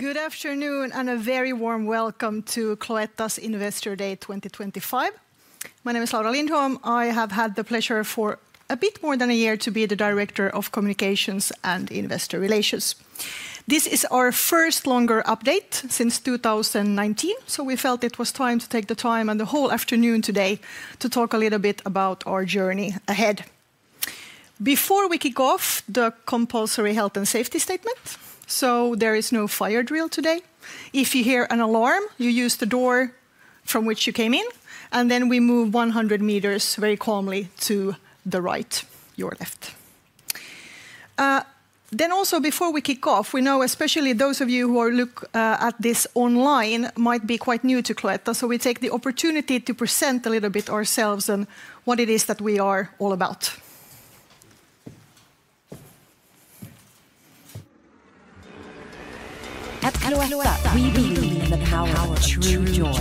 Good afternoon and a very warm welcome to Cloetta's Investor Day 2025. My name is Laura Lindholm. I have had the pleasure for a bit more than a year to be the Director of Communications and Investor Relations. This is our first longer update since 2019, so we felt it was time to take the time and the whole afternoon today to talk a little bit about our journey ahead. Before we kick off, the compulsory health and safety statement. There is no fire drill today. If you hear an alarm, you use the door from which you came in, and then we move 100 meters very calmly to the right, your left. Also, before we kick off, we know especially those of you who are looking at this online might be quite new to Cloetta, so we take the opportunity to present a little bit ourselves and what it is that we are all about. At Cloetta, we believe in the power of true joy.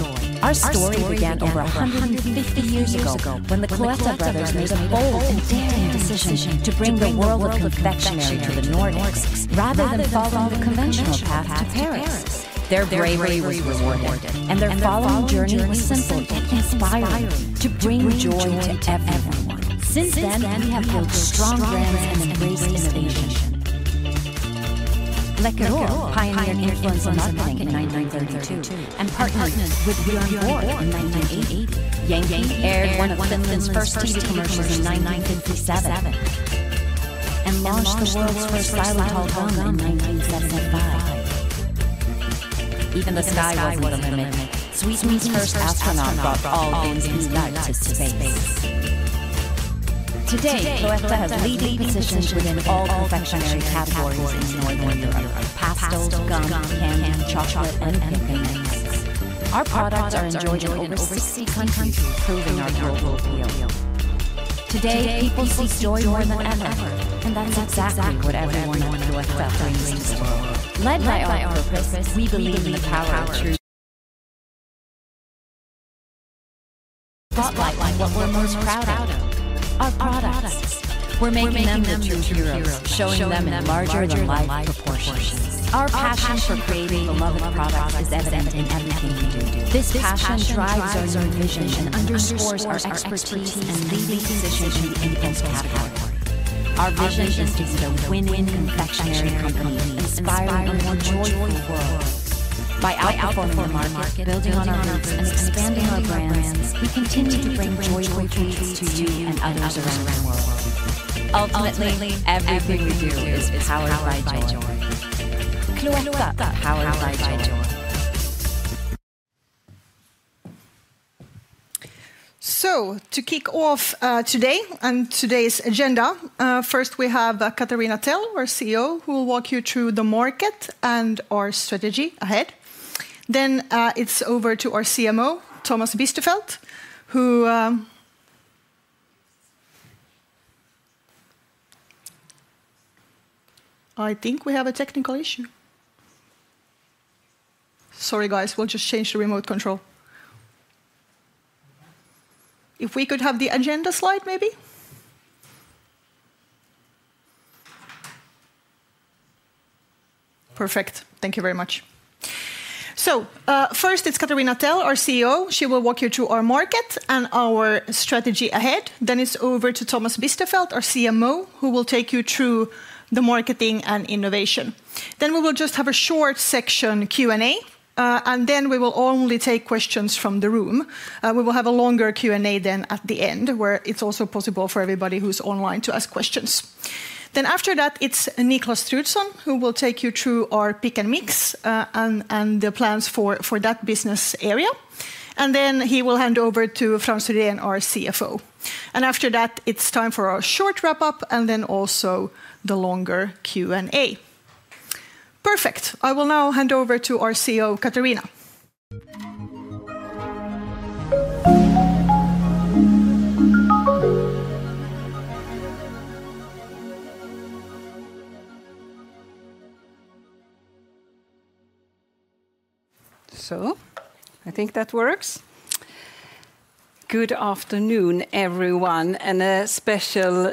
Our story began over 150 years ago when the Cloetta brothers made a bold and daring decision to bring the world of confectionery to the Nordics rather than following the conventional path to Paris. Their bravery was rewarded, and their following journey was simple and inspiring to bring joy to everyone. Since then, we have held strong brands and embraced innovation. Leclerc pioneered influence in marketing in 1932 and partnered with Björn Borg in 1980. Yankee aired one of Finland's first tasting versions in 1957 and launched the world's first silent hot dog in 1975. Even the sky was not the limit. Sweden's first astronaut brought all beings he liked to space. Today, Cloetta has leading positions within all confectionery categories in Northern Europe: pastilles, gum, candy, chocolate, and anything that makes. Our products are enjoyed in over 60 countries, proving our global appeal. Today, people seek joy more than ever, and that's exactly what everyone at Cloetta brings to the world. Led by our purpose, we believe in the power of true joy. Spotlight what we're most proud of: our products. We're making them the true heroes, showing them in larger-than-life proportions. Our passion for creating beloved products is evident in everything we do. This passion drives our new vision and underscores our expertise and leading position in the influence category. Our vision is to be the win-win confectionery company, inspiring a more joyful world. By outperforming the market, building on our roots, and expanding our brands, we continue to bring joyful treats to you and others around the world. Ultimately, everything we do is powered by joy. Cloetta powered by joy. To kick off today and today's agenda, first we have Katarina Tell, our CEO, who will walk you through the market and our strategy ahead. Then it is over to our CMO, Thomas Biesterfeldt, who—I think we have a technical issue. Sorry, guys, we will just change the remote control. If we could have the agenda slide, maybe. Perfect. Thank you very much. First, it is Katarina Tell, our CEO. She will walk you through our market and our strategy ahead. Then it is over to Thomas Biesterfeldt, our CMO, who will take you through the marketing and innovation. Then we will just have a short section Q&A, and then we will only take questions from the room. We will have a longer Q&A then at the end, where it is also possible for everybody who is online to ask questions. After that, it's Niklas Truedsson, who will take you through our Pick & Mix and the plans for that business area. He will hand over to Frans Ryden, our CFO. After that, it's time for our short wrap-up and then also the longer Q&A. Perfect. I will now hand over to our CEO, Katarina. I think that works. Good afternoon, everyone, and a special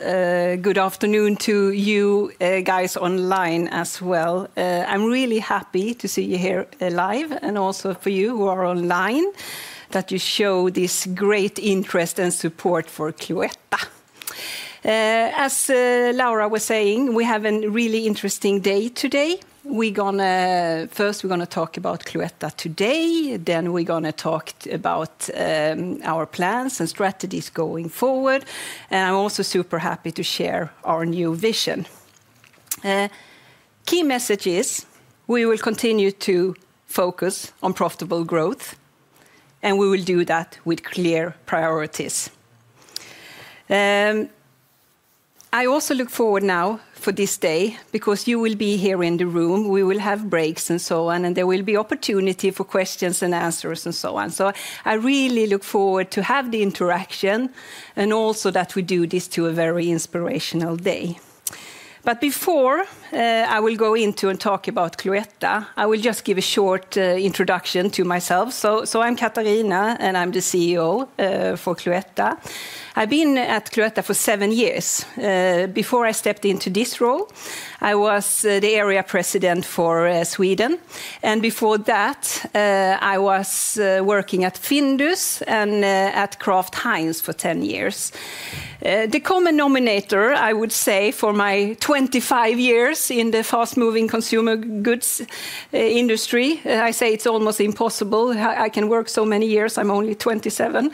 good afternoon to you guys online as well. I'm really happy to see you here live and also for you who are online that you show this great interest and support for Cloetta. As Laura was saying, we have a really interesting day today. First, we're going to talk about Cloetta today. Then we're going to talk about our plans and strategies going forward. I'm also super happy to share our new vision. Key message is we will continue to focus on profitable growth, and we will do that with clear priorities. I also look forward now for this day because you will be here in the room. We will have breaks and so on, and there will be opportunity for questions and answers and so on. I really look forward to have the interaction and also that we do this to a very inspirational day. Before I will go into and talk about Cloetta, I will just give a short introduction to myself. I'm Katarina and I'm the CEO for Cloetta. I've been at Cloetta for seven years. Before I stepped into this role, I was the area president for Sweden. Before that, I was working at Findus and at Kraft Heinz for 10 years. The common nominator, I would say, for my 25 years in the fast-moving consumer goods industry, I say it's almost impossible. I can work so many years. I'm only 27.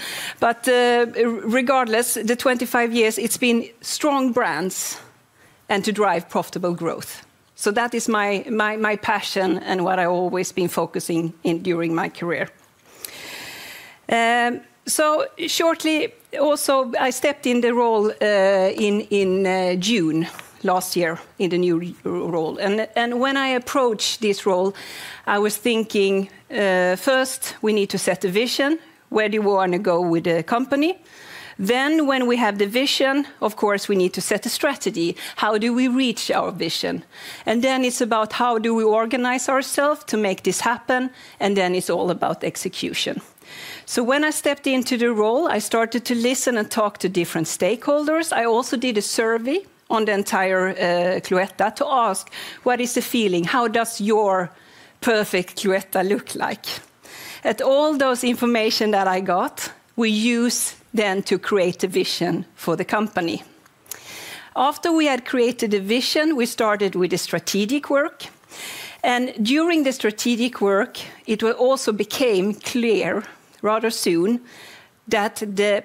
Regardless, the 25 years, it's been strong brands and to drive profitable growth. That is my passion and what I've always been focusing on during my career. Shortly, also I stepped in the role in June last year in the new role. When I approached this role, I was thinking, first, we need to set a vision, where do you want to go with the company. When we have the vision, of course, we need to set a strategy. How do we reach our vision? Then it's about how do we organize ourselves to make this happen? Then it's all about execution. When I stepped into the role, I started to listen and talk to different stakeholders. I also did a survey on the entire Cloetta to ask, what is the feeling? How does your perfect Cloetta look like? All those information that I got, we use then to create a vision for the company. After we had created a vision, we started with the strategic work. During the strategic work, it also became clear rather soon that the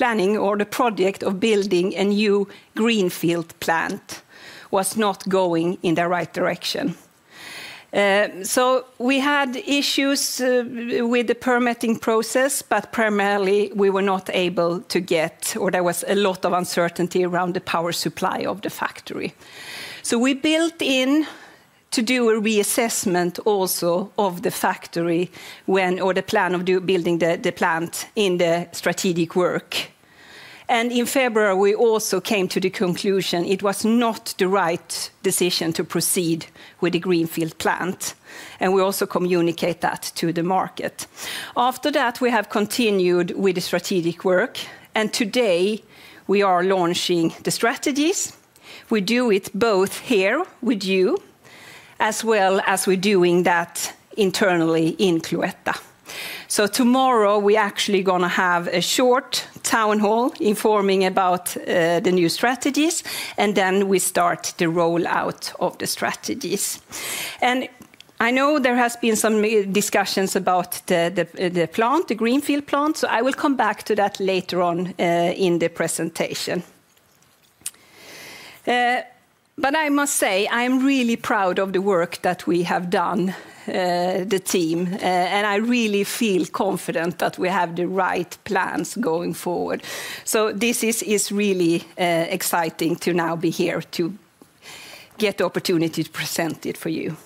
planning or the project of building a new greenfield plant was not going in the right direction. We had issues with the permitting process, but primarily we were not able to get, or there was a lot of uncertainty around the power supply of the factory. We built in to do a reassessment also of the factory when or the plan of building the plant in the strategic work. In February, we also came to the conclusion it was not the right decision to proceed with the greenfield plant. We also communicated that to the market. After that, we have continued with the strategic work. Today, we are launching the strategies. We do it both here with you, as well as we are doing that internally in Cloetta. Tomorrow, we are actually going to have a short town hall informing about the new strategies, and then we start the rollout of the strategies. I know there has been some discussions about the plant, the greenfield plant. I will come back to that later on in the presentation. I must say, I am really proud of the work that we have done, the team. I really feel confident that we have the right plans going forward. This is really exciting to now be here to get the opportunity to present it for you.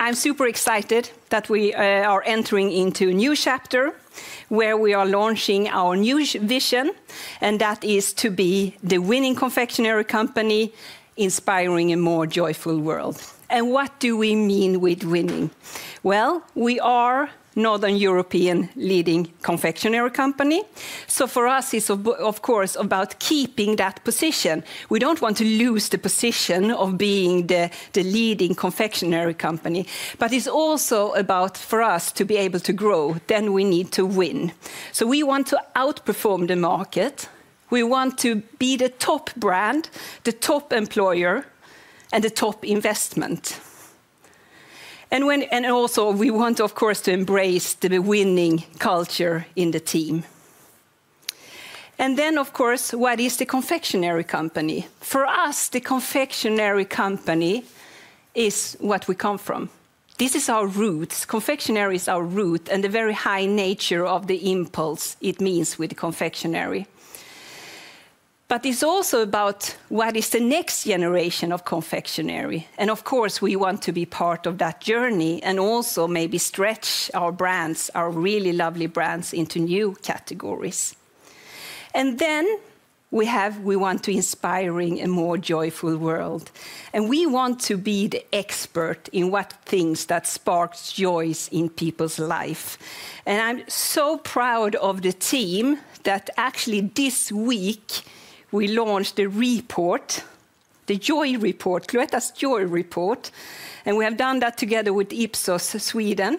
I'm super excited that we are entering into a new chapter where we are launching our new vision, and that is to be the winning confectionery company inspiring a more joyful world. What do we mean with winning? We are Northern European leading confectionery company. For us, it's of course about keeping that position. We don't want to lose the position of being the leading confectionery company. It's also about for us to be able to grow, then we need to win. We want to outperform the market. We want to be the top brand, the top employer, and the top investment. We want, of course, to embrace the winning culture in the team. Of course, what is the confectionery company? For us, the confectionery company is what we come from. This is our roots. Confectionery is our root and the very high nature of the impulse it means with the confectionery. It is also about what is the next generation of confectionery. Of course, we want to be part of that journey and also maybe stretch our brands, our really lovely brands into new categories. We want to inspire a more joyful world. We want to be the expert in what things that sparks joys in people's life. I am so proud of the team that actually this week we launched the report, the joy report, Cloetta's joy report. We have done that together with Ipsos Sweden.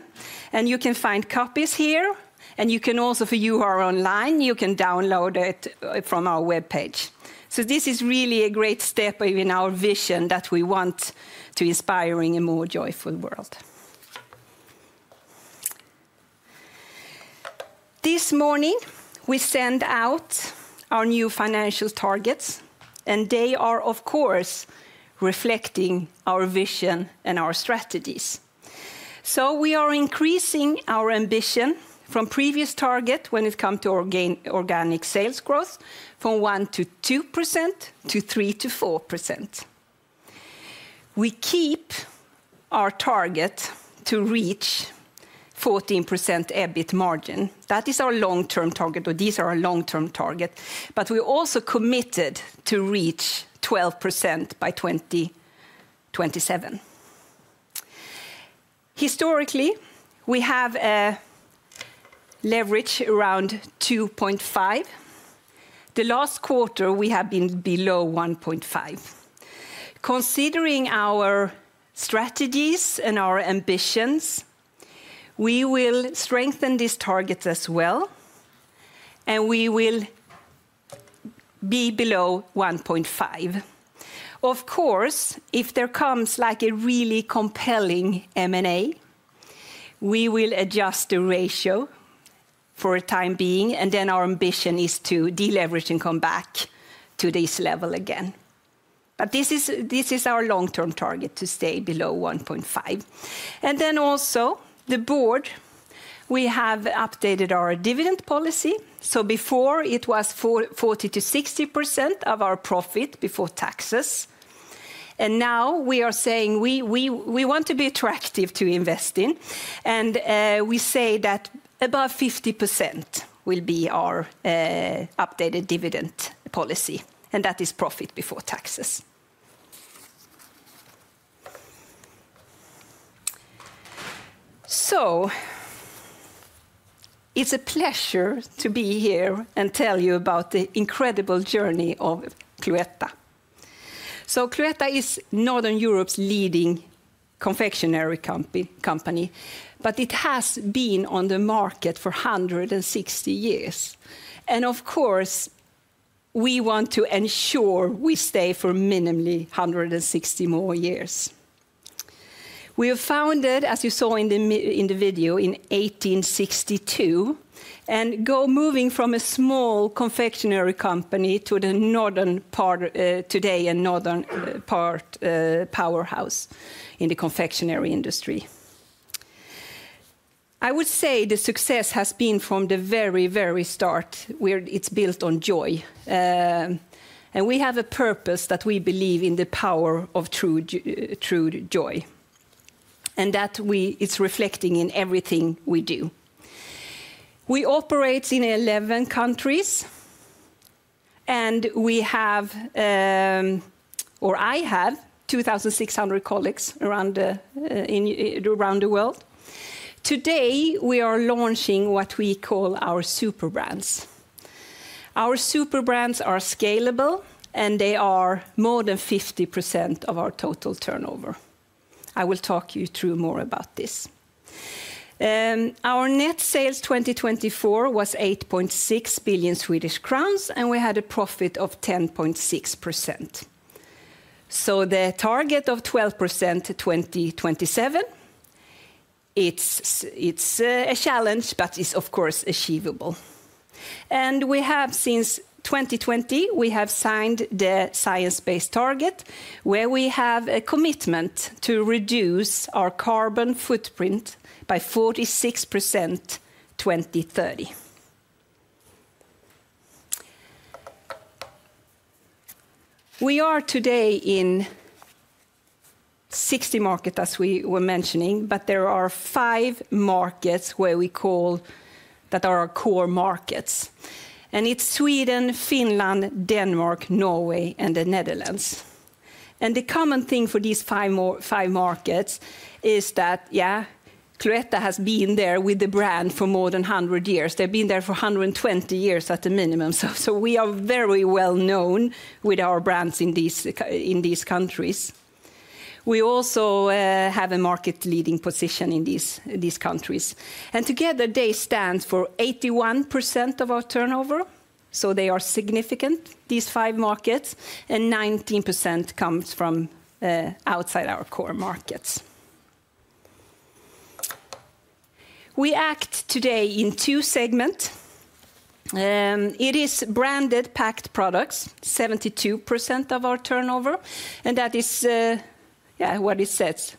You can find copies here. If you are online, you can download it from our webpage. This is really a great step in our vision that we want to inspire a more joyful world. This morning, we sent out our new financial targets, and they are, of course, reflecting our vision and our strategies. We are increasing our ambition from previous target when it comes to organic sales growth from 1%-2% to 3%-4%. We keep our target to reach 14% EBIT margin. That is our long-term target. These are our long-term targets. We are also committed to reach 12% by 2027. Historically, we have leveraged around 2.5. The last quarter, we have been below 1.5. Considering our strategies and our ambitions, we will strengthen these targets as well, and we will be below 1.5. Of course, if there comes like a really compelling M&A, we will adjust the ratio for a time being. Our ambition is to deleverage and come back to this level again. This is our long-term target to stay below 1.5. Also, the board, we have updated our dividend policy. Before, it was 40%-60% of our profit before taxes. Now we are saying we want to be attractive to invest in. We say that above 50% will be our updated dividend policy, and that is profit before taxes. It is a pleasure to be here and tell you about the incredible journey of Cloetta. Cloetta is Northern Europe's leading confectionery company. It has been on the market for 160 years. Of course, we want to ensure we stay for minimally 160 more years. We were founded, as you saw in the video, in 1862 and go moving from a small confectionery company to today a northern powerhouse in the confectionery industry. I would say the success has been from the very, very start where it's built on joy. We have a purpose that we believe in the power of true joy. And that it's reflecting in everything we do. We operate in 11 countries. We have, or I have, 2,600 colleagues around the world. Today, we are launching what we call our superbrands. Our superbrands are scalable, and they are more than 50% of our total turnover. I will talk you through more about this. Our net sales 2024 was 8.6 billion Swedish crowns, and we had a profit of 10.6%. The target of 12% to 2027, it's a challenge, but it's of course achievable. Since 2020, we have signed the science-based target where we have a commitment to reduce our carbon footprint by 46% to 2030. We are today in 60 markets as we were mentioning, but there are five markets where we call that are our core markets. It is Sweden, Finland, Denmark, Norway, and the Netherlands. The common thing for these five markets is that Cloetta has been there with the brand for more than 100 years. They have been there for 120 years at the minimum. We are very well known with our brands in these countries. We also have a market leading position in these countries. Together, they stand for 81% of our turnover. They are significant, these five markets, and 19% comes from outside our core markets. We act today in two segments. It is branded packed products, 72% of our turnover. That is, yeah, what it says,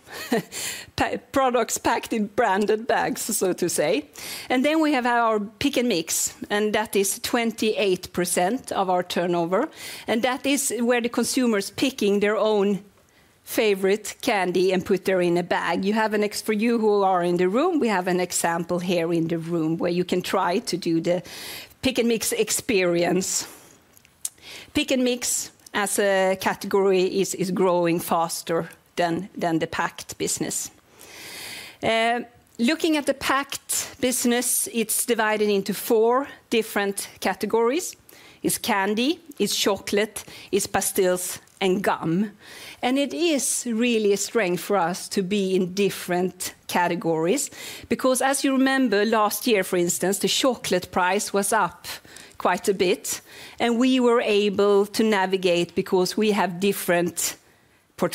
products packed in branded bags, so to say. We have our Pick & Mix, and that is 28% of our turnover. That is where the consumer is picking their own favorite candy and puts it in a bag. You have an example for you who are in the room. We have an example here in the room where you can try to do the Pick & Mix experience. Pick & Mix as a category is growing faster than the packed business. Looking at the packed business, it is divided into four different categories. It is candy, it is chocolate, it is pastilles, and gum. It is really a strength for us to be in different categories. Because as you remember, last year, for instance, the chocolate price was up quite a bit. We were able to navigate because we have different portfolio. We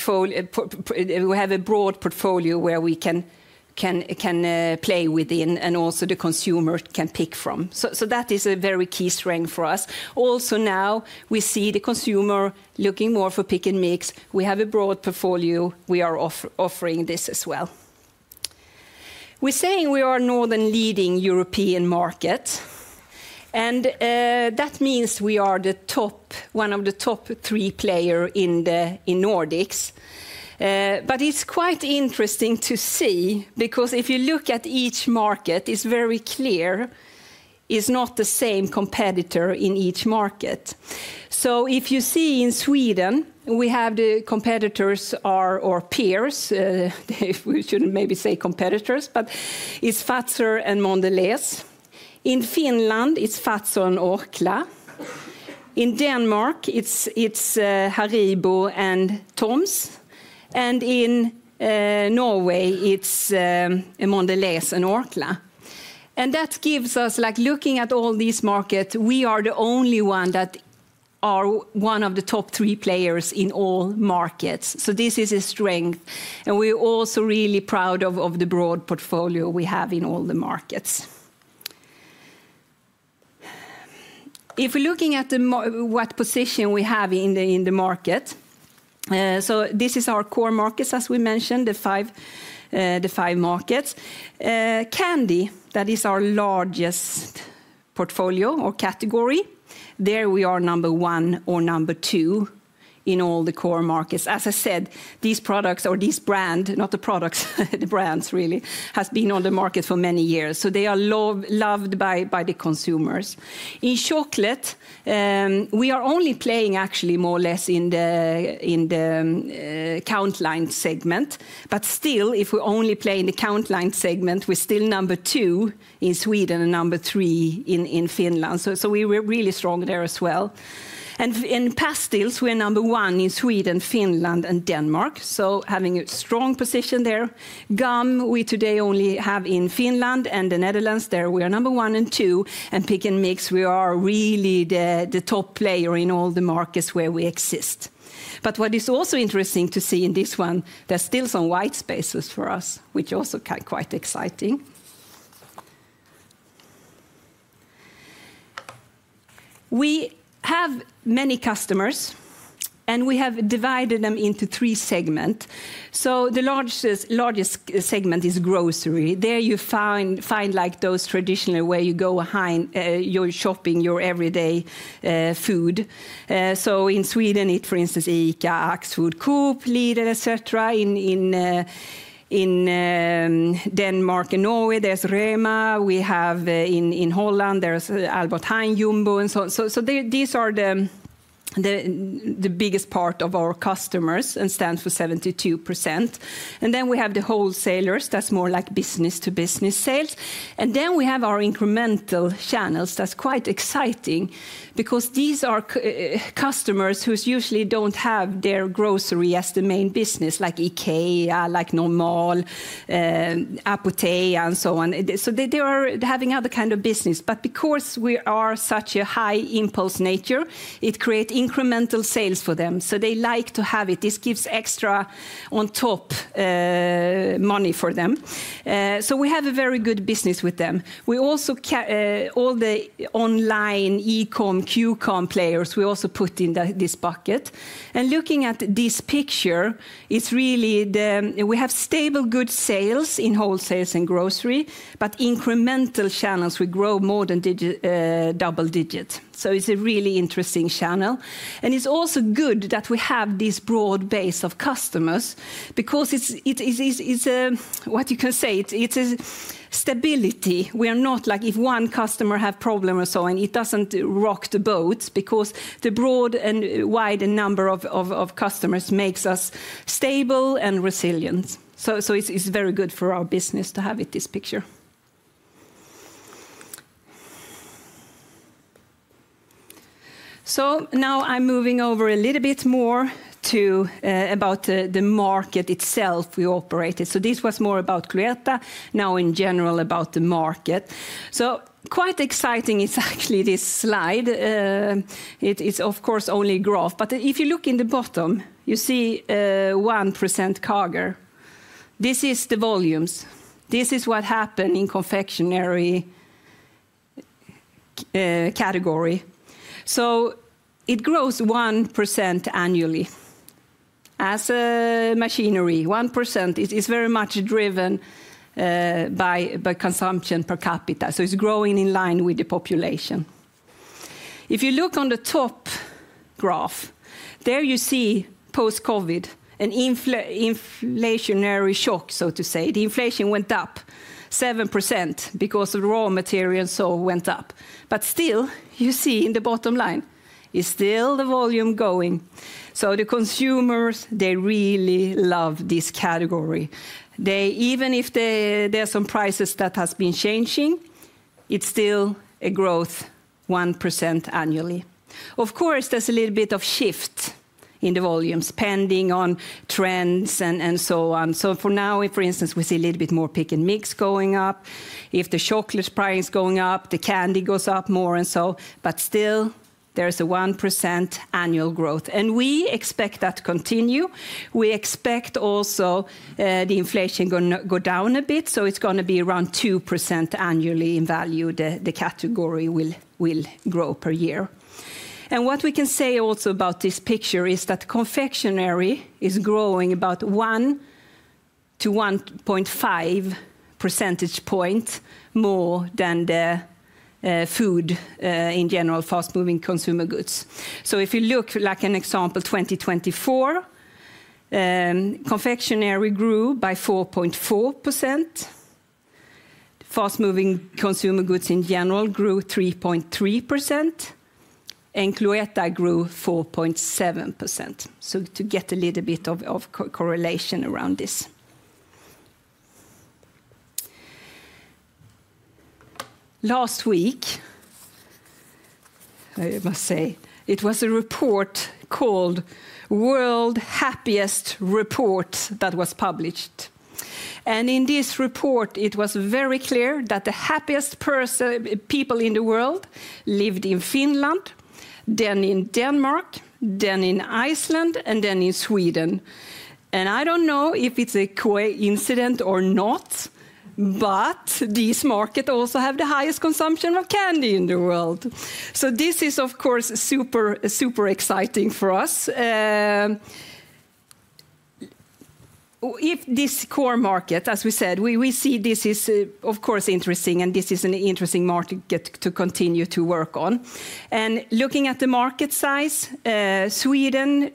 have a broad portfolio where we can play within and also the consumer can pick from. That is a very key strength for us. Also now we see the consumer looking more for Pick & Mix. We have a broad portfolio. We are offering this as well. We're saying we are Northern leading European markets. That means we are one of the top three players in the Nordics. It is quite interesting to see because if you look at each market, it is very clear it is not the same competitor in each market. If you see in Sweden, we have the competitors or peers. We should not maybe say competitors, but it is Fazer and Mondelez. In Finland, it is Fazer and Orkla. In Denmark, it is HARIBO and TOMS. In Norway, it is Mondelez and Orkla. That gives us, like looking at all these markets, we are the only one that are one of the top three players in all markets. This is a strength. We're also really proud of the broad portfolio we have in all the markets. If we're looking at what position we have in the market, this is our core markets, as we mentioned, the five markets. Candy, that is our largest portfolio or category. There we are number one or number two in all the core markets. As I said, these products or this brand, not the products, the brands really, has been on the market for many years. They are loved by the consumers. In chocolate, we are only playing actually more or less in the countline segment. But still, if we only play in the countline segment, we're still number two in Sweden and number three in Finland. We were really strong there as well. In pastilles, we're number one in Sweden, Finland, and Denmark. Having a strong position there. Gum, we today only have in Finland and the Netherlands. There we are number one and two. Pick & Mix, we are really the top player in all the markets where we exist. What is also interesting to see in this one, there's still some white spaces for us, which is also quite exciting. We have many customers, and we have divided them into three segments. The largest segment is grocery. There you find like those traditional where you go behind your shopping, your everyday food. In Sweden, for instance, ICA, Axfood, Coop, Lidl, etc. In Denmark and Norway, there's REMA. We have in Holland, there's Albert Heijn, Jumbo. These are the biggest part of our customers and stand for 72%. Then we have the wholesalers. That's more like business-to-business sales. Then we have our incremental channels. That's quite exciting because these are customers who usually don't have their grocery as the main business, like IKEA, like NORMAL, Apoteket, and so on. They are having other kinds of business. Because we are such a high impulse nature, it creates incremental sales for them. They like to have it. This gives extra on top money for them. We have a very good business with them. We also all the online e-comm, Q-comm players, we also put in this bucket. Looking at this picture, it's really we have stable good sales in wholesales and grocery, but incremental channels will grow more than double digits. It is a really interesting channel. It is also good that we have this broad base of customers because it is what you can say, it is a stability. We are not like if one customer has a problem or so, and it does not rock the boats because the broad and wide number of customers makes us stable and resilient. It is very good for our business to have this picture. Now I am moving over a little bit more to about the market itself we operated. This was more about Cloetta, now in general about the market. Quite exciting exactly this slide. It is of course only a graph. If you look in the bottom, you see 1% CAGR. This is the volumes, this is what happened in confectionery category. It grows 1% annually as machinery, 1% is very much driven by consumption per capita. It is growing in line with the population. If you look on the top graph, there you see post-COVID, an inflationary shock, so to say. The inflation went up 7% because of raw material and so went up. Still, you see in the bottom line, it is still the volume going. The consumers, they really love this category. Even if there are some prices that have been changing, it is still a growth 1% annually. Of course, there is a little bit of shift in the volumes pending on trends and so on. For now, for instance, we see a little bit more Pick & Mix going up. If the chocolate price is going up, the candy goes up more and so. Still, there's a 1% annual growth. We expect that to continue. We expect also the inflation going to go down a bit. It's going to be around 2% annually in value. The category will grow per year. What we can say also about this picture is that confectionery is growing about 1-1.5 percentage points more than the food in general, fast-moving consumer goods. If you look like an example, 2024, confectionery grew by 4.4%. Fast-moving consumer goods in general grew 3.3%. Cloetta grew 4.7%. To get a little bit of correlation around this, last week, I must say, it was a report called World Happiest Report that was published. In this report, it was very clear that the happiest people in the world lived in Finland, then in Denmark, then in Iceland, and then in Sweden. I don't know if it's a coincidence or not, but this market also has the highest consumption of candy in the world. This is of course super exciting for us. If this core market, as we said, we see this is of course interesting and this is an interesting market to continue to work on. Looking at the market size, Sweden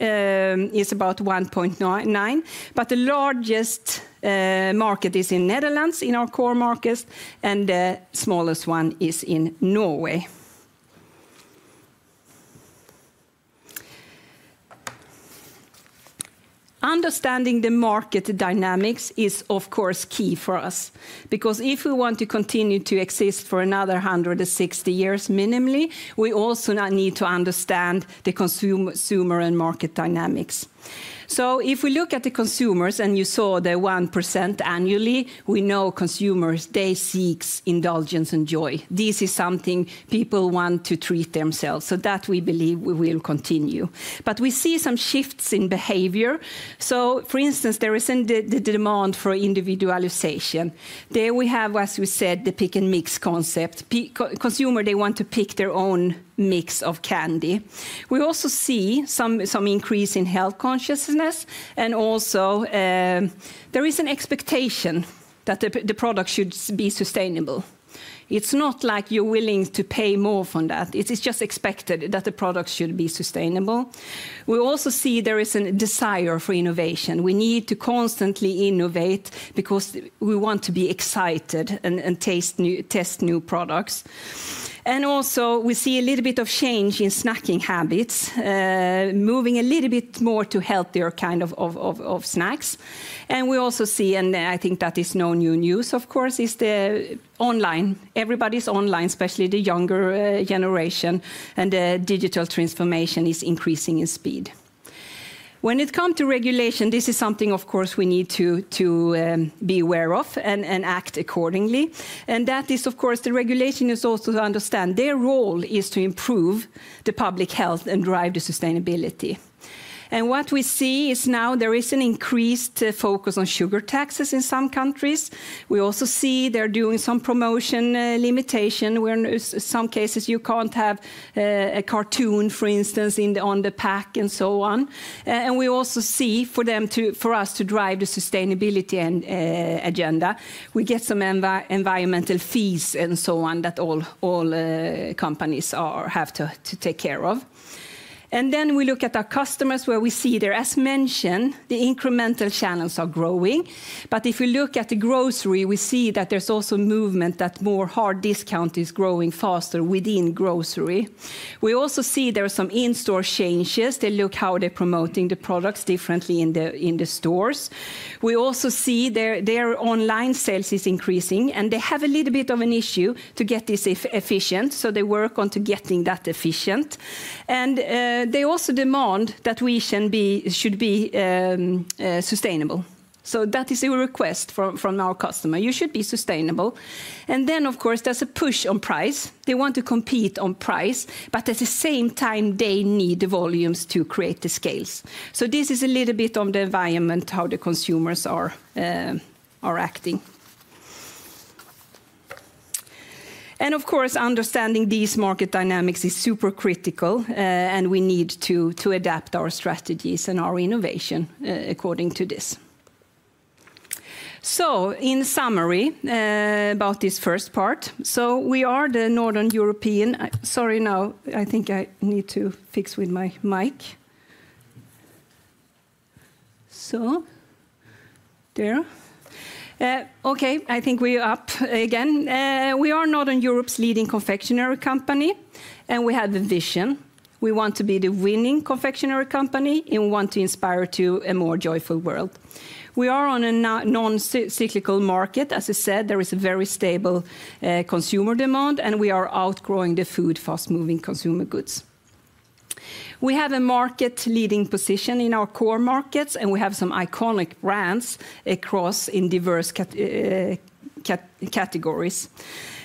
is about 1.9, but the largest market is in Netherlands in our core market and the smallest one is in Norway. Understanding the market dynamics is of course key for us because if we want to continue to exist for another 160 years minimally, we also need to understand the consumer and market dynamics. If we look at the consumers and you saw the 1% annually, we know consumers, they seek indulgence and joy. This is something people want to treat themselves. We believe we will continue. We see some shifts in behavior. For instance, there is the demand for individualization. There we have, as we said, the Pick & Mix concept. Consumers, they want to pick their own mix of candy. We also see some increase in health consciousness and also there is an expectation that the product should be sustainable. It's not like you're willing to pay more for that. It's just expected that the product should be sustainable. We also see there is a desire for innovation. We need to constantly innovate because we want to be excited and test new products. We see a little bit of change in snacking habits, moving a little bit more to healthier kind of snacks. We also see, and I think that is no new news, of course, the online, everybody's online, especially the younger generation, and the digital transformation is increasing in speed. When it comes to regulation, this is something of course we need to be aware of and act accordingly. That is, of course, the regulation is also to understand their role is to improve the public health and drive the sustainability. What we see is now there is an increased focus on sugar taxes in some countries. We also see they're doing some promotion limitation. In some cases, you can't have a cartoon, for instance, on the pack and so on. We also see for us to drive the sustainability agenda, we get some environmental fees and so on that all companies have to take care of. We look at our customers where we see there, as mentioned, the incremental channels are growing. If we look at the grocery, we see that there is also movement that more hard discount is growing faster within grocery. We also see there are some in-store changes. They look how they are promoting the products differently in the stores. We also see their online sales is increasing and they have a little bit of an issue to get this efficient. They work on getting that efficient. They also demand that we should be sustainable. That is a request from our customer. You should be sustainable. Of course there is a push on price. They want to compete on price, but at the same time they need the volumes to create the scales. This is a little bit of the environment, how the consumers are acting. Of course, understanding these market dynamics is super critical and we need to adapt our strategies and our innovation according to this. In summary about this first part, we are the Northern European. Sorry, now I think I need to fix with my mic. There. Okay, I think we are up again. We are Northern Europe's leading confectionery company and we have a vision. We want to be the winning confectionery company and we want to inspire to a more joyful world. We are on a non-cyclical market. As I said, there is a very stable consumer demand and we are outgrowing the food, fast-moving consumer goods. We have a market-leading position in our core markets and we have some iconic brands across in diverse categories.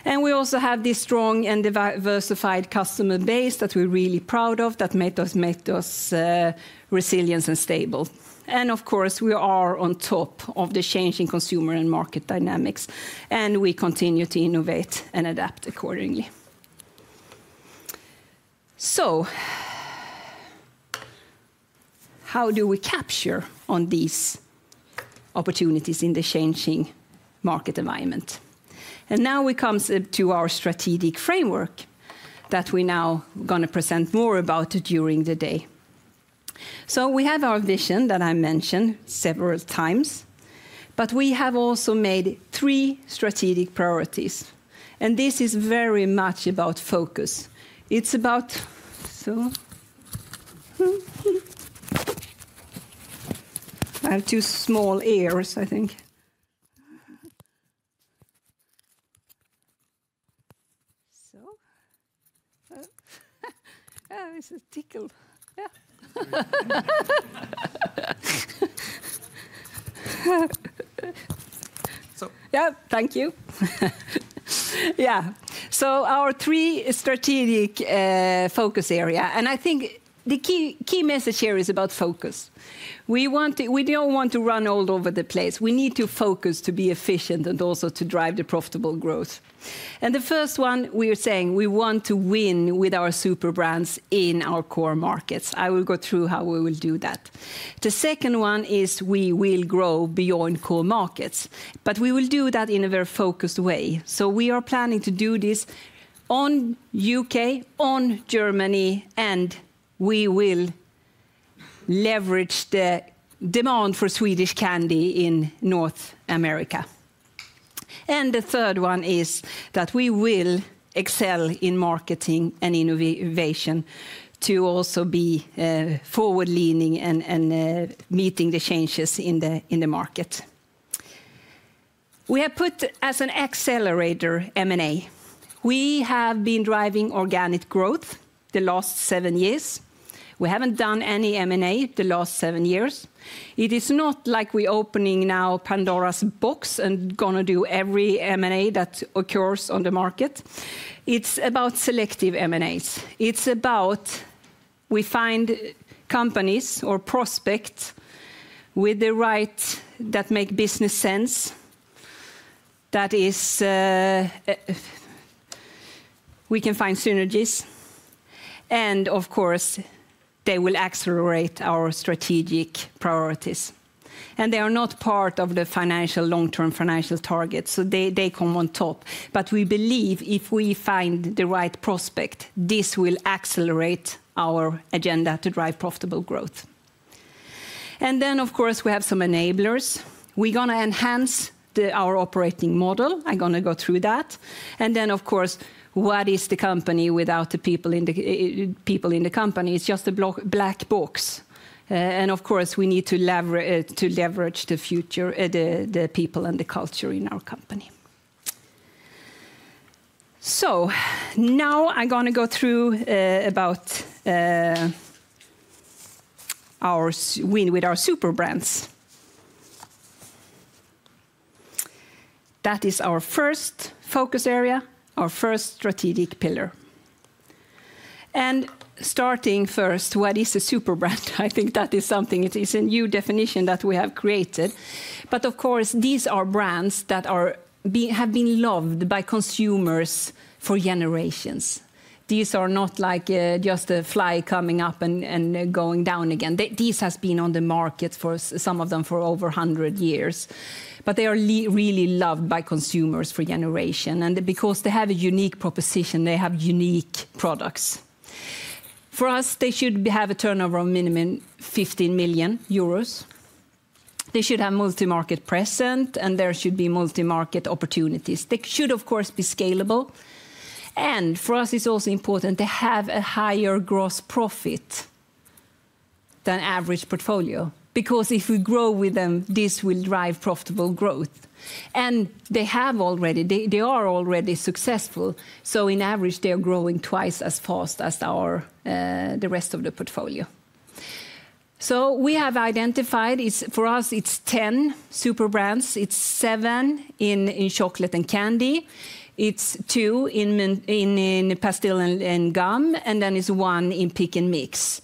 We also have this strong and diversified customer base that we're really proud of that made us resilient and stable. Of course, we are on top of the changing consumer and market dynamics and we continue to innovate and adapt accordingly. How do we capture on these opportunities in the changing market environment? Now we come to our strategic framework that we now are going to present more about during the day. We have our vision that I mentioned several times, but we have also made three strategic priorities. This is very much about focus. It's about, so I have two small ears, I think. This is tickle. Yeah. Thank you. Yeah. Our three strategic focus areas, and I think the key message here is about focus. We don't want to run all over the place. We need to focus to be efficient and also to drive the profitable growth. The first one, we are saying we want to win with our super brands in our core markets. I will go through how we will do that. The second one is we will grow beyond core markets, but we will do that in a very focused way. We are planning to do this on the U.K., on Germany, and we will leverage the demand for Swedish candy in North America. The third one is that we will excel in marketing and innovation to also be forward-leaning and meeting the changes in the market. We have put as an accelerator M&A. We have been driving organic growth the last seven years. We have not done any M&A the last seven years. It is not like we're opening now Pandora's box and going to do every M&A that occurs on the market. It's about selective M&As. It's about we find companies or prospects with the right that make business sense that we can find synergies. Of course, they will accelerate our strategic priorities. They are not part of the long-term financial targets, so they come on top. We believe if we find the right prospect, this will accelerate our agenda to drive profitable growth. Of course, we have some enablers. We're going to enhance our operating model. I'm going to go through that. Of course, what is the company without the people in the company? It's just a black box. Of course, we need to leverage the future, the people and the culture in our company. Now I'm going to go through about our win with our super brands. That is our first focus area, our first strategic pillar. Starting first, what is a super brand? I think that is something, it is a new definition that we have created. Of course, these are brands that have been loved by consumers for generations. These are not like just a fly coming up and going down again. These have been on the market for some of them for over 100 years. They are really loved by consumers for generation. Because they have a unique proposition, they have unique products. For us, they should have a turnover of minimum 15 million euros. They should have multi-market presence and there should be multi-market opportunities. They should of course be scalable. For us, it's also important to have a higher gross profit than average portfolio. Because if we grow with them, this will drive profitable growth. They are already successful. In average, they are growing twice as fast as the rest of the portfolio. We have identified, for us, it's 10 super brands. It's seven in chocolate and candy. It's two in pastille and gum. Then it's one in Pick & Mix.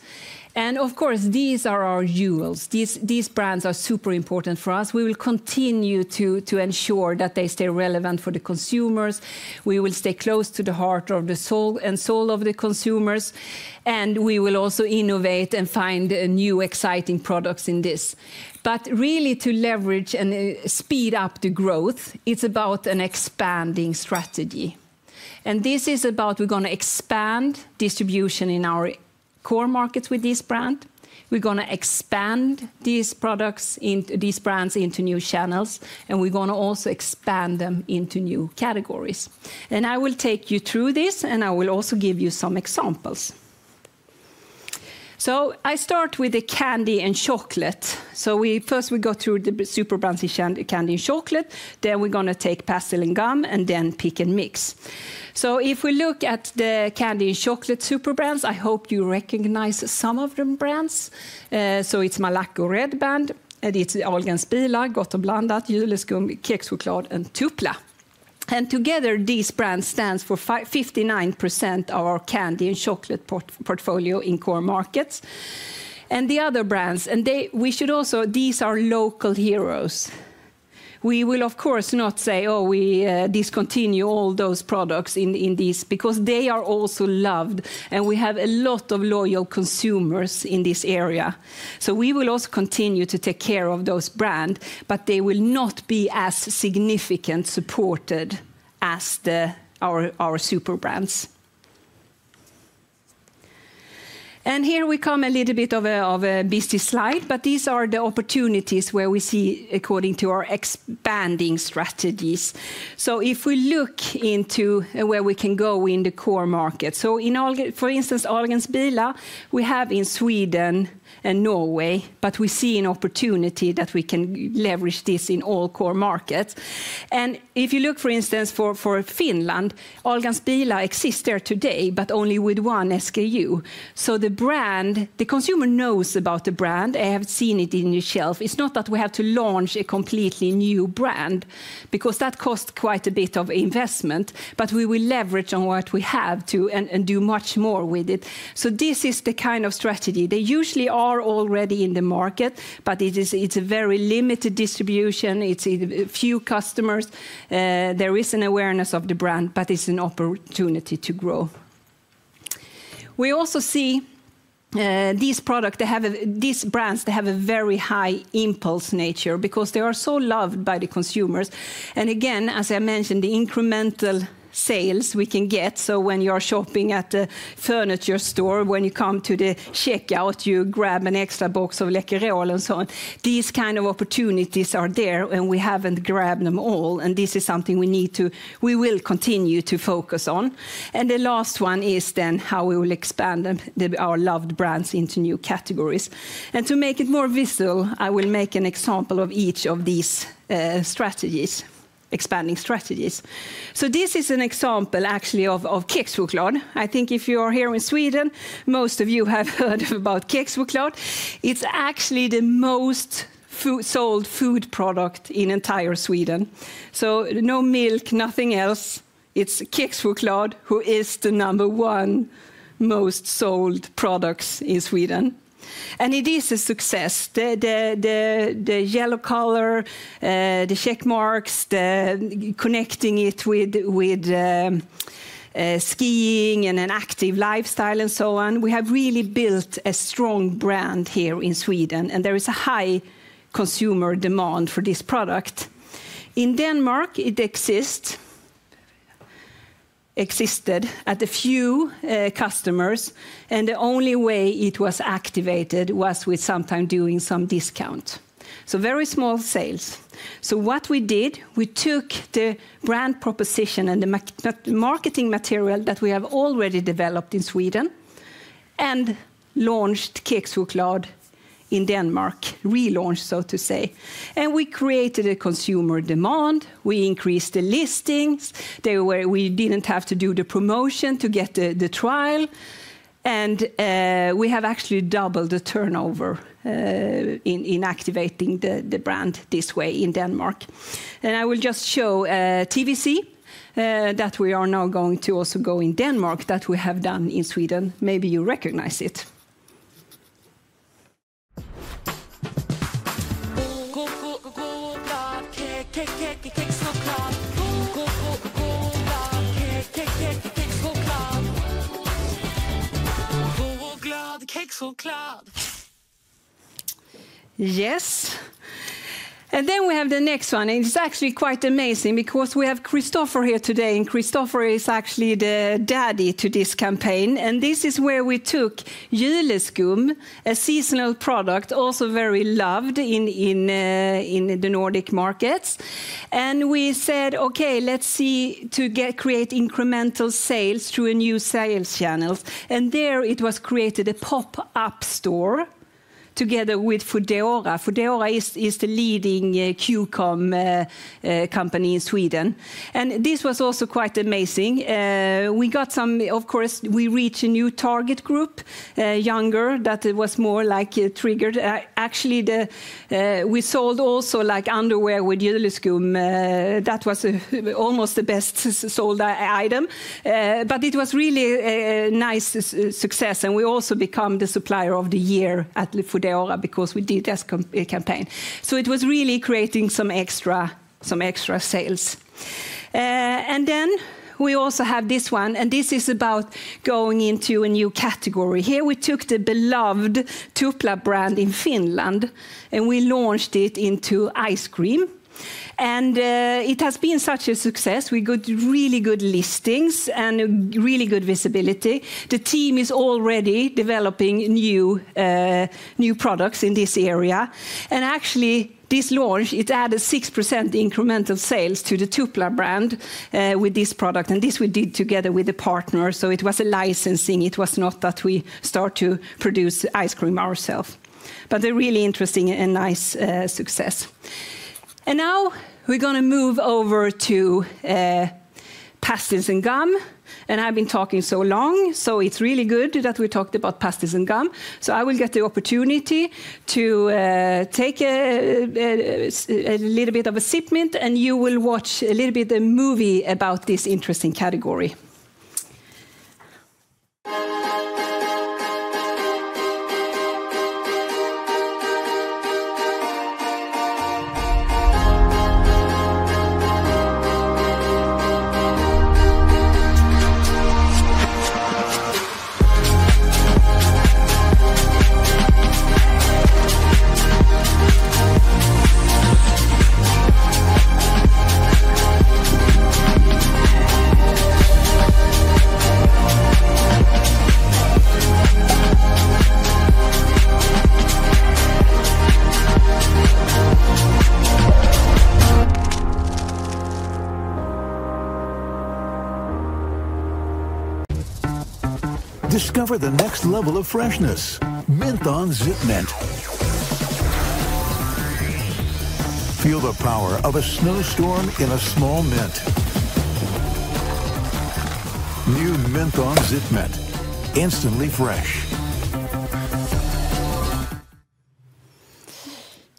Of course, these are our jewels. These brands are super important for us. We will continue to ensure that they stay relevant for the consumers. We will stay close to the heart and soul of the consumers. We will also innovate and find new exciting products in this. To leverage and speed up the growth, it's about an expanding strategy. This is about we're going to expand distribution in our core markets with this brand. We're going to expand these products, these brands into new channels. We're going to also expand them into new categories. I will take you through this and I will also give you some examples. I start with the candy and chocolate. First we go through the super brands, the candy and chocolate. We're going to take pastille and gum and then Pick & Mix. If we look at the candy and chocolate super brands, I hope you recognize some of the brands. It's Malaco, Red Band, it's Ahlgrens Bilar, Gott & Blandat, Juleskum, Kexchoklad, and Tupla. Together these brands stand for 59% of our candy and chocolate portfolio in core markets. The other brands, and we should also, these are local heroes. We will of course not say, oh, we discontinue all those products in these because they are also loved and we have a lot of loyal consumers in this area. We will also continue to take care of those brands, but they will not be as significant supported as our super brands. Here we come a little bit of a busy slide, but these are the opportunities where we see according to our expanding strategies. If we look into where we can go in the core markets, for instance, Ahlgrens Bilar, we have in Sweden and Norway, but we see an opportunity that we can leverage this in all core markets. If you look for instance for Finland, Ahlgrens Bilar exists there today, but only with one SKU. The consumer knows about the brand, they have seen it in your shelf. It's not that we have to launch a completely new brand because that costs quite a bit of investment, but we will leverage on what we have to and do much more with it. This is the kind of strategy. They usually are already in the market, but it's a very limited distribution. It's a few customers. There is an awareness of the brand, but it's an opportunity to grow. We also see these products, these brands, they have a very high impulse nature because they are so loved by the consumers. Again, as I mentioned, the incremental sales we can get. When you're shopping at the furniture store, when you come to the checkout, you grab an extra box of Läkerol and so on. These kind of opportunities are there and we haven't grabbed them all. This is something we need to, we will continue to focus on. The last one is then how we will expand our loved brands into new categories. To make it more visible, I will make an example of each of these strategies, expanding strategies. This is an example actually of Kexchoklad. I think if you are here in Sweden, most of you have heard about Kexchoklad. It is actually the most sold food product in entire Sweden. No milk, nothing else. It is Kexchoklad who is the number one most sold product in Sweden. It is a success. The yellow color, the check marks, connecting it with skiing and an active lifestyle and so on. We have really built a strong brand here in Sweden and there is a high consumer demand for this product. In Denmark, it existed at a few customers and the only way it was activated was with sometime doing some discount. Very small sales. What we did, we took the brand proposition and the marketing material that we have already developed in Sweden and launched Kexchoklad in Denmark, relaunched so to say. We created a consumer demand. We increased the listings. We did not have to do the promotion to get the trial. We have actually doubled the turnover in activating the brand this way in Denmark. I will just show a TVC that we are now going to also go in Denmark that we have done in Sweden. Maybe you recognize it. Yes. We have the next one. It is actually quite amazing because we have Christopher here today and Christopher is actually the daddy to this campaign. This is where we took Juleskum, a seasonal product, also very loved in the Nordic markets. We said, okay, let's see to create incremental sales through a new sales channel. There it was created a pop-up store together with foodora. Foodora is the leading QCOM company in Sweden. This was also quite amazing. We got some, of course, we reached a new target group, younger, that was more like triggered. Actually, we sold also like underwear with Juleskum. That was almost the best sold item. It was really a nice success. We also became the supplier of the year at foodora because we did this campaign. It was really creating some extra sales. We also have this one. This is about going into a new category. Here we took the beloved Tupla brand in Finland and we launched it into ice cream. It has been such a success. We got really good listings and really good visibility. The team is already developing new products in this area. Actually, this launch, it added 6% incremental sales to the Tupla brand with this product. This we did together with a partner. It was a licensing. It was not that we start to produce ice cream ourselves. A really interesting and nice success. Now we're going to move over to pastilles and gum. I've been talking so long. It's really good that we talked about pastilles and gum. I will get the opportunity to take a little bit of a sip and you will watch a little bit of a movie about this interesting category. Discover the next level of freshness, Mynthon ZipMint. Feel the power of a snowstorm in a small mint. New Mynthon ZipMint. Instantly fresh.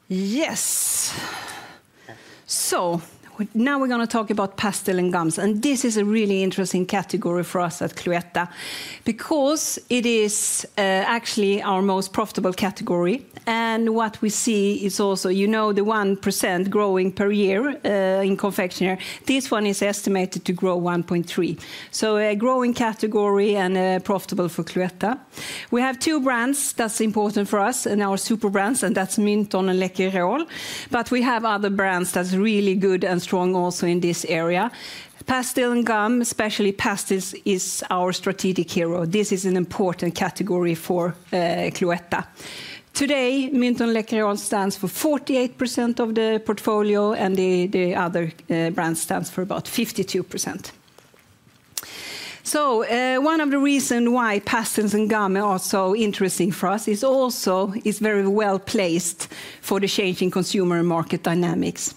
Yes. Now we're going to talk about pastilles and gums. This is a really interesting category for us at Cloetta because it is actually our most profitable category. What we see is also, you know, the 1% growing per year in confectionery. This one is estimated to grow 1.3%. A growing category and profitable for Cloetta. We have two brands that's important for us and our super brands, and that's Menthol Läkerol. We have other brands that's really good and strong also in this area. Pastilles and gum, especially pastilles, is our strategic hero. This is an important category for Cloetta. Today, Menthol Läkerol stands for 48% of the portfolio and the other brands stand for about 52%. One of the reasons why pastilles and gum are so interesting for us is also it's very well placed for the changing consumer market dynamics.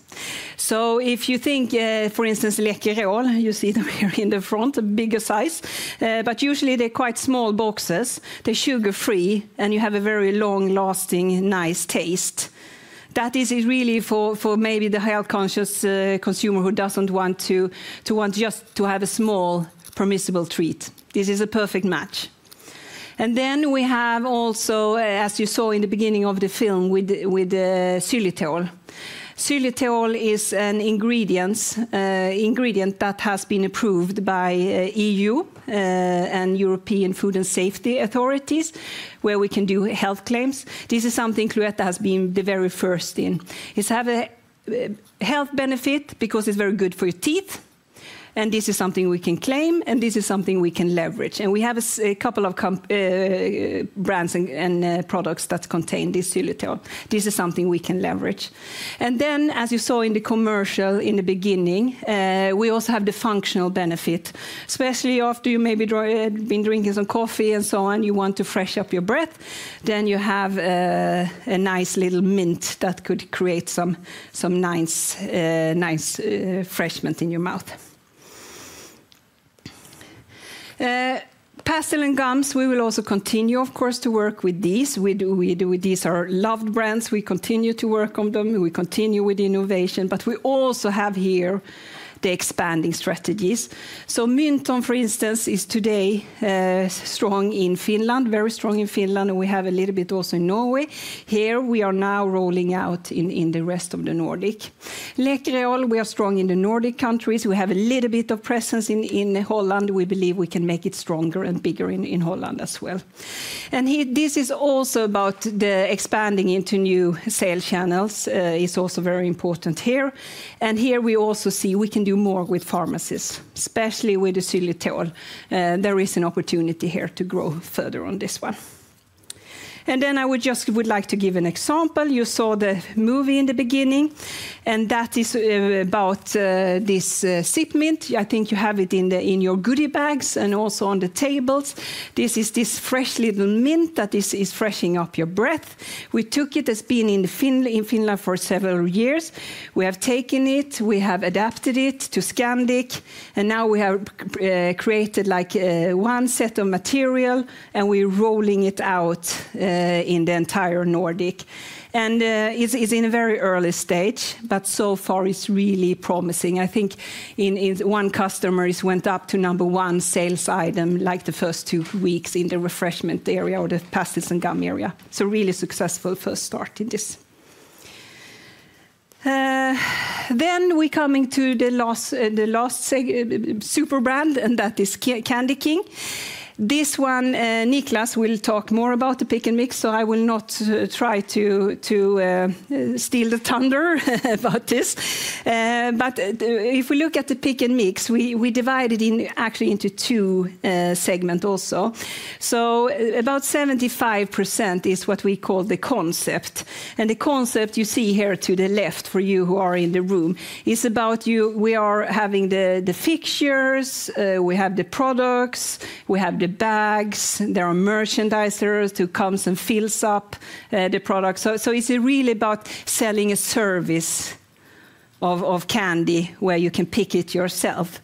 If you think, for instance, Läkerol, you see them here in the front, a bigger size. Usually they're quite small boxes. They're sugar-free and you have a very long-lasting, nice taste. That is really for maybe the health-conscious consumer who doesn't want to just have a small, permissible treat. This is a perfect match. We have also, as you saw in the beginning of the film, with xylitol. Xylitol is an ingredient that has been approved by the EU and European Food and Safety Authorities, where we can do health claims. This is something Cloetta has been the very first in. It has a health benefit because it is very good for your teeth. This is something we can claim and this is something we can leverage. We have a couple of brands and products that contain this xylitol. This is something we can leverage. As you saw in the commercial in the beginning, we also have the functional benefit. Especially after you maybe have been drinking some coffee and so on, you want to freshen up your breath. You have a nice little mint that could create some nice refreshment in your mouth. Pastilles and gums, we will also continue, of course, to work with these. These are loved brands. We continue to work on them. We continue with innovation. We also have here the expanding strategies. Mynthon, for instance, is today strong in Finland, very strong in Finland. We have a little bit also in Norway. Here we are now rolling out in the rest of the Nordic. Läkerol, we are strong in the Nordic countries. We have a little bit of presence in Holland. We believe we can make it stronger and bigger in Holland as well. This is also about the expanding into new sales channels. It is also very important here. Here we also see we can do more with pharmacies, especially with the xylitol. There is an opportunity here to grow further on this one. I would just would like to give an example. You saw the movie in the beginning. That is about this ZipMint. I think you have it in your goodie bags and also on the tables. This is this fresh little mint that is freshening up your breath. We took it as being in Finland for several years. We have taken it. We have adapted it to Scandic. Now we have created like one set of material and we are rolling it out in the entire Nordic. It is in a very early stage, but so far it is really promising. I think one customer went up to number one sales item like the first two weeks in the refreshment area or the pastilles and gum area. Really successful first start in this. We are coming to the last super brand, and that is Candy King. This one, Niklas will talk more about the Pick & Mix. I will not try to steal the thunder about this. If we look at the Pick & Mix, we divide it actually into two segments also. About 75% is what we call the concept. The concept you see here to the left for you who are in the room is about we are having the fixtures, we have the products, we have the bags, there are merchandisers who come and fill up the products. It is really about selling a service of candy where you can pick it yourself.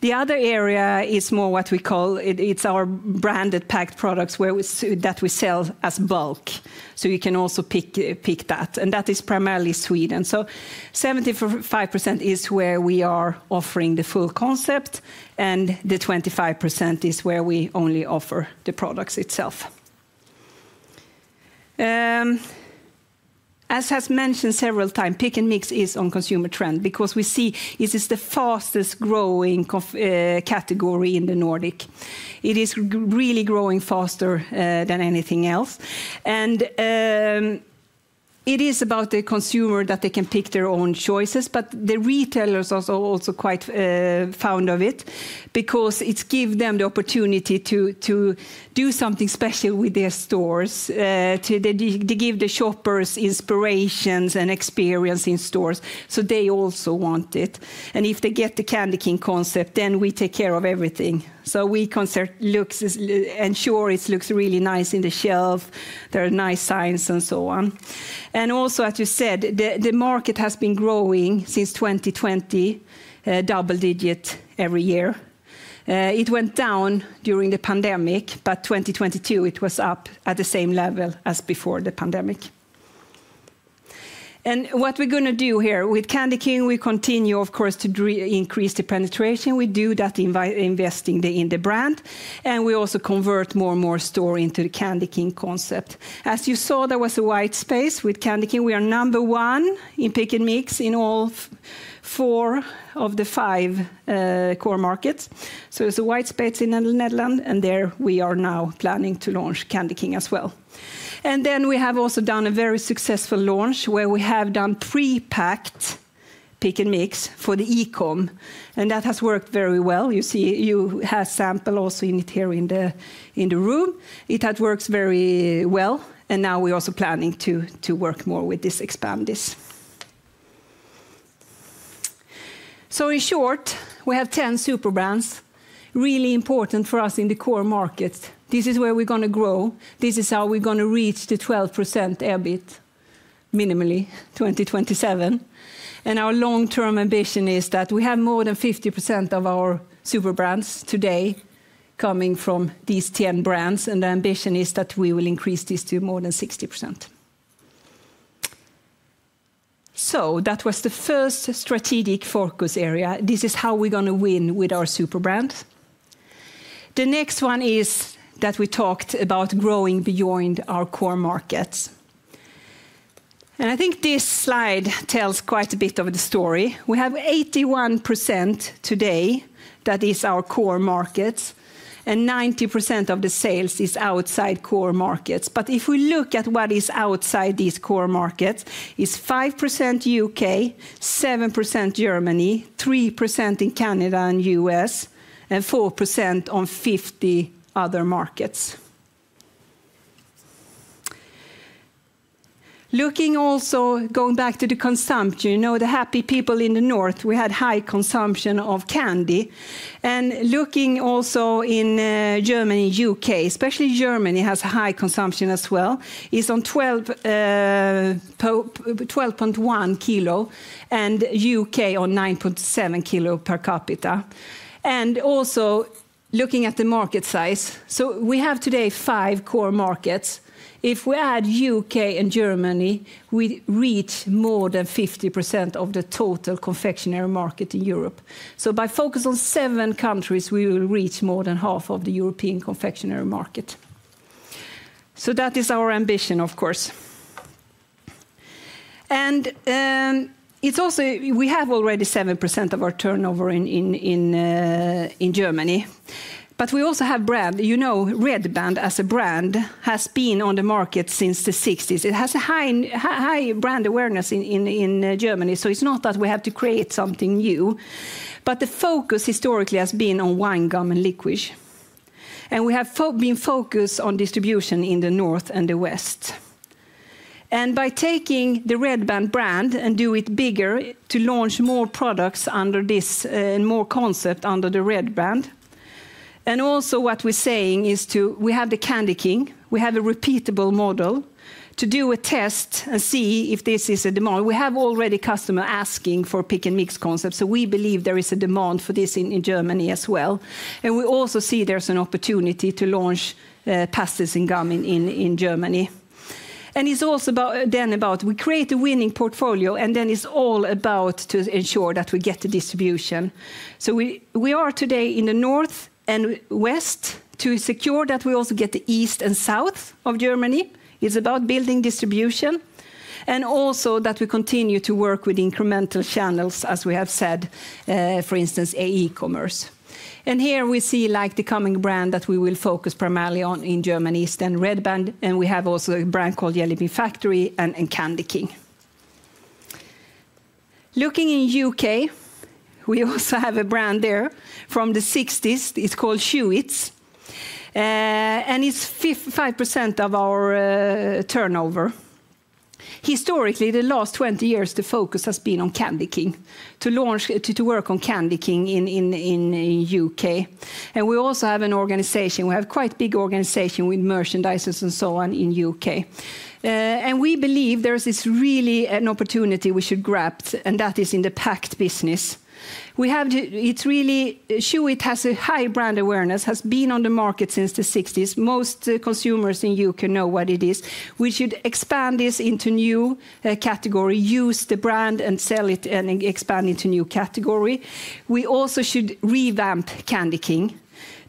The other area is more what we call it's our branded packed products that we sell as bulk. You can also pick that. That is primarily Sweden. 75% is where we are offering the full concept. The 25% is where we only offer the products itself. As has been mentioned several times, Pick & Mix is on consumer trend because we see it is the fastest growing category in the Nordic. It is really growing faster than anything else. It is about the consumer that they can pick their own choices. The retailers are also quite fond of it because it gives them the opportunity to do something special with their stores. They give the shoppers inspirations and experience in stores. They also want it. If they get the Candy King concept, then we take care of everything. We can ensure it looks really nice in the shelf. There are nice signs and so on. Also, as you said, the market has been growing since 2020, double digit every year. It went down during the pandemic, but 2022 it was up at the same level as before the pandemic. What we're going to do here with Candy King, we continue, of course, to increase the penetration. We do that investing in the brand. We also convert more and more stores into the Candy King concept. As you saw, there was a white space with Candy King. We are number one in Pick & Mix in all four of the five core markets. It is a white space in the Netherlands. There we are now planning to launch Candy King as well. We have also done a very successful launch where we have done pre-packed Pick & Mix for the e-com. That has worked very well. You see, you have samples also in it here in the room. It has worked very well. We are also planning to work more with this, expand this. In short, we have 10 super brands, really important for us in the core markets. This is where we are going to grow. This is how we're going to reach the 12% EBIT minimally 2027. Our long-term ambition is that we have more than 50% of our super brands today coming from these 10 brands. The ambition is that we will increase this to more than 60%. That was the first strategic focus area. This is how we're going to win with our super brands. The next one is that we talked about growing beyond our core markets. I think this slide tells quite a bit of the story. We have 81% today that is our core markets. 90% of the sales is outside core markets. If we look at what is outside these core markets, it's 5% U.K., 7% Germany, 3% in Canada and U.S., and 4% on 50 other markets. Looking also, going back to the consumption, you know, the happy people in the north, we had high consumption of candy. Looking also in Germany, U.K., especially Germany has a high consumption as well, is on 12.1 kg and U.K. on 9.7 kg per capita. Also looking at the market size. We have today five core markets. If we add U.K. and Germany, we reach more than 50% of the total confectionery market in Europe. By focus on seven countries, we will reach more than half of the European confectionery market. That is our ambition, of course. We have already 7% of our turnover in Germany. We also have brand, you know, Red Band as a brand has been on the market since the 1960s. It has a high brand awareness in Germany. It is not that we have to create something new. The focus historically has been on wine, gum, and liquid. We have been focused on distribution in the north and the west. By taking the Red Band brand and doing it bigger to launch more products under this and more concepts under Red Band. Also, what we are saying is, we have the Candy King. We have a repeatable model to do a test and see if there is a demand. We already have customers asking for Pick & Mix concepts. We believe there is a demand for this in Germany as well. We also see there is an opportunity to launch pastilles and gum in Germany. It is also then about creating a winning portfolio and then it is all about ensuring that we get the distribution. We are today in the north and west to secure that we also get the east and south of Germany. It's about building distribution. Also, we continue to work with incremental channels as we have said, for instance, e-commerce. Here we see the coming brand that we will focus primarily on in Germany is then Red Band. We also have a brand called Jelly Bean Factory and Candy King. Looking in the U.K., we also have a brand there from the 1960s. It's called Schwetz. It's 5% of our turnover. Historically, the last 20 years, the focus has been on Candy King, to work on Candy King in the U.K. We also have an organization. We have quite a big organization with merchandisers and so on in the U.K. We believe there's really an opportunity we should grab. That is in the packed business. We have to, it's really, Schwetz has a high brand awareness, has been on the market since the 1960s. Most consumers in the U.K. know what it is. We should expand this into a new category, use the brand and sell it and expand into a new category. We also should revamp Candy King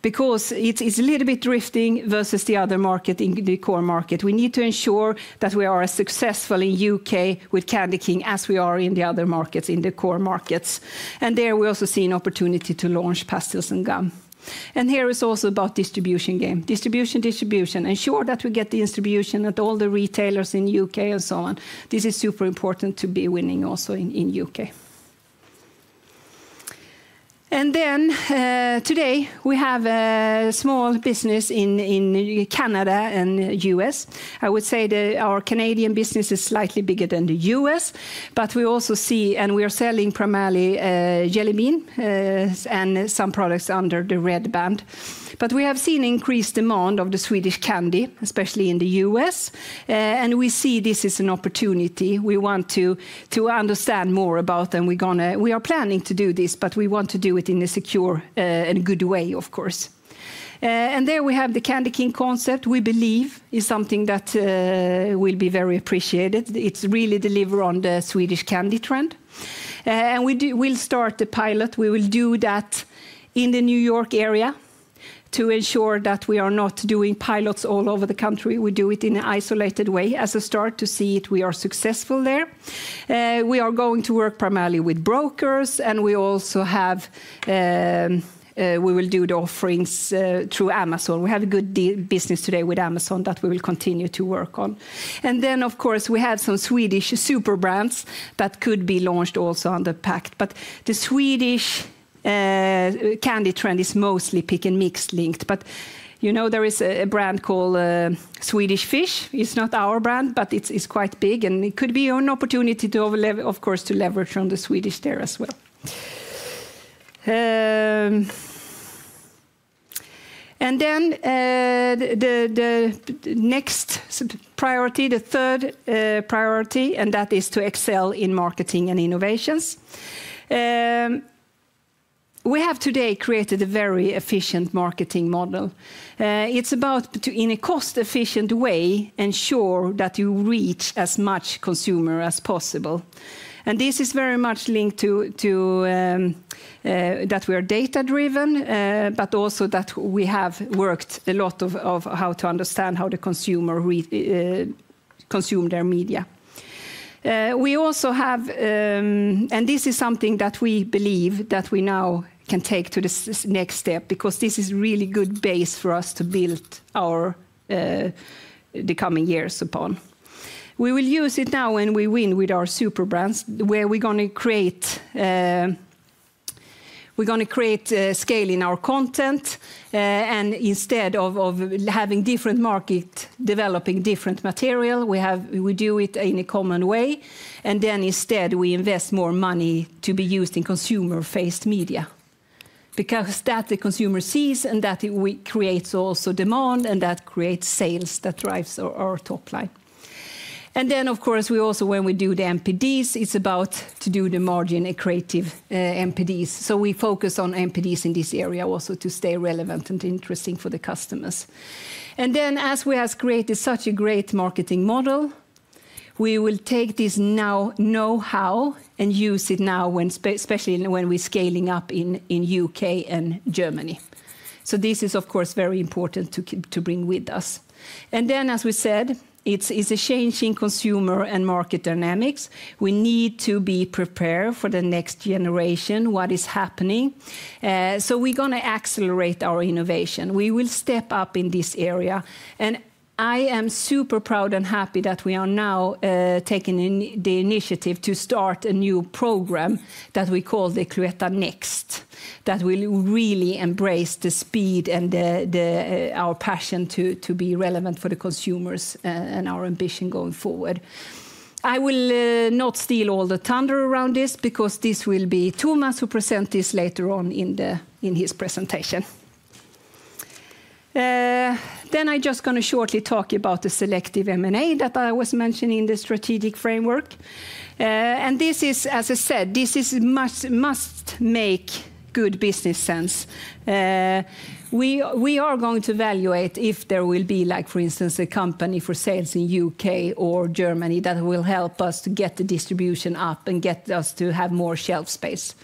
because it's a little bit drifting versus the other market in the core market. We need to ensure that we are successful in the U.K. with Candy King as we are in the other markets, in the core markets. There we also see an opportunity to launch pastilles and gum. Here it's also about distribution game. Distribution, distribution. Ensure that we get the distribution at all the retailers in the U.K. and so on. This is super important to be winning also in the U.K. Today we have a small business in Canada and the U.S. I would say that our Canadian business is slightly bigger than the U.S. We are selling primarily Jelly Bean and some products under Red Band. We have seen increased demand for Swedish candy, especially in the U.S. We see this as an opportunity. We want to understand more about it. We are planning to do this, but we want to do it in a secure and good way, of course. There we have the Candy King concept, which we believe is something that will be very appreciated. It really delivers on the Swedish candy trend. We will start the pilot. We will do that in the New York area to ensure that we are not doing pilots all over the country. We do it in an isolated way as a start to see if we are successful there. We are going to work primarily with brokers. We also have, we will do the offerings through Amazon. We have a good business today with Amazon that we will continue to work on. Of course, we have some Swedish super brands that could be launched also under packed. The Swedish candy trend is mostly Pick & Mix linked. You know, there is a brand called Swedish Fish. It is not our brand, but it is quite big. It could be an opportunity to, of course, leverage on the Swedish there as well. The next priority, the third priority, is to excel in marketing and innovations. We have today created a very efficient marketing model. It's about to, in a cost-efficient way, ensure that you reach as much consumer as possible. This is very much linked to that we are data-driven, but also that we have worked a lot of how to understand how the consumer consumes their media. We also have, and this is something that we believe that we now can take to the next step because this is a really good base for us to build our the coming years upon. We will use it now when we win with our super brands where we're going to create, we're going to create scale in our content. Instead of having different markets developing different material, we do it in a common way. Instead, we invest more money to be used in consumer-faced media because that the consumer sees and that creates also demand and that creates sales that drives our top line. Of course, we also, when we do the NPDs, it's about to do the margin and creative NPDs. We focus on NPDs in this area also to stay relevant and interesting for the customers. As we have created such a great marketing model, we will take this now know-how and use it now, especially when we're scaling up in the U.K. and Germany. This is, of course, very important to bring with us. As we said, it's a changing consumer and market dynamics. We need to be prepared for the next generation, what is happening. We're going to accelerate our innovation. We will step up in this area. I am super proud and happy that we are now taking the initiative to start a new program that we call the Cloetta Next, that will really embrace the speed and our passion to be relevant for the consumers and our ambition going forward. I will not steal all the thunder around this because this will be Thomas who presents this later on in his presentation. I am just going to shortly talk about the selective M&A that I was mentioning in the strategic framework. This is, as I said, this must make good business sense. We are going to evaluate if there will be, like for instance, a company for sales in the U.K. or Germany that will help us to get the distribution up and get us to have more shelf space.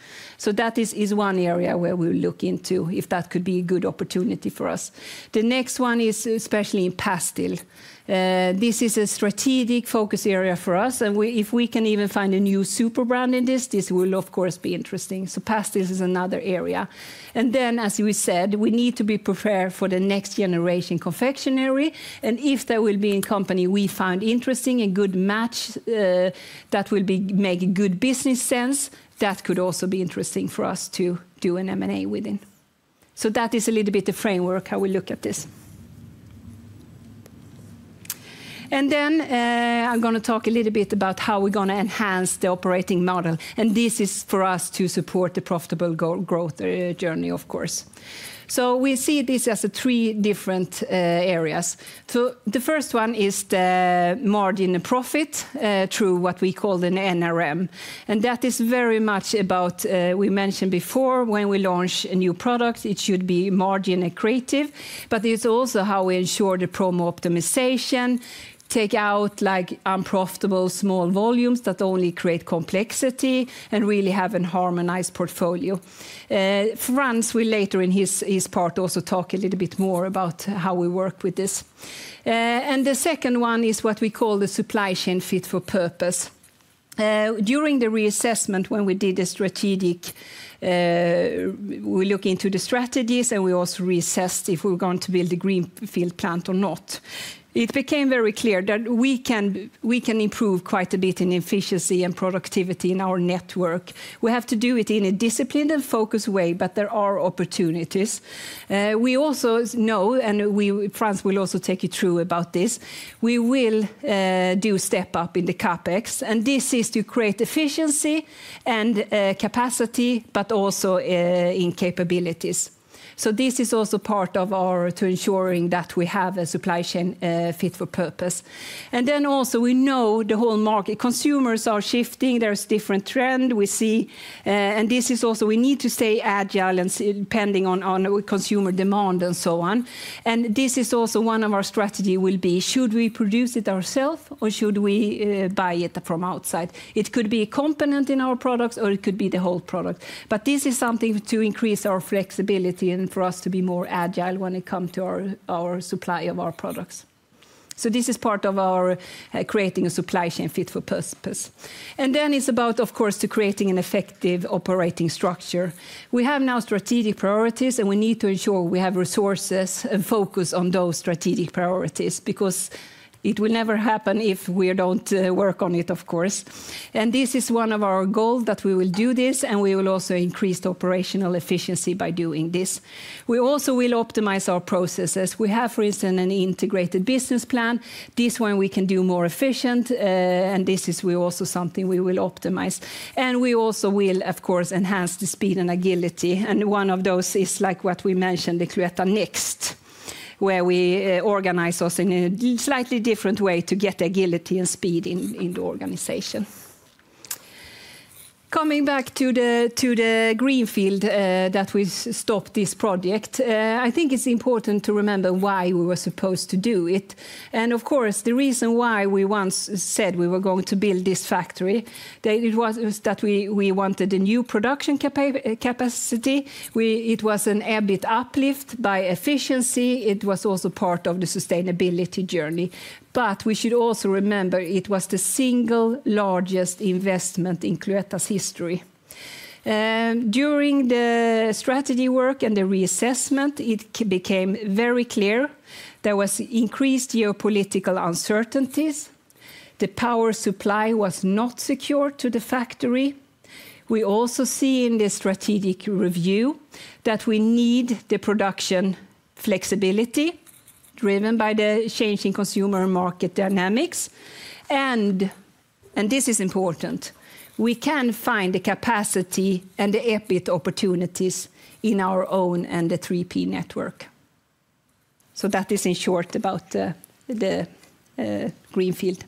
That is one area where we'll look into if that could be a good opportunity for us. The next one is especially in pastil. This is a strategic focus area for us. If we can even find a new super brand in this, this will, of course, be interesting. Pastil is another area. As we said, we need to be prepared for the next generation confectionery. If there will be a company we find interesting, a good match that will make good business sense, that could also be interesting for us to do an M&A within. That is a little bit the framework how we look at this. I'm going to talk a little bit about how we're going to enhance the operating model. This is for us to support the profitable growth journey, of course. We see this as three different areas. The first one is the margin and profit through what we call an NRM. That is very much about, we mentioned before, when we launch a new product, it should be margin and creative. It is also how we ensure the promo optimization, take out unprofitable small volumes that only create complexity, and really have a harmonized portfolio. Frans will later in his part also talk a little bit more about how we work with this. The second one is what we call the supply chain fit for purpose. During the reassessment, when we did a strategic, we look into the strategies and we also reassessed if we were going to build a greenfield plant or not. It became very clear that we can improve quite a bit in efficiency and productivity in our network. We have to do it in a disciplined and focused way, but there are opportunities. We also know, and Frans will also take you through about this, we will do step up in the CapEx. This is to create efficiency and capacity, but also in capabilities. This is also part of our to ensuring that we have a supply chain fit for purpose. We know the whole market, consumers are shifting, there's different trend we see. This is also, we need to stay agile and depending on consumer demand and so on. This is also one of our strategies will be, should we produce it ourself or should we buy it from outside? It could be a component in our products or it could be the whole product. This is something to increase our flexibility and for us to be more agile when it comes to our supply of our products. This is part of our creating a supply chain fit for purpose. It is about, of course, creating an effective operating structure. We have now strategic priorities and we need to ensure we have resources and focus on those strategic priorities because it will never happen if we do not work on it, of course. This is one of our goals that we will do this and we will also increase operational efficiency by doing this. We also will optimize our processes. We have, for instance, an integrated business plan. This one we can do more efficiently and this is also something we will optimize. We also will, of course, enhance the speed and agility. One of those is like what we mentioned, the Cloetta Next, where we organize us in a slightly different way to get agility and speed in the organization. Coming back to the greenfield that we stopped this project, I think it's important to remember why we were supposed to do it. Of course, the reason why we once said we were going to build this factory, it was that we wanted a new production capacity. It was an EBIT uplift by efficiency. It was also part of the sustainability journey. We should also remember it was the single largest investment in Cloetta's history. During the strategy work and the reassessment, it became very clear there was increased geopolitical uncertainties. The power supply was not secure to the factory. We also see in the strategic review that we need the production flexibility driven by the changing consumer market dynamics. This is important. We can find the capacity and the EBIT opportunities in our own and the 3P network. That is in short about the greenfield.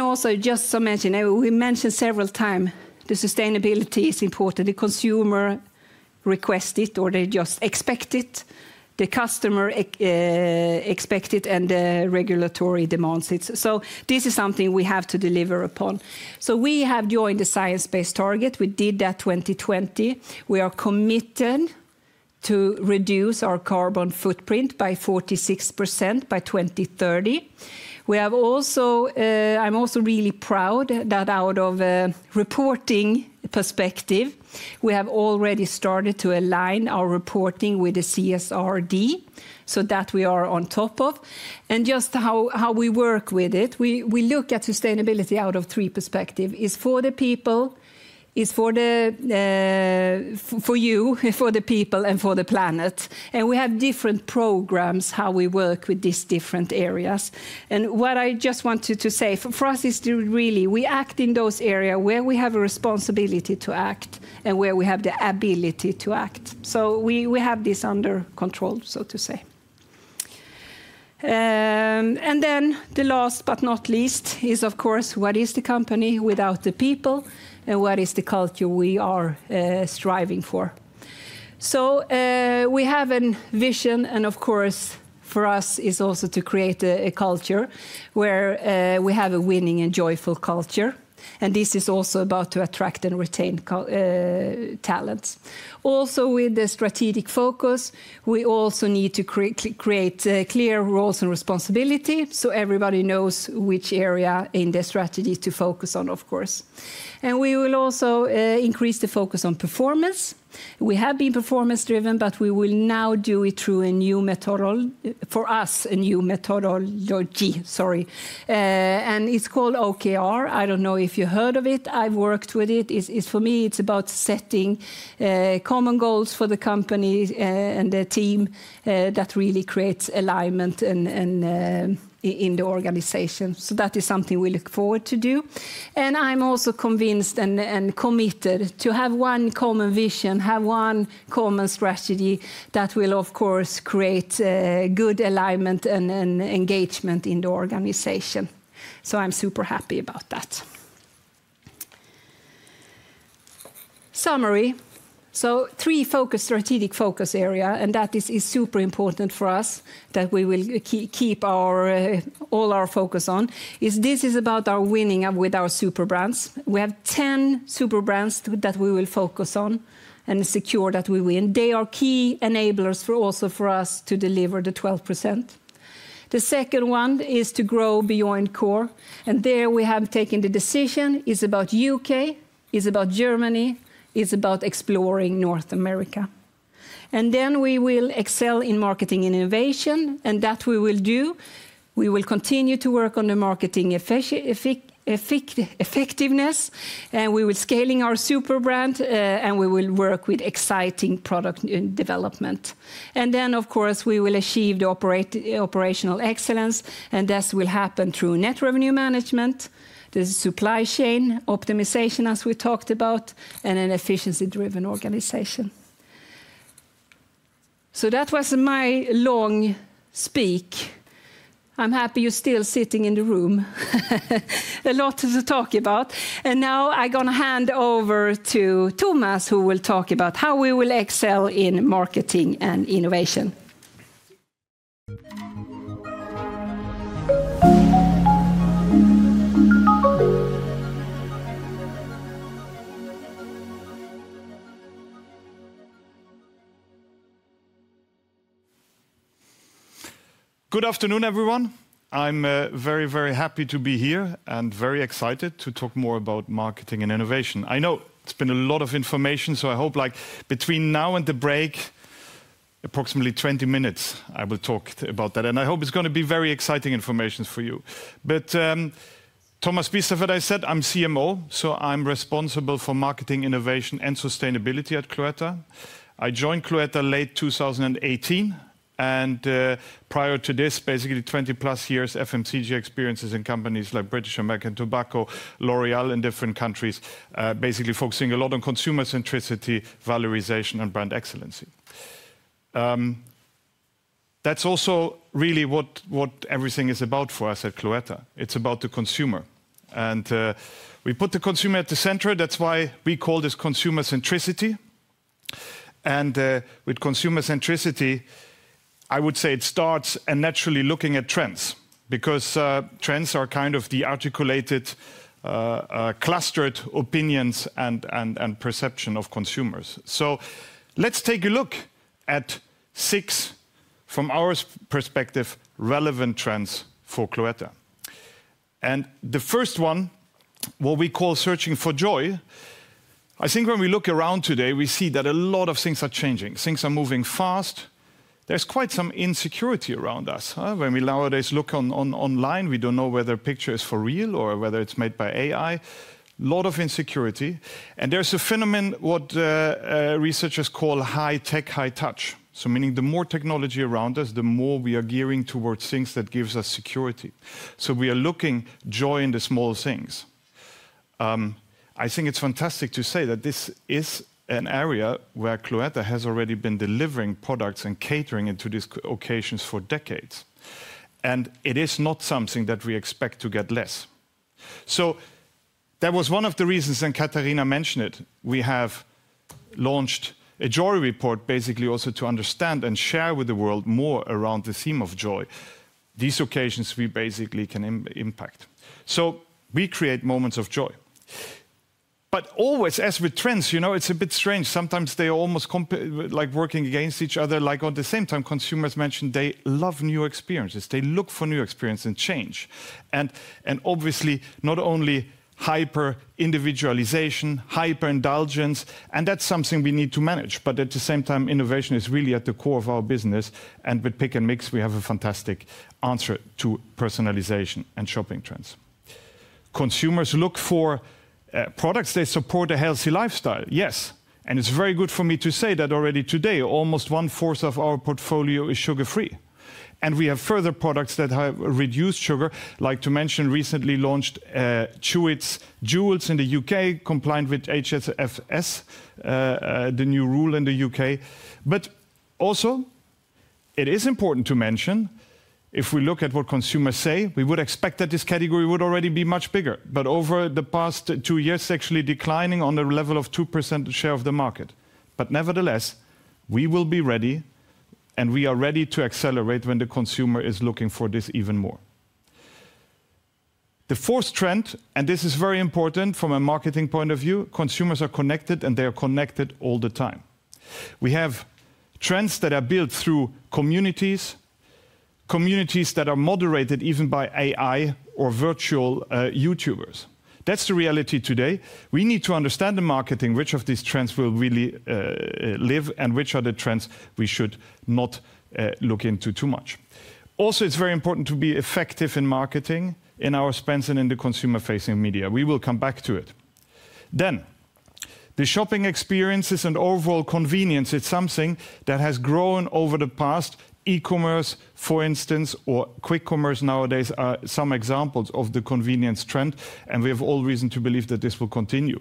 Also, just to mention, we mentioned several times the sustainability is important. The consumer requests it or they just expect it. The customer expects it and the regulatory demands it. This is something we have to deliver upon. We have joined the science-based target. We did that in 2020. We are committed to reduce our carbon footprint by 46% by 2030. I'm also really proud that out of a reporting perspective, we have already started to align our reporting with the CSRD so that we are on top of. Just how we work with it, we look at sustainability out of three perspectives. It's for the people, it's for you, for the people, and for the planet. We have different programs how we work with these different areas. What I just wanted to say for us is really we act in those areas where we have a responsibility to act and where we have the ability to act. We have this under control, so to say. The last but not least is, of course, what is the company without the people and what is the culture we are striving for. We have a vision and, of course, for us is also to create a culture where we have a winning and joyful culture. This is also about to attract and retain talents. Also with the strategic focus, we also need to create clear roles and responsibility so everybody knows which area in the strategy to focus on, of course. We will also increase the focus on performance. We have been performance-driven, but we will now do it through a new methodology for us, a new methodology, sorry. It's called OKR. I don't know if you heard of it. I've worked with it. For me, it's about setting common goals for the company and the team that really creates alignment in the organization. That is something we look forward to do. I'm also convinced and committed to have one common vision, have one common strategy that will, of course, create good alignment and engagement in the organization. I'm super happy about that. Summary. Three strategic focus areas, and that is super important for us that we will keep all our focus on. This is about our winning with our super brands. We have 10 super brands that we will focus on and secure that we win. They are key enablers also for us to deliver the 12%. The second one is to grow beyond core. And there we have taken the decision. It is about the U.K., it is about Germany, it is about exploring North America. Then we will excel in marketing and innovation. That we will do. We will continue to work on the marketing effectiveness. We will scale our super brand and we will work with exciting product development. Of course, we will achieve the operational excellence. This will happen through net revenue management, the supply chain optimization, as we talked about, and an efficiency-driven organization. That was my long speak. I'm happy you're still sitting in the room. A lot to talk about. Now I'm going to hand over to Thomas, who will talk about how we will excel in marketing and innovation. Good afternoon, everyone. I'm very, very happy to be here and very excited to talk more about marketing and innovation. I know it's been a lot of information, so I hope like between now and the break, approximately 20 minutes, I will talk about that. I hope it's going to be very exciting information for you. Thomas Biesterfeldt, as I said, I'm CMO, so I'm responsible for marketing, innovation, and sustainability at Cloetta. I joined Cloetta late 2018. Prior to this, basically 20 plus years FMCG experiences in companies like British American Tobacco, L'Oréal in different countries, basically focusing a lot on consumer centricity, valorization, and brand excellency. That is also really what everything is about for us at Cloetta. It is about the consumer. We put the consumer at the center. That is why we call this consumer centricity. With consumer centricity, I would say it starts naturally looking at trends because trends are kind of the articulated, clustered opinions and perception of consumers. Let's take a look at six from our perspective, relevant trends for Cloetta. The first one, what we call searching for joy. I think when we look around today, we see that a lot of things are changing. Things are moving fast. There is quite some insecurity around us. When we nowadays look online, we don't know whether the picture is for real or whether it's made by AI. A lot of insecurity. There's a phenomenon what researchers call high tech, high touch. Meaning the more technology around us, the more we are gearing towards things that give us security. We are looking joy in the small things. I think it's fantastic to say that this is an area where Cloetta has already been delivering products and catering into these occasions for decades. It is not something that we expect to get less. That was one of the reasons Katarina mentioned it. We have launched a joy report basically also to understand and share with the world more around the theme of joy. These occasions we basically can impact. We create moments of joy. Always as with trends, you know it's a bit strange. Sometimes they are almost like working against each other. Like at the same time, consumers mentioned they love new experiences. They look for new experiences and change. Obviously, not only hyper-individualization, hyper-indulgence, and that's something we need to manage. At the same time, innovation is really at the core of our business. With Pick & Mix, we have a fantastic answer to personalization and shopping trends. Consumers look for products that support a healthy lifestyle. Yes. It's very good for me to say that already today, almost one fourth of our portfolio is sugar-free. We have further products that have reduced sugar, like to mention recently launched Chewits Jewels in the U.K., compliant with HFSS, the new rule in the U.K. It is also important to mention, if we look at what consumers say, we would expect that this category would already be much bigger. Over the past two years, it is actually declining on the level of 2% share of the market. Nevertheless, we will be ready and we are ready to accelerate when the consumer is looking for this even more. The fourth trend, and this is very important from a marketing point of view, consumers are connected and they are connected all the time. We have trends that are built through communities, communities that are moderated even by AI or virtual YouTubers. That is the reality today. We need to understand in marketing which of these trends will really live and which are the trends we should not look into too much. Also, it's very important to be effective in marketing, in our spends and in the consumer-facing media. We will come back to it. The shopping experiences and overall convenience, it's something that has grown over the past. E-commerce, for instance, or quick commerce nowadays are some examples of the convenience trend. We have all reason to believe that this will continue.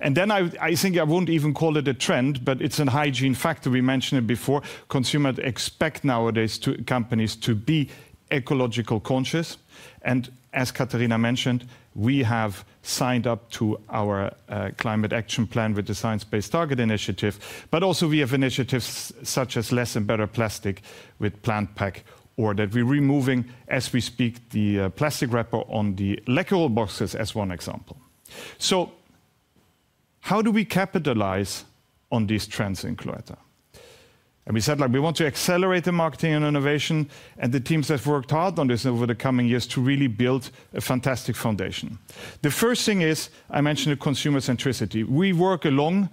I think I won't even call it a trend, but it's a hygiene factor. We mentioned it before. Consumers expect nowadays companies to be ecological conscious. As Katarina mentioned, we have signed up to our climate action plan with the science-based target initiative. We also have initiatives such as less and better plastic with plant pack order. We're removing, as we speak, the plastic wrapper on the liquor boxes as one example. How do we capitalize on these trends in Cloetta? We said like we want to accelerate the marketing and innovation. The teams have worked hard on this over the coming years to really build a fantastic foundation. The first thing is I mentioned the consumer centricity. We work along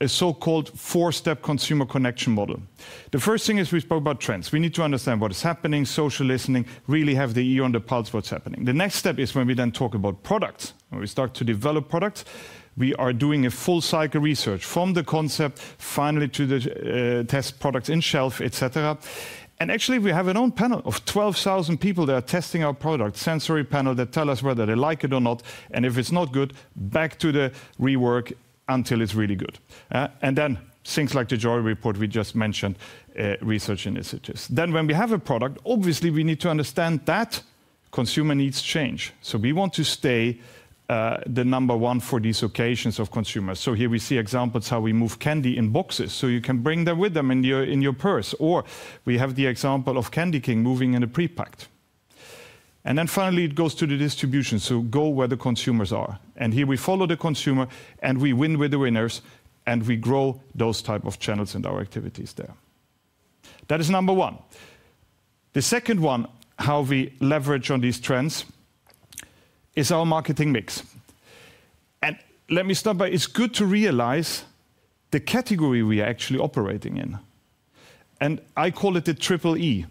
a so-called four-step consumer connection model. The first thing is we spoke about trends. We need to understand what is happening, social listening, really have the ear on the pulse of what's happening. The next step is when we then talk about products. When we start to develop products, we are doing a full cycle research from the concept finally to test products in shelf, etc. Actually we have an own panel of 12,000 people that are testing our product, sensory panel that tells us whether they like it or not. If it's not good, back to the rework until it's really good. Things like the joy report we just mentioned, research initiatives. When we have a product, obviously we need to understand that consumer needs change. We want to stay the number one for these occasions of consumers. Here we see examples how we move candy in boxes, so you can bring them with you in your purse. We have the example of Candy King moving in a pre-packed. Finally, it goes to the distribution. Go where the consumers are. Here we follow the consumer and we win with the winners and we grow those types of channels and our activities there. That is number one. The second one, how we leverage on these trends, is our marketing mix. Let me start by, it's good to realize the category we are actually operating in. I call it the triple E.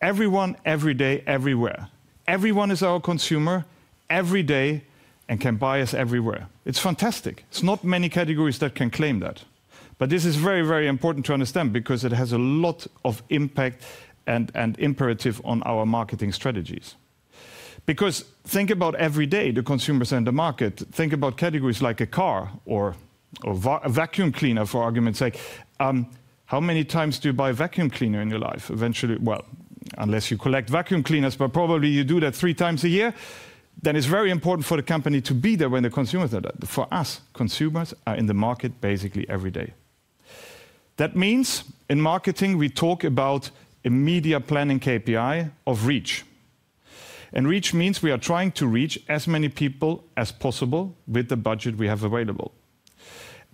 Everyone, every day, everywhere. Everyone is our consumer every day and can buy us everywhere. It's fantastic. It's not many categories that can claim that. This is very, very important to understand because it has a lot of impact and imperative on our marketing strategies. Think about every day, the consumers and the market, think about categories like a car or a vacuum cleaner for argument's sake. How many times do you buy a vacuum cleaner in your life? Unless you collect vacuum cleaners, but probably you do that three times a year. It is very important for the company to be there when the consumers are there. For us, consumers are in the market basically every day. That means in marketing we talk about a media planning KPI of reach. Reach means we are trying to reach as many people as possible with the budget we have available.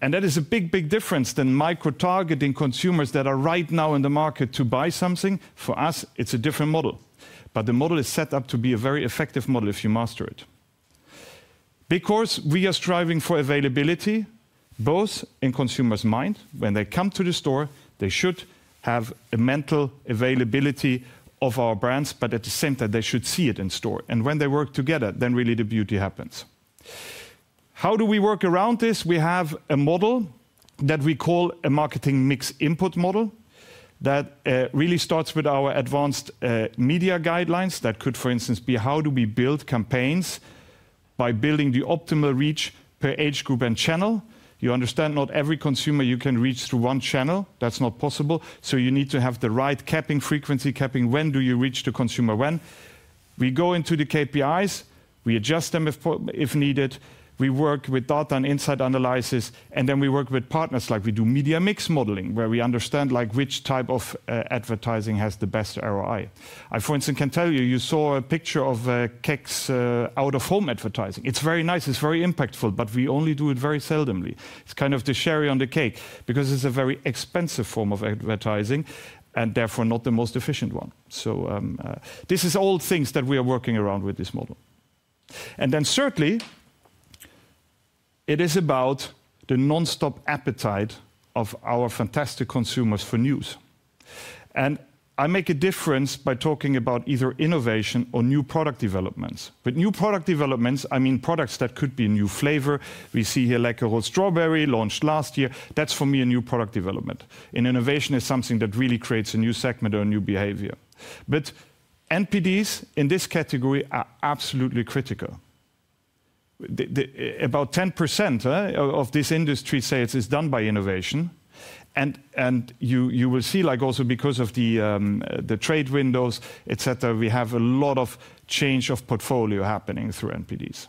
That is a big, big difference than micro-targeting consumers that are right now in the market to buy something. For us, it's a different model. The model is set up to be a very effective model if you master it. We are striving for availability, both in consumers' mind, when they come to the store, they should have a mental availability of our brands, but at the same time, they should see it in store. When they work together, then really the beauty happens. How do we work around this? We have a model that we call a marketing mix input model that really starts with our advanced media guidelines. That could, for instance, be how do we build campaigns by building the optimal reach per age group and channel. You understand not every consumer you can reach through one channel. That's not possible. You need to have the right capping frequency, capping when do you reach the consumer when. We go into the KPIs, we adjust them if needed. We work with data and insight analysis. We work with partners like we do media mix modeling, where we understand like which type of advertising has the best ROI. I, for instance, can tell you, you saw a picture of Kexchoklad out-of-home advertising. It's very nice, it's very impactful, but we only do it very seldomly. It's kind of the cherry on the cake because it's a very expensive form of advertising and therefore not the most efficient one. This is all things that we are working around with this model. Certainly it is about the non-stop appetite of our fantastic consumers for news. I make a difference by talking about either innovation or new product developments. With new product developments, I mean products that could be a new flavor. We see here Läkerol Strawberry launched last year. That is for me a new product development. Innovation is something that really creates a new segment or a new behavior. NPDs in this category are absolutely critical. About 10% of this industry sales is done by innovation. You will see like also because of the trade windows, etc., we have a lot of change of portfolio happening through NPDs.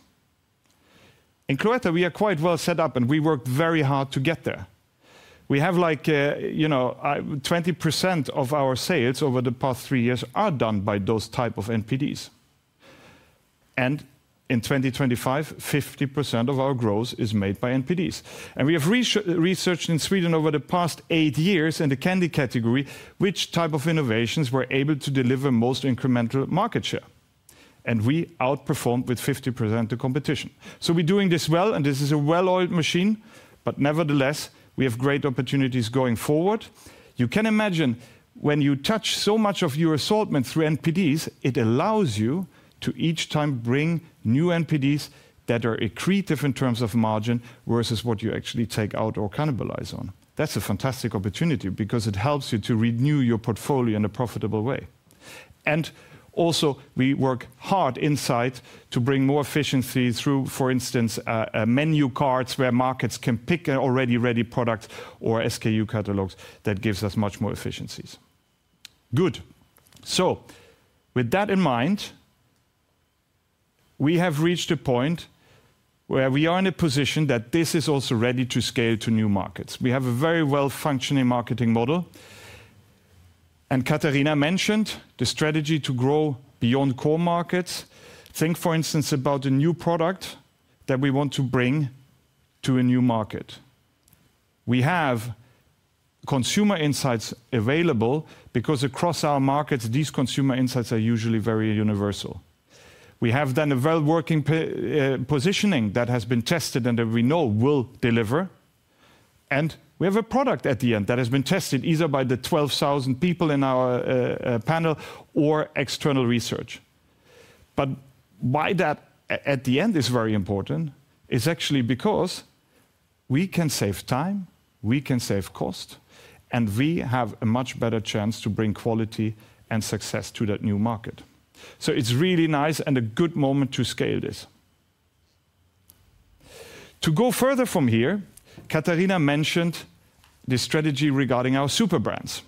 In Cloetta, we are quite well set up and we worked very hard to get there. We have like 20% of our sales over the past three years are done by those types of NPDs. In 2025, 50% of our growth is made by NPDs. We have researched in Sweden over the past eight years in the candy category, which type of innovations were able to deliver most incremental market share. We outperformed with 50% of the competition. We are doing this well and this is a well-oiled machine. Nevertheless, we have great opportunities going forward. You can imagine when you touch so much of your assortment through NPDs, it allows you to each time bring new NPDs that are accretive in terms of margin versus what you actually take out or cannibalize on. That is a fantastic opportunity because it helps you to renew your portfolio in a profitable way. We also work hard inside to bring more efficiency through, for instance, menu cards where markets can pick an already ready product or SKU catalogs that give us much more efficiencies. With that in mind, we have reached a point where we are in a position that this is also ready to scale to new markets. We have a very well-functioning marketing model. Katarina mentioned the strategy to grow beyond core markets. Think, for instance, about a new product that we want to bring to a new market. We have consumer insights available because across our markets, these consumer insights are usually very universal. We have done a well-working positioning that has been tested and that we know will deliver. We have a product at the end that has been tested either by the 12,000 people in our panel or external research. Why that at the end is very important is actually because we can save time, we can save cost, and we have a much better chance to bring quality and success to that new market. It is really nice and a good moment to scale this. To go further from here, Katarina mentioned the strategy regarding our super brands.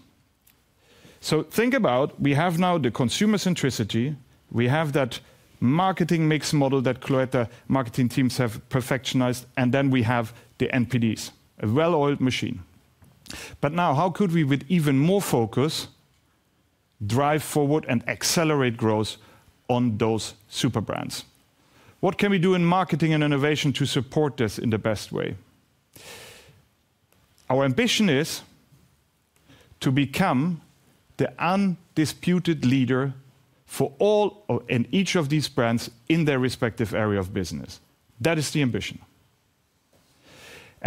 Think about we have now the consumer centricity. We have that marketing mix model that Cloetta marketing teams have perfectionized. Then we have the NPDs, a well-oiled machine. Now how could we with even more focus drive forward and accelerate growth on those super brands? What can we do in marketing and innovation to support this in the best way? Our ambition is to become the undisputed leader for all and each of these brands in their respective area of business. That is the ambition.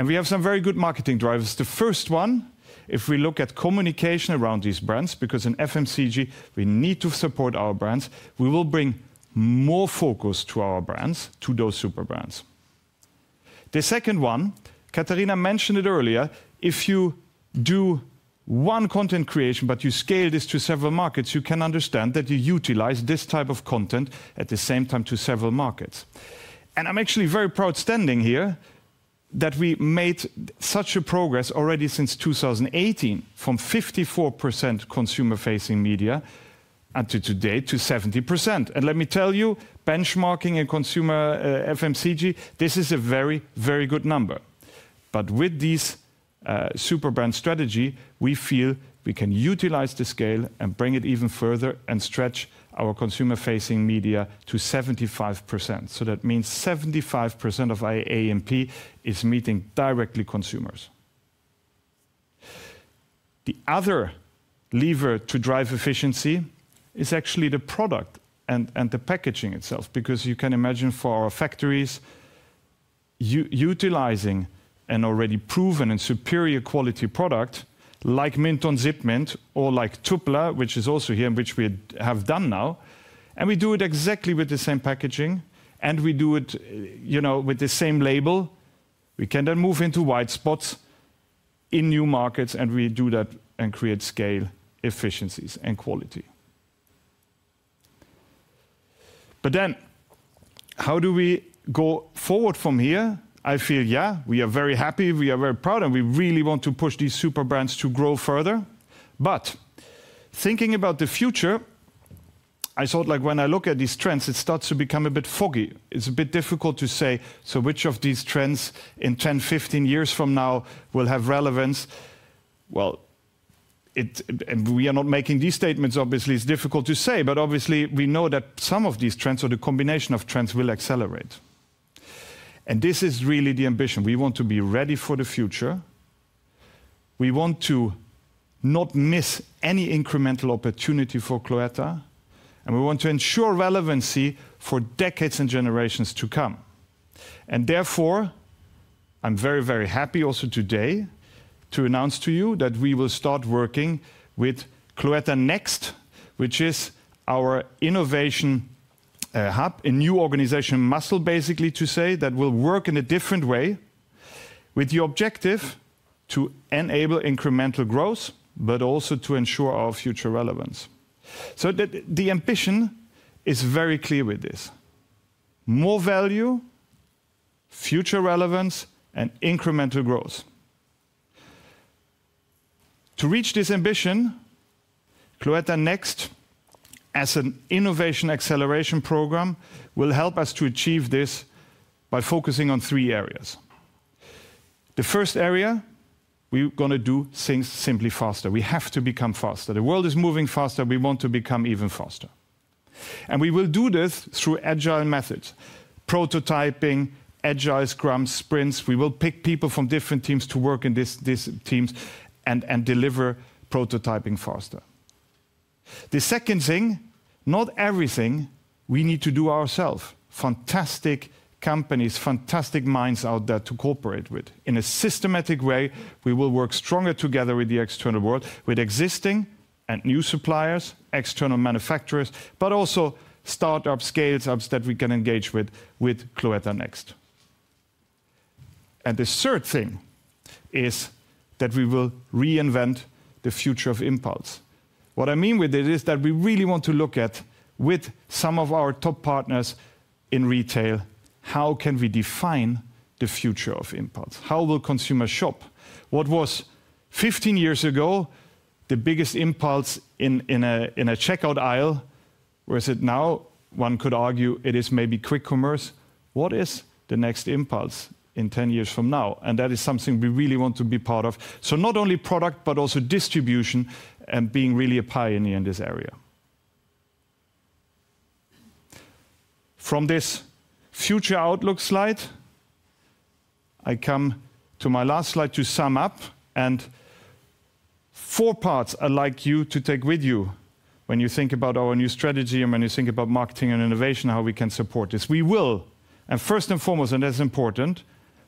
We have some very good marketing drivers. The first one, if we look at communication around these brands, because in FMCG we need to support our brands, we will bring more focus to our brands, to those super brands. The second one, Katarina mentioned it earlier, if you do one content creation, but you scale this to several markets, you can understand that you utilize this type of content at the same time to several markets. I am actually very proud standing here that we made such a progress already since 2018 from 54% consumer-facing media until today to 70%. Let me tell you, benchmarking a consumer FMCG, this is a very, very good number. With this super brand strategy, we feel we can utilize the scale and bring it even further and stretch our consumer-facing media to 75%. That means 75% of AMP is meeting directly consumers. The other lever to drive efficiency is actually the product and the packaging itself. You can imagine for our factories utilizing an already proven and superior quality product like Mynthon ZipMint or like Tupla, which is also here and which we have done now. We do it exactly with the same packaging. We do it with the same label. We can then move into white spots in new markets. We do that and create scale, efficiencies, and quality. How do we go forward from here? I feel, yeah, we are very happy. We are very proud. We really want to push these super brands to grow further. Thinking about the future, I thought like when I look at these trends, it starts to become a bit foggy. It's a bit difficult to say, so which of these trends in 10, 15 years from now will have relevance? We are not making these statements. Obviously, it's difficult to say. Obviously, we know that some of these trends or the combination of trends will accelerate. This is really the ambition. We want to be ready for the future. We want to not miss any incremental opportunity for Cloetta. We want to ensure relevancy for decades and generations to come. Therefore, I'm very, very happy also today to announce to you that we will start working with Cloetta Next, which is our innovation hub, a new organization muscle basically to say that will work in a different way with the objective to enable incremental growth, but also to ensure our future relevance. The ambition is very clear with this. More value, future relevance, and incremental growth. To reach this ambition, Cloetta Next as an innovation acceleration program will help us to achieve this by focusing on three areas. The first area, we're going to do things simply faster. We have to become faster. The world is moving faster. We want to become even faster. We will do this through agile methods, prototyping, agile scrums, sprints. We will pick people from different teams to work in these teams and deliver prototyping faster. The second thing, not everything we need to do ourselves. Fantastic companies, fantastic minds out there to cooperate with. In a systematic way, we will work stronger together with the external world, with existing and new suppliers, external manufacturers, but also start-ups, scale-ups that we can engage with with Cloetta Next. The third thing is that we will reinvent the future of impulse. What I mean with this is that we really want to look at with some of our top partners in retail, how can we define the future of impulse? How will consumers shop? What was 15 years ago the biggest impulse in a checkout aisle? Whereas now one could argue it is maybe quick commerce. What is the next impulse in 10 years from now? That is something we really want to be part of. Not only product, but also distribution and being really a pioneer in this area. From this future outlook slide, I come to my last slide to sum up. Four parts I'd like you to take with you when you think about our new strategy and when you think about marketing and innovation, how we can support this. We will, and first and foremost, and that's important,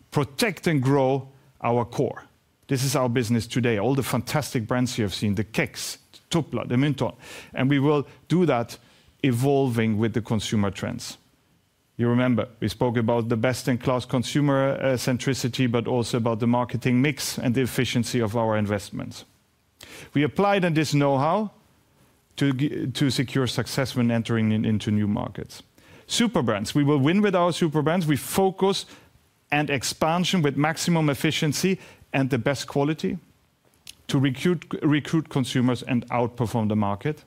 protect and grow our core. This is our business today. All the fantastic brands you have seen, the Kexchoklad, Tupla, the Mynthon. We will do that evolving with the consumer trends. You remember we spoke about the best-in-class consumer centricity, but also about the marketing mix and the efficiency of our investments. We applied this know-how to secure success when entering into new markets. Super brands, we will win with our super brands. We focus on expansion with maximum efficiency and the best quality to recruit consumers and outperform the market.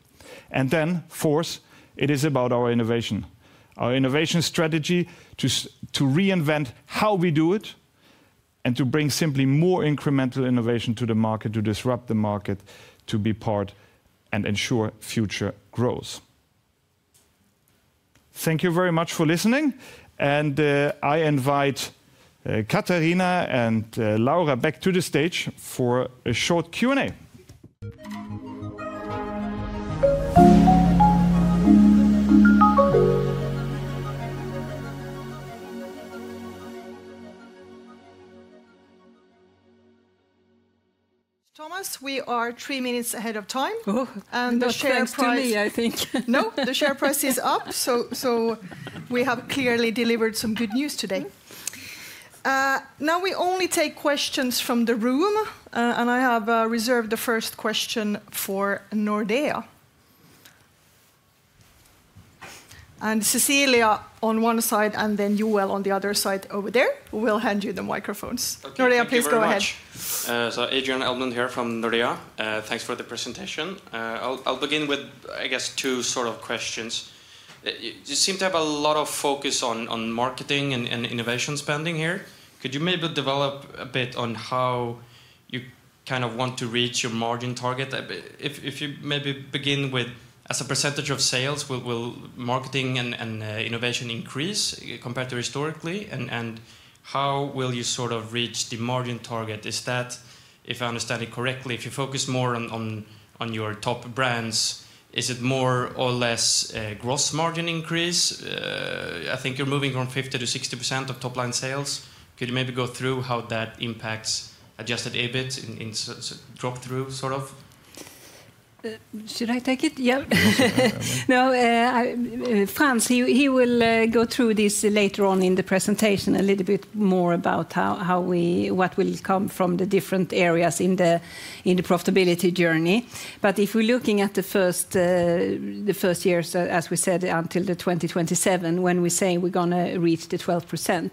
Fourth, it is about our innovation. Our innovation strategy to reinvent how we do it and to bring simply more incremental innovation to the market, to disrupt the market, to be part and ensure future growth. Thank you very much for listening. I invite Katarina and Laura back to the stage for a short Q&A. Thomas, we are three minutes ahead of time. Oh, that's very funny, I think. No, the share price is up. We have clearly delivered some good news today. Now we only take questions from the room. I have reserved the first question for Nordea. Cecilia on one side and then Joel on the other side over there. We will hand you the microphones. Nordea, please go ahead. Adrian Elmlund here from Nordea. Thanks for the presentation. I'll begin with, I guess, two sort of questions. You seem to have a lot of focus on marketing and innovation spending here. Could you maybe develop a bit on how you kind of want to reach your margin target? If you maybe begin with, as a percentage of sales, will marketing and innovation increase compared to historically? And how will you sort of reach the margin target? Is that, if I understand it correctly, if you focus more on your top brands, is it more or less gross margin increase? I think you're moving from 50% to 60% of top line sales. Could you maybe go through how that impacts adjusted EBIT in drop through sort of? Should I take it? Yeah. No, Frans, he will go through this later on in the presentation a little bit more about what will come from the different areas in the profitability journey. If we're looking at the first years, as we said, until 2027, when we say we're going to reach the 12%,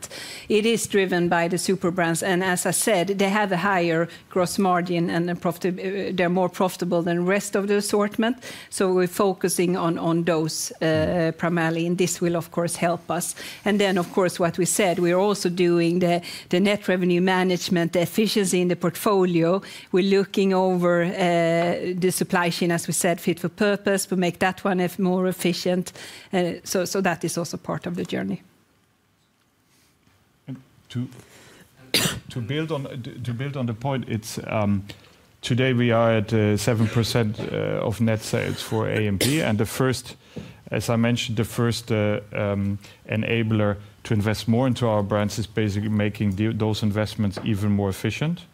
it is driven by the super brands. As I said, they have a higher gross margin and they're more profitable than the rest of the assortment. We're focusing on those primarily. This will, of course, help us. Of course, what we said, we're also doing the net revenue management, the efficiency in the portfolio. We're looking over the supply chain, as we said, fit for purpose. We make that one more efficient. That is also part of the journey. To build on the point, today we are at 7% of net sales for AMP. As I mentioned, the first enabler to invest more into our brands is basically making those investments even more efficient.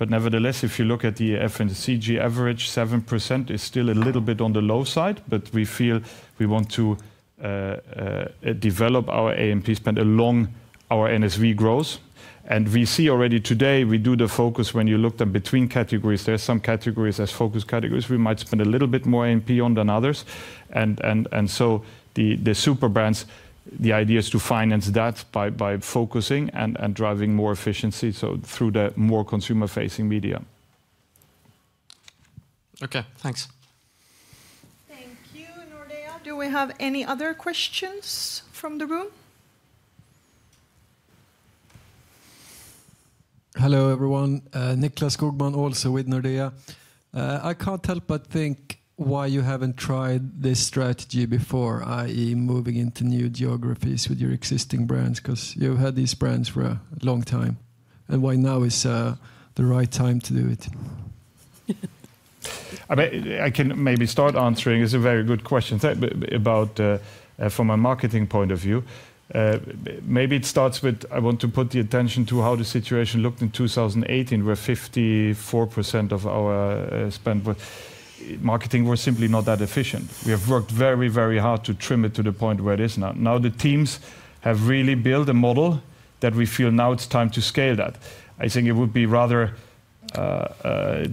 Nevertheless, if you look at the FMCG average, 7% is still a little bit on the low side. We feel we want to develop our AMP spend along our NSV growth. We see already today, we do the focus when you look at between categories, there are some categories as focus categories. We might spend a little bit more AMP on than others. The super brands, the idea is to finance that by focusing and driving more efficiency through the more consumer-facing media. Okay, thanks. Thank you, Nordea. Do we have any other questions from the room? Hello everyone. Nicklas Skogman, also with Nordea. I can't help but think why you haven't tried this strategy before, i.e., moving into new geographies with your existing brands, because you've had these brands for a long time. Why now is the right time to do it? I can maybe start answering. It's a very good question from a marketing point of view. Maybe it starts with, I want to put the attention to how the situation looked in 2018, where 54% of our spend marketing was simply not that efficient. We have worked very, very hard to trim it to the point where it is now. Now the teams have really built a model that we feel now it's time to scale that. I think it would be rather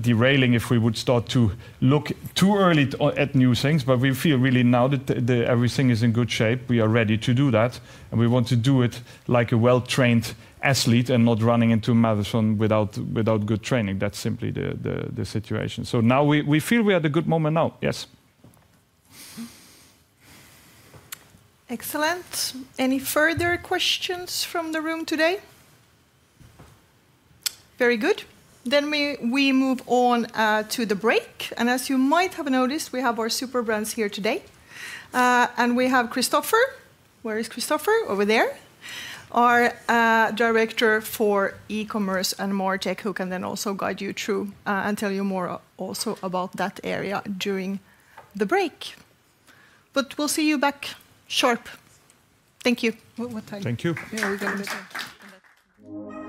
derailing if we would start to look too early at new things. We feel really now that everything is in good shape. We are ready to do that. We want to do it like a well-trained athlete and not running into a marathon without good training. That's simply the situation. Now we feel we are at a good moment now. Yes. Excellent. Any further questions from the room today? Very good. We move on to the break. As you might have noticed, we have our super brands here today. We have Christopher. Where is Christopher? Over there. Our Director for E-commerce and More Tech, who can then also guide you through and tell you more also about that area during the break. We will see you back short. Thank you. Thank you. Yeah, we're going to miss you.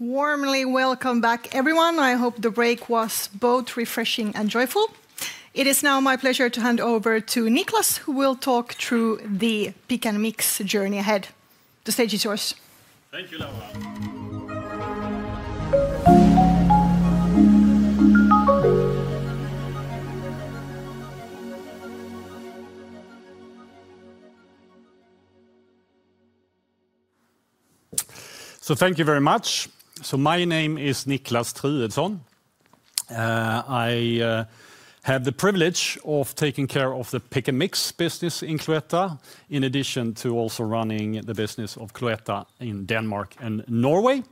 Warmly welcome back, everyone. I hope the break was both refreshing and joyful. It is now my pleasure to hand over to Niklas, who will talk through the Pick & Mix journey ahead. The stage is yours. Thank you, Laura. Thank you very much. My name is Niklas Truedsson. I have the privilege of taking care of the Pick & Mix business in Cloetta, in addition to also running the business of Cloetta in Denmark and Norway.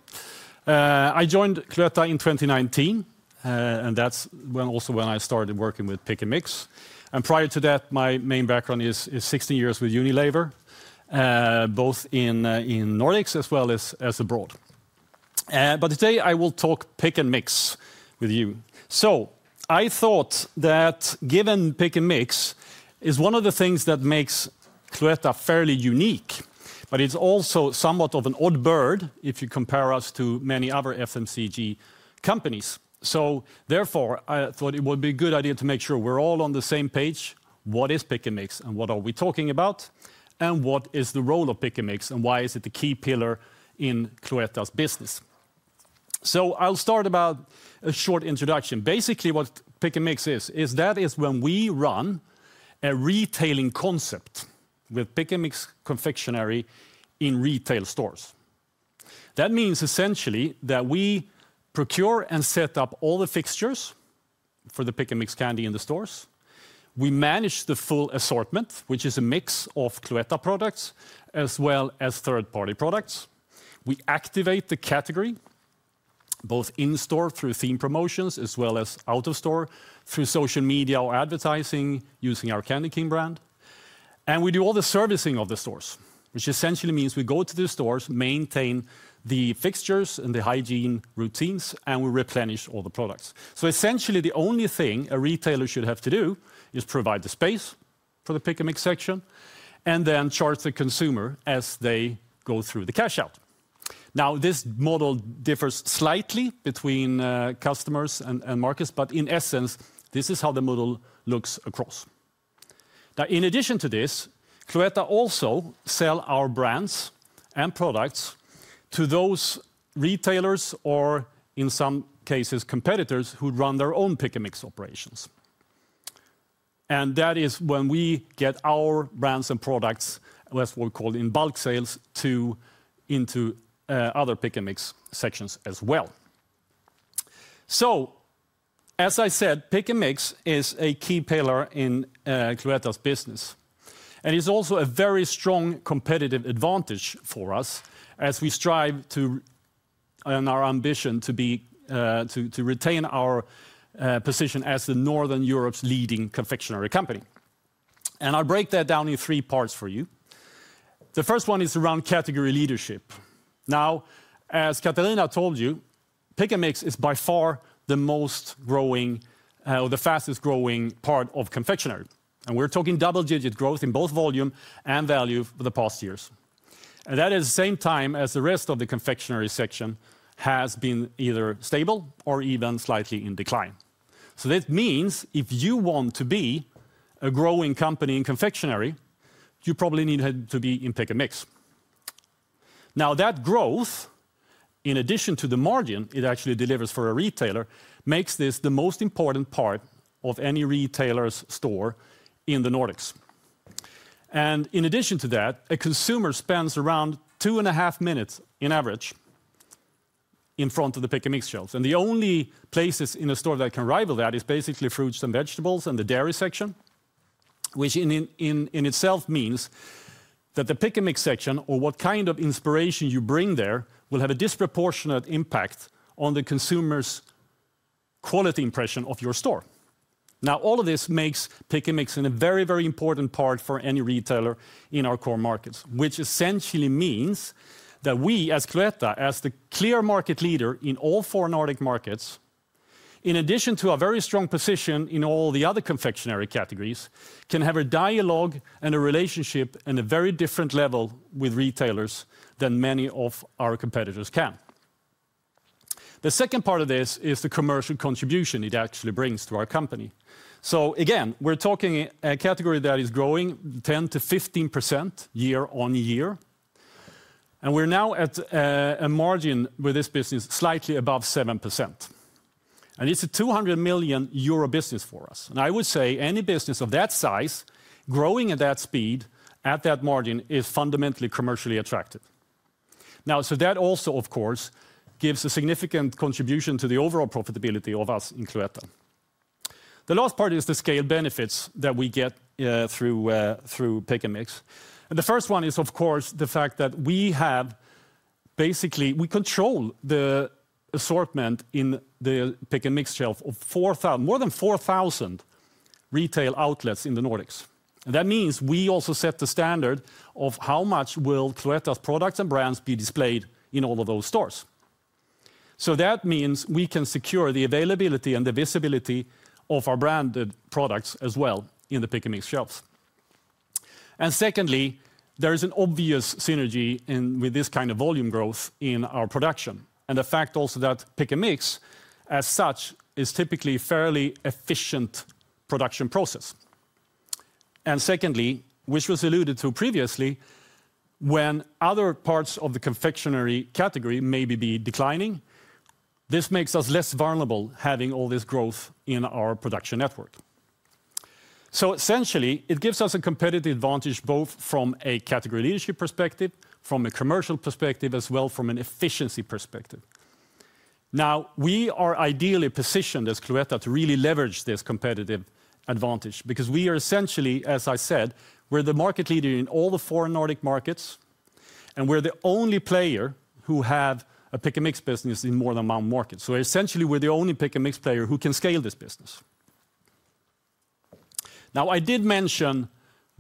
I joined Cloetta in 2019, and that's also when I started working with Pick & Mix. Prior to that, my main background is 16 years with Unilever, both in Nordics as well as abroad. Today, I will talk Pick & Mix with you. I thought that given Pick & Mix is one of the things that makes Cloetta fairly unique, but it's also somewhat of an odd bird if you compare us to many other FMCG companies. Therefore, I thought it would be a good idea to make sure we're all on the same page. What is Pick & Mix, and what are we talking about, and what is the role of Pick & Mix, and why is it the key pillar in Cloetta's business? I'll start with a short introduction. Basically, what Pick & Mix is, is that it's when we run a retailing concept with Pick & Mix confectionery in retail stores. That means essentially that we procure and set up all the fixtures for the Pick & Mix candy in the stores. We manage the full assortment, which is a mix of Cloetta products as well as third-party products. We activate the category both in-store through theme promotions as well as out-of-store through social media or advertising using our Candy King brand. We do all the servicing of the stores, which essentially means we go to the stores, maintain the fixtures and the hygiene routines, and we replenish all the products. Essentially, the only thing a retailer should have to do is provide the space for the Pick & Mix section and then charge the consumer as they go through the cash-out. This model differs slightly between customers and markets, but in essence, this is how the model looks across. In addition to this, Cloetta also sells our brands and products to those retailers or, in some cases, competitors who run their own Pick & Mix operations. That is when we get our brands and products, as we call it in bulk sales, into other Pick & Mix sections as well. As I said, Pick & Mix is a key pillar in Cloetta's business, and it is also a very strong competitive advantage for us as we strive to, and our ambition to be, to retain our position as Northern Europe's leading confectionery company. I will break that down in three parts for you. The first one is around category leadership. Now, as Katarina told you, Pick & Mix is by far the most growing or the fastest growing part of confectionery. We are talking double-digit growth in both volume and value for the past years. That is the same time as the rest of the confectionery section has been either stable or even slightly in decline. That means if you want to be a growing company in confectionery, you probably need to be in Pick & Mix. Now, that growth, in addition to the margin it actually delivers for a retailer, makes this the most important part of any retailer's store in the Nordics. In addition to that, a consumer spends around two and a half minutes in average in front of the Pick & Mix shelves. The only places in a store that can rival that is basically fruits and vegetables and the dairy section, which in itself means that the Pick & Mix section or what kind of inspiration you bring there will have a disproportionate impact on the consumer's quality impression of your store. Now, all of this makes Pick & Mix a very, very important part for any retailer in our core markets, which essentially means that we as Cloetta, as the clear market leader in all four Nordic markets, in addition to a very strong position in all the other confectionery categories, can have a dialogue and a relationship at a very different level with retailers than many of our competitors can. The second part of this is the commercial contribution it actually brings to our company. Again, we're talking a category that is growing 10%-15% year on year, and we're now at a margin with this business slightly above 7%. It is a 200 million euro business for us. I would say any business of that size growing at that speed at that margin is fundamentally commercially attractive. Now, so that also, of course, gives a significant contribution to the overall profitability of us in Cloetta. The last part is the scale benefits that we get through Pick & Mix. The first one is, of course, the fact that we have basically, we control the assortment in the Pick & Mix shelf of more than 4,000 retail outlets in the Nordics. That means we also set the standard of how much will Cloetta's products and brands be displayed in all of those stores. That means we can secure the availability and the visibility of our branded products as well in the Pick & Mix shelves. Secondly, there is an obvious synergy with this kind of volume growth in our production. The fact also that Pick & Mix as such is typically a fairly efficient production process. Secondly, which was alluded to previously, when other parts of the confectionery category may be declining, this makes us less vulnerable having all this growth in our production network. Essentially, it gives us a competitive advantage both from a category leadership perspective, from a commercial perspective, as well as from an efficiency perspective. Now, we are ideally positioned as Cloetta to really leverage this competitive advantage because we are essentially, as I said, we're the market leader in all the four Nordic markets, and we're the only player who has a Pick & Mix business in more than one market. Essentially, we're the only Pick & Mix player who can scale this business. I did mention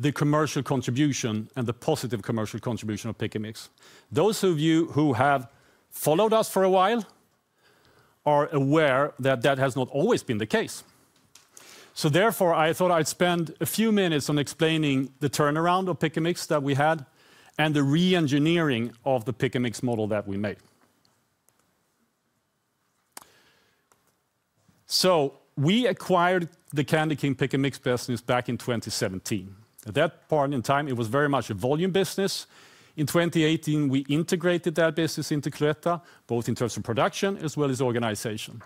the commercial contribution and the positive commercial contribution of Pick & Mix. Those of you who have followed us for a while are aware that that has not always been the case. Therefore, I thought I'd spend a few minutes on explaining the turnaround of Pick & Mix that we had and the re-engineering of the Pick & Mix model that we made. We acquired the Candy King Pick & Mix business back in 2017. At that point in time, it was very much a volume business. In 2018, we integrated that business into Cloetta, both in terms of production as well as organization.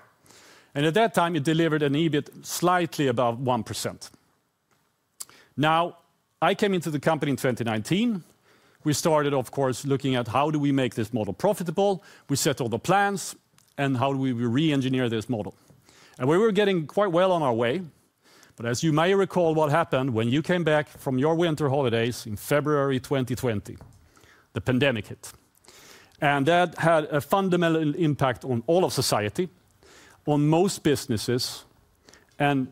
At that time, it delivered a EBIT slightly above 1%. I came into the company in 2019. We started, of course, looking at how do we make this model profitable, we set all the plans, and how do we re-engineer this model. We were getting quite well on our way. As you may recall, what happened when you came back from your winter holidays in February 2020? The pandemic hit. That had a fundamental impact on all of society, on most businesses, and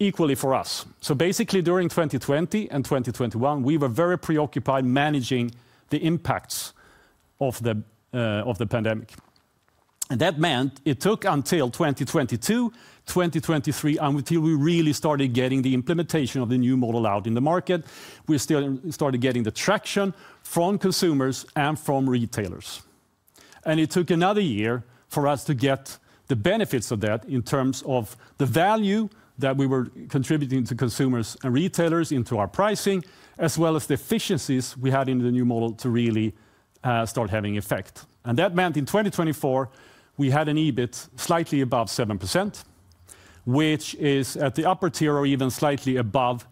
equally for us. Basically, during 2020 and 2021, we were very preoccupied managing the impacts of the pandemic. That meant it took until 2022, 2023, until we really started getting the implementation of the new model out in the market. We still started getting the traction from consumers and from retailers. It took another year for us to get the benefits of that in terms of the value that we were contributing to consumers and retailers into our pricing, as well as the efficiencies we had in the new model to really start having effect. That meant in 2024, we had a EBIT slightly above 7%, which is at the upper tier or even slightly above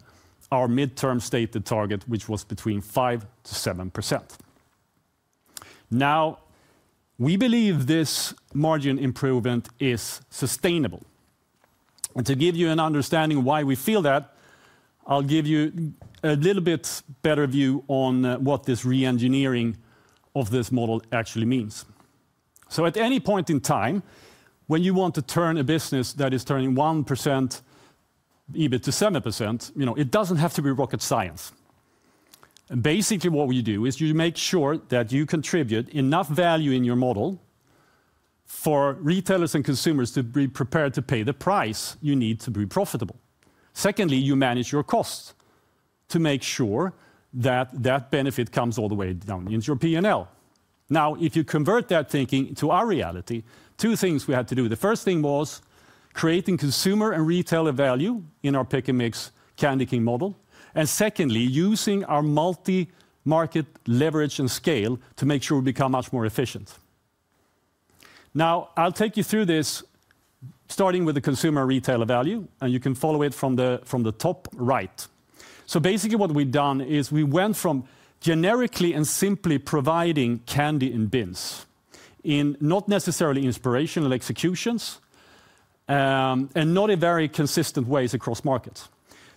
our midterm stated target, which was between 5%-7%. Now, we believe this margin improvement is sustainable. To give you an understanding of why we feel that, I'll give you a little bit better view on what this re-engineering of this model actually means. At any point in time, when you want to turn a business that is turning 1% EBIT to 7%, you know, it doesn't have to be rocket science. Basically, what we do is you make sure that you contribute enough value in your model for retailers and consumers to be prepared to pay the price you need to be profitable. Secondly, you manage your costs to make sure that that benefit comes all the way down into your P&L. Now, if you convert that thinking to our reality, two things we had to do. The first thing was creating consumer and retailer value in our Pick & Mix Candy King model. Secondly, using our multi-market leverage and scale to make sure we become much more efficient. I will take you through this, starting with the consumer retailer value, and you can follow it from the top right. Basically, what we have done is we went from generically and simply providing candy in bins in not necessarily inspirational executions and not in very consistent ways across markets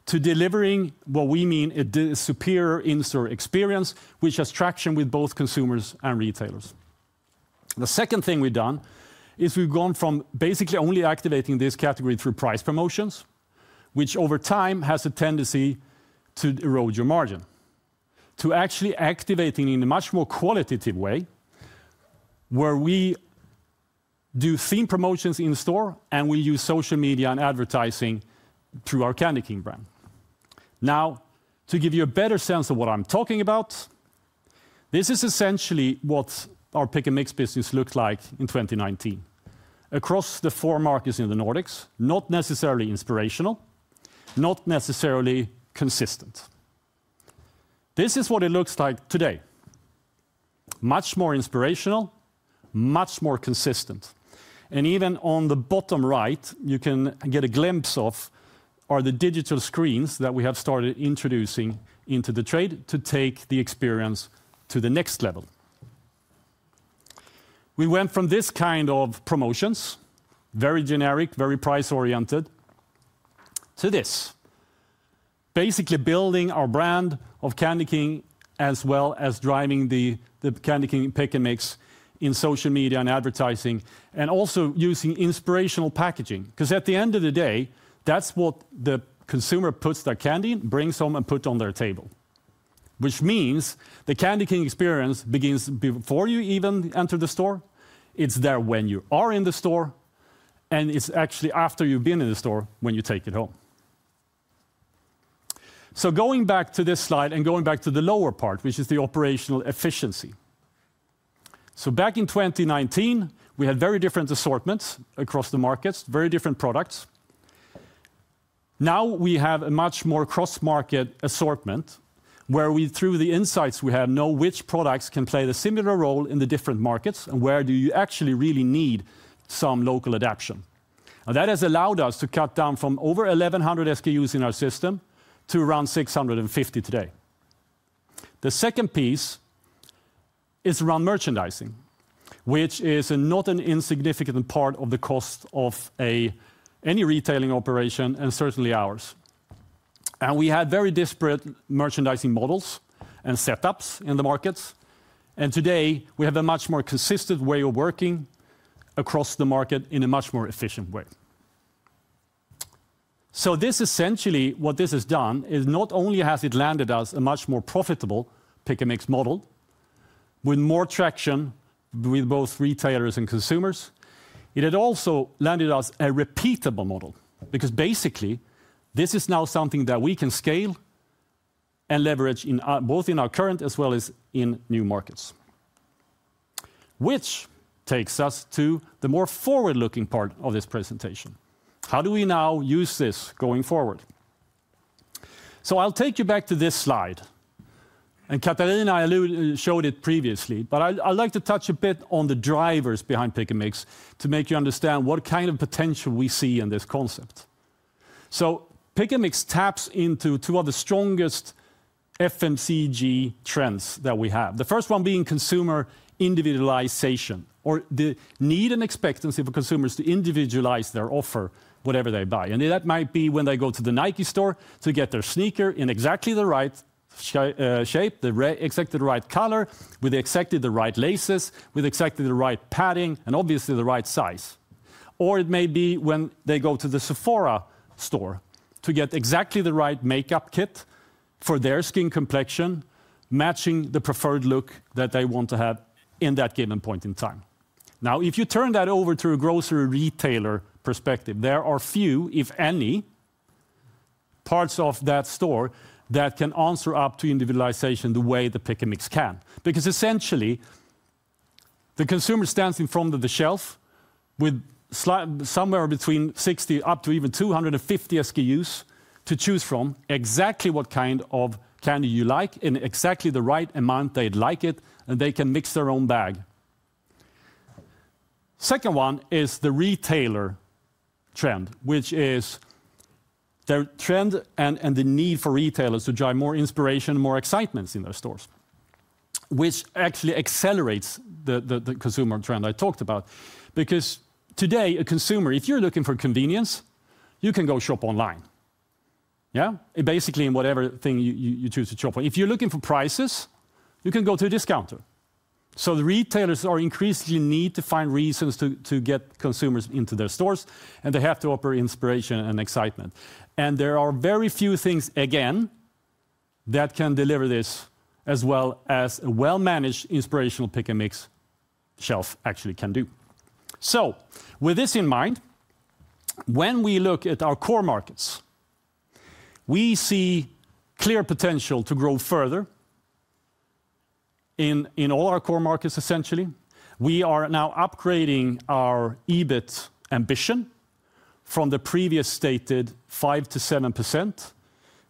to delivering what we mean a superior in-store experience, which has traction with both consumers and retailers. The second thing we've done is we've gone from basically only activating this category through price promotions, which over time has a tendency to erode your margin, to actually activating in a much more qualitative way, where we do theme promotions in-store and we use social media and advertising through our Candy King brand. Now, to give you a better sense of what I'm talking about, this is essentially what our Pick & Mix business looked like in 2019 across the four markets in the Nordics, not necessarily inspirational, not necessarily consistent. This is what it looks like today. Much more inspirational, much more consistent. Even on the bottom right, you can get a glimpse of the digital screens that we have started introducing into the trade to take the experience to the next level. We went from this kind of promotions, very generic, very price-oriented, to this, basically building our brand of Candy King as well as driving the Candy King Pick & Mix in social media and advertising, and also using inspirational packaging. Because at the end of the day, that's what the consumer puts their candy in, brings home, and puts on their table, which means the Candy King experience begins before you even enter the store. It's there when you are in the store, and it's actually after you've been in the store when you take it home. Going back to this slide and going back to the lower part, which is the operational efficiency. Back in 2019, we had very different assortments across the markets, very different products. Now, we have a much more cross-market assortment where we, through the insights, we have known which products can play a similar role in the different markets and where you actually really need some local adaption. That has allowed us to cut down from over 1,100 SKUs in our system to around 650 today. The second piece is around merchandising, which is not an insignificant part of the cost of any retailing operation and certainly ours. We had very disparate merchandising models and setups in the markets. Today, we have a much more consistent way of working across the market in a much more efficient way. This essentially, what this has done is not only has it landed us a much more profitable Pick & Mix model with more traction with both retailers and consumers, it had also landed us a repeatable model because basically, this is now something that we can scale and leverage both in our current as well as in new markets, which takes us to the more forward-looking part of this presentation. How do we now use this going forward? I'll take you back to this slide. Katarina showed it previously, but I'd like to touch a bit on the drivers behind Pick & Mix to make you understand what kind of potential we see in this concept. Pick & Mix taps into two of the strongest FMCG trends that we have, the first one being consumer individualization or the need and expectancy for consumers to individualize their offer whatever they buy. That might be when they go to the Nike store to get their sneaker in exactly the right shape, exactly the right color, with exactly the right laces, with exactly the right padding, and obviously the right size. It may be when they go to the Sephora store to get exactly the right makeup kit for their skin complexion matching the preferred look that they want to have in that given point in time. Now, if you turn that over to a grocery retailer perspective, there are few, if any, parts of that store that can answer up to individualization the way the Pick & Mix can because essentially, the consumer stands in front of the shelf with somewhere between 60 up to even 250 SKUs to choose from exactly what kind of candy you like in exactly the right amount they'd like it, and they can mix their own bag. Second one is the retailer trend, which is the trend and the need for retailers to drive more inspiration and more excitement in their stores, which actually accelerates the consumer trend I talked about because today, a consumer, if you're looking for convenience, you can go shop online. Yeah, basically in whatever thing you choose to shop on. If you're looking for prices, you can go to a discounter. The retailers are increasingly need to find reasons to get consumers into their stores, and they have to offer inspiration and excitement. There are very few things, again, that can deliver this as well as a well-managed inspirational Pick & Mix shelf actually can do. With this in mind, when we look at our core markets, we see clear potential to grow further in all our core markets, essentially. We are now upgrading our EBIT ambition from the previous stated 5%-7%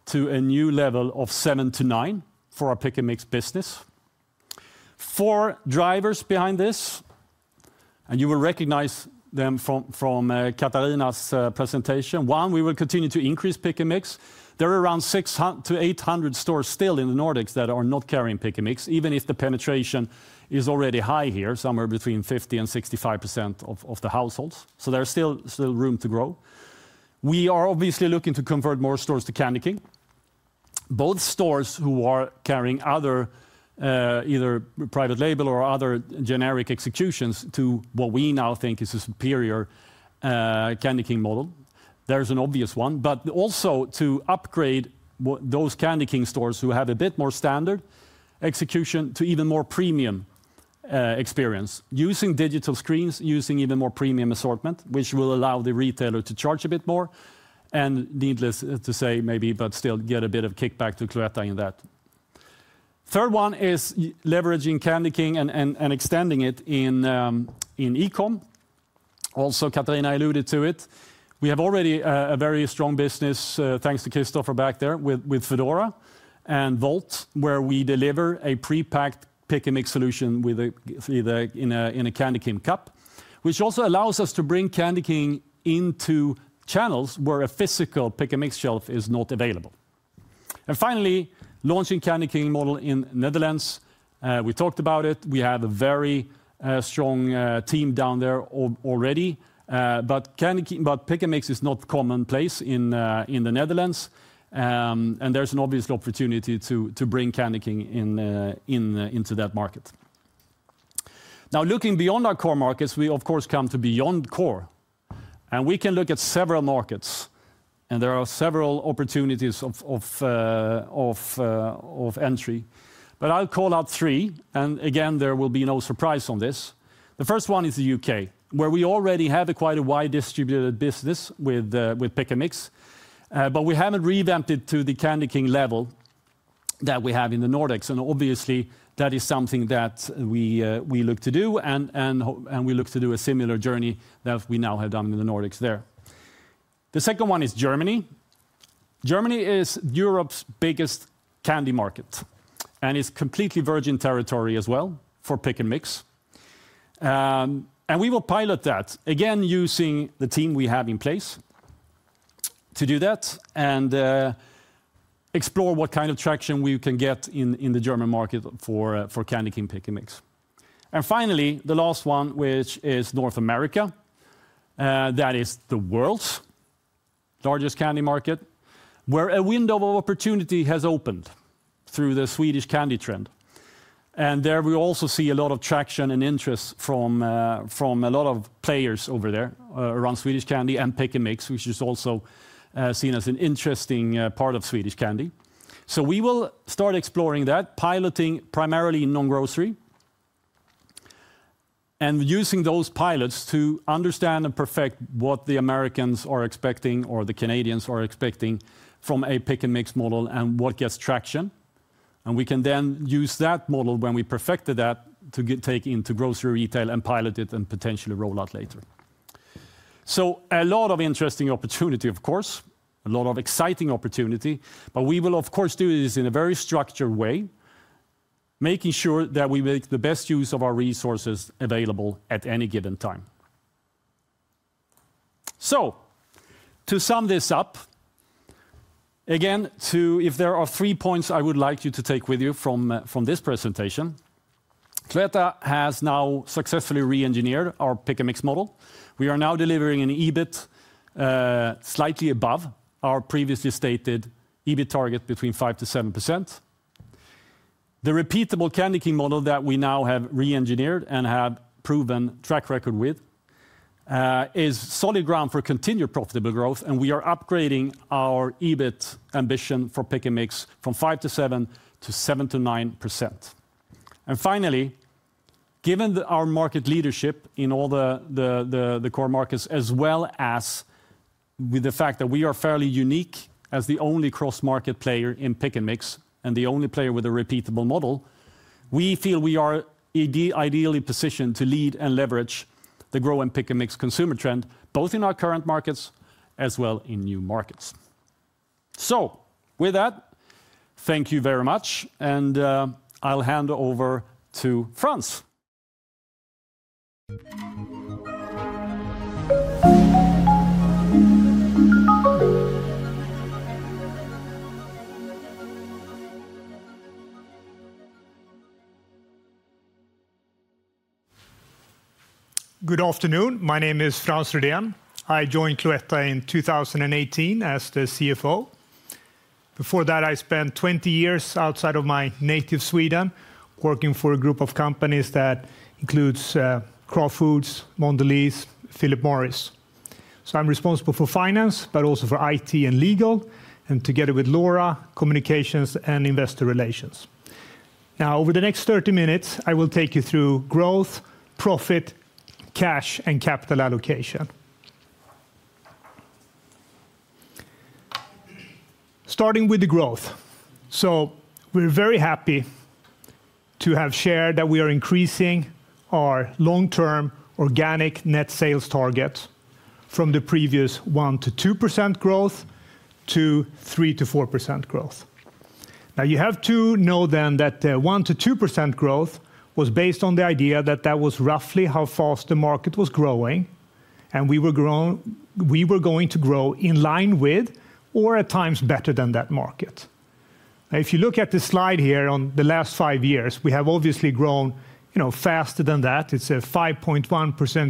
to a new level of 7%-9% for our Pick & Mix business. Four drivers behind this, and you will recognize them from Katarina's presentation. One, we will continue to increase Pick & Mix. There are around 600-800 stores still in the Nordics that are not carrying Pick & Mix, even if the penetration is already high here, somewhere between 50% and 65% of the households. There is still room to grow. We are obviously looking to convert more stores to Candy King, both stores who are carrying either private label or other generic executions to what we now think is a superior Candy King model. There is an obvious one, but also to upgrade those Candy King stores who have a bit more standard execution to even more premium experience using digital screens, using even more premium assortment, which will allow the retailer to charge a bit more and needless to say maybe, but still get a bit of kickback to Cloetta in that. Third one is leveraging Candy King and extending it in e-comm. Also, Katarina alluded to it. We have already a very strong business, thanks to Christopher back there, with foodora and Wolt, where we deliver a pre-packed Pick & Mix solution in a Candy King cup, which also allows us to bring Candy King into channels where a physical Pick & Mix shelf is not available. Finally, launching the Candy King model in the Netherlands. We talked about it. We have a very strong team down there already, but Pick & Mix is not commonplace in the Netherlands, and there is an obvious opportunity to bring Candy King into that market. Now, looking beyond our core markets, we, of course, come to beyond core, and we can look at several markets, and there are several opportunities of entry, but I'll call out three, and again, there will be no surprise on this. The first one is the U.K., where we already have quite a wide distributed business with Pick & Mix, but we haven't revamped it to the Candy King level that we have in the Nordics, and obviously, that is something that we look to do, and we look to do a similar journey that we now have done in the Nordics there. The second one is Germany. Germany is Europe's biggest candy market and is completely virgin territory as well for Pick & Mix, and we will pilot that again using the team we have in place to do that and explore what kind of traction we can get in the German market for Candy King Pick & Mix. Finally, the last one, which is North America, that is the world's largest candy market, where a window of opportunity has opened through the Swedish candy trend. There we also see a lot of traction and interest from a lot of players over there around Swedish candy and Pick & Mix, which is also seen as an interesting part of Swedish candy. We will start exploring that, piloting primarily in non-grocery and using those pilots to understand and perfect what the Americans are expecting or the Canadians are expecting from a Pick & Mix model and what gets traction. We can then use that model when we have perfected that to take into grocery retail and pilot it and potentially roll out later. A lot of interesting opportunity, of course, a lot of exciting opportunity, but we will, of course, do this in a very structured way, making sure that we make the best use of our resources available at any given time. To sum this up, again, if there are three points I would like you to take with you from this presentation, Cloetta has now successfully re-engineered our Pick & Mix model. We are now delivering an EBIT slightly above our previously stated EBIT target between 5%-7%. The repeatable Candy King model that we now have re-engineered and have proven track record with is solid ground for continued profitable growth, and we are upgrading our EBIT ambition for Pick & Mix from 5%-7% to 7%-9%. Finally, given our market leadership in all the core markets, as well as with the fact that we are fairly unique as the only cross-market player in Pick & Mix and the only player with a repeatable model, we feel we are ideally positioned to lead and leverage the grow and Pick & Mix consumer trend both in our current markets as well as in new markets. Thank you very much, and I'll hand over to Frans. Good afternoon. My name is Frans Ryden. I joined Cloetta in 2018 as the CFO. Before that, I spent 20 years outside of my native Sweden working for a group of companies that includes Kraft Heinz, Mondelez, and Philip Morris. I am responsible for finance, but also for IT and legal, and together with Laura, communications and investor relations. Now, over the next 30 minutes, I will take you through growth, profit, cash, and capital allocation. Starting with the growth, we are very happy to have shared that we are increasing our long-term organic net sales target from the previous 1%-2% growth to 3%-4% growth. You have to know then that the 1%-2% growth was based on the idea that that was roughly how fast the market was growing, and we were going to grow in line with or at times better than that market. If you look at the slide here on the last five years, we have obviously grown faster than that. It is a 5.1%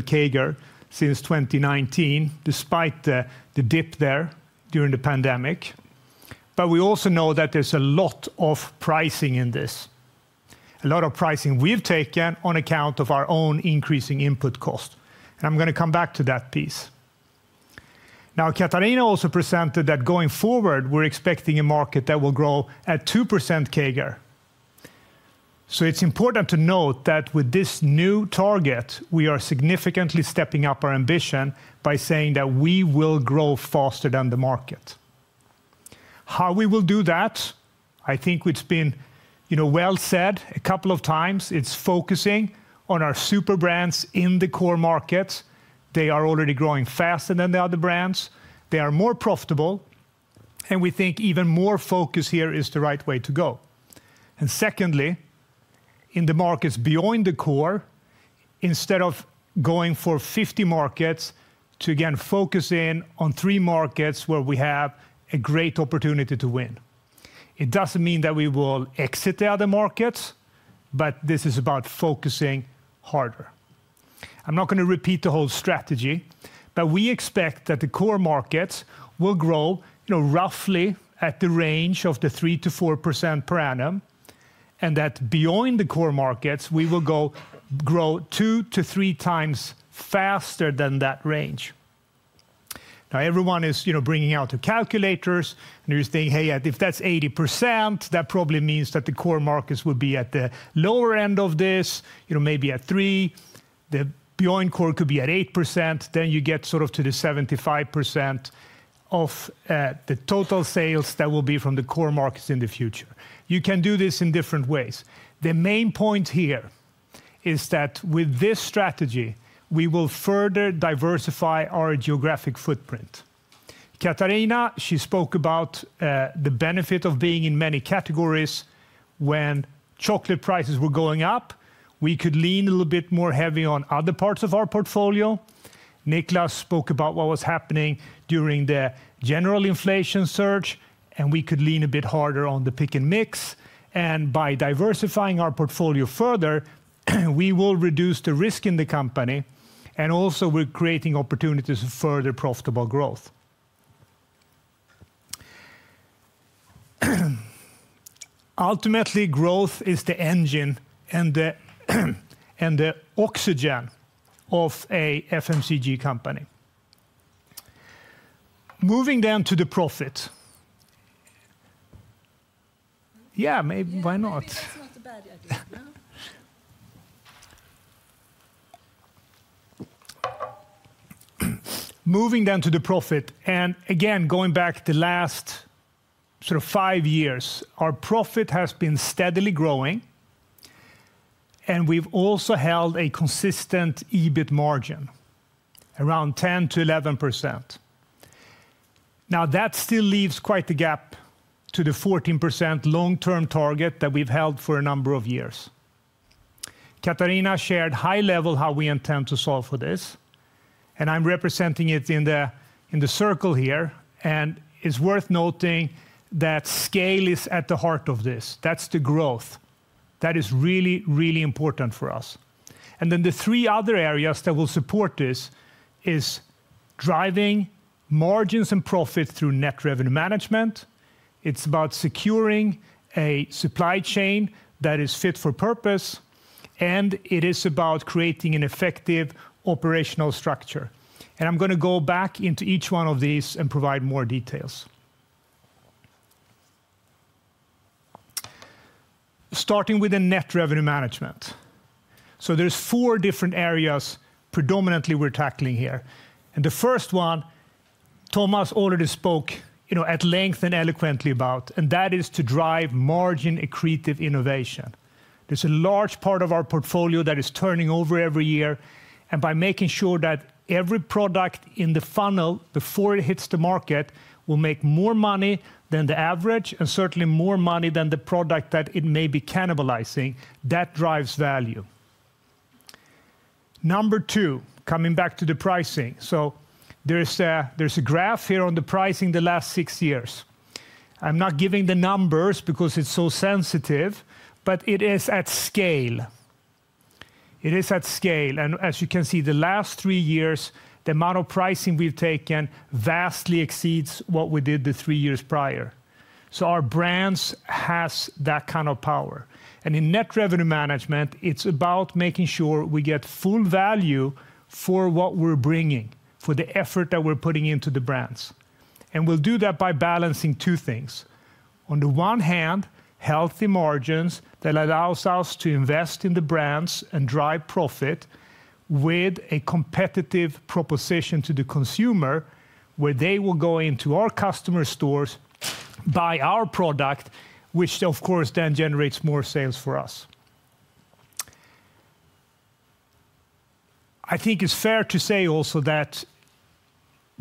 CAGR since 2019, despite the dip there during the pandemic. We also know that there's a lot of pricing in this, a lot of pricing we've taken on account of our own increasing input cost. I'm going to come back to that piece. Now, Katarina also presented that going forward, we're expecting a market that will grow at 2% CAGR. It's important to note that with this new target, we are significantly stepping up our ambition by saying that we will grow faster than the market. How we will do that, I think it's been well said a couple of times. It's focusing on our super brands in the core markets. They are already growing faster than the other brands. They are more profitable, and we think even more focus here is the right way to go. Secondly, in the markets beyond the core, instead of going for 50 markets to, again, focus in on three markets where we have a great opportunity to win. It does not mean that we will exit the other markets, but this is about focusing harder. I am not going to repeat the whole strategy, but we expect that the core markets will grow roughly at the range of 3%-4% per annum, and that beyond the core markets, we will grow two to three times faster than that range. Now, everyone is bringing out their calculators, and you are saying, "Hey, if that is 80%, that probably means that the core markets would be at the lower end of this, maybe at three. The beyond core could be at 8%. You get sort of to the 75% of the total sales that will be from the core markets in the future. You can do this in different ways. The main point here is that with this strategy, we will further diversify our geographic footprint. Katarina, she spoke about the benefit of being in many categories. When chocolate prices were going up, we could lean a little bit more heavy on other parts of our portfolio. Niklas spoke about what was happening during the general inflation surge, and we could lean a bit harder on the Pick & Mix. By diversifying our portfolio further, we will reduce the risk in the company, and also we're creating opportunities for further profitable growth. Ultimately, growth is the engine and the oxygen of an FMCG company. Moving then to the profit. Yeah, maybe, why not? Moving then to the profit, and again, going back to the last sort of five years, our profit has been steadily growing, and we've also held a consistent EBIT margin, around 10%-11%. That still leaves quite the gap to the 14% long-term target that we've held for a number of years. Katarina shared high level how we intend to solve for this, and I'm representing it in the circle here. It is worth noting that scale is at the heart of this. That is the growth. That is really, really important for us. The three other areas that will support this are driving margins and profit through net revenue management. It is about securing a supply chain that is fit for purpose, and it is about creating an effective operational structure. I'm going to go back into each one of these and provide more details. Starting with the net revenue management. There are four different areas predominantly we're tackling here. The first one, Thomas already spoke at length and eloquently about, and that is to drive margin accretive innovation. There's a large part of our portfolio that is turning over every year, and by making sure that every product in the funnel before it hits the market will make more money than the average and certainly more money than the product that it may be cannibalizing, that drives value. Number two, coming back to the pricing. There's a graph here on the pricing the last six years. I'm not giving the numbers because it's so sensitive, but it is at scale. It is at scale. As you can see, the last three years, the amount of pricing we've taken vastly exceeds what we did the three years prior. Our brands have that kind of power. In net revenue management, it's about making sure we get full value for what we're bringing, for the effort that we're putting into the brands. We'll do that by balancing two things. On the one hand, healthy margins that allow us to invest in the brands and drive profit with a competitive proposition to the consumer, where they will go into our customer stores, buy our product, which of course then generates more sales for us. I think it's fair to say also that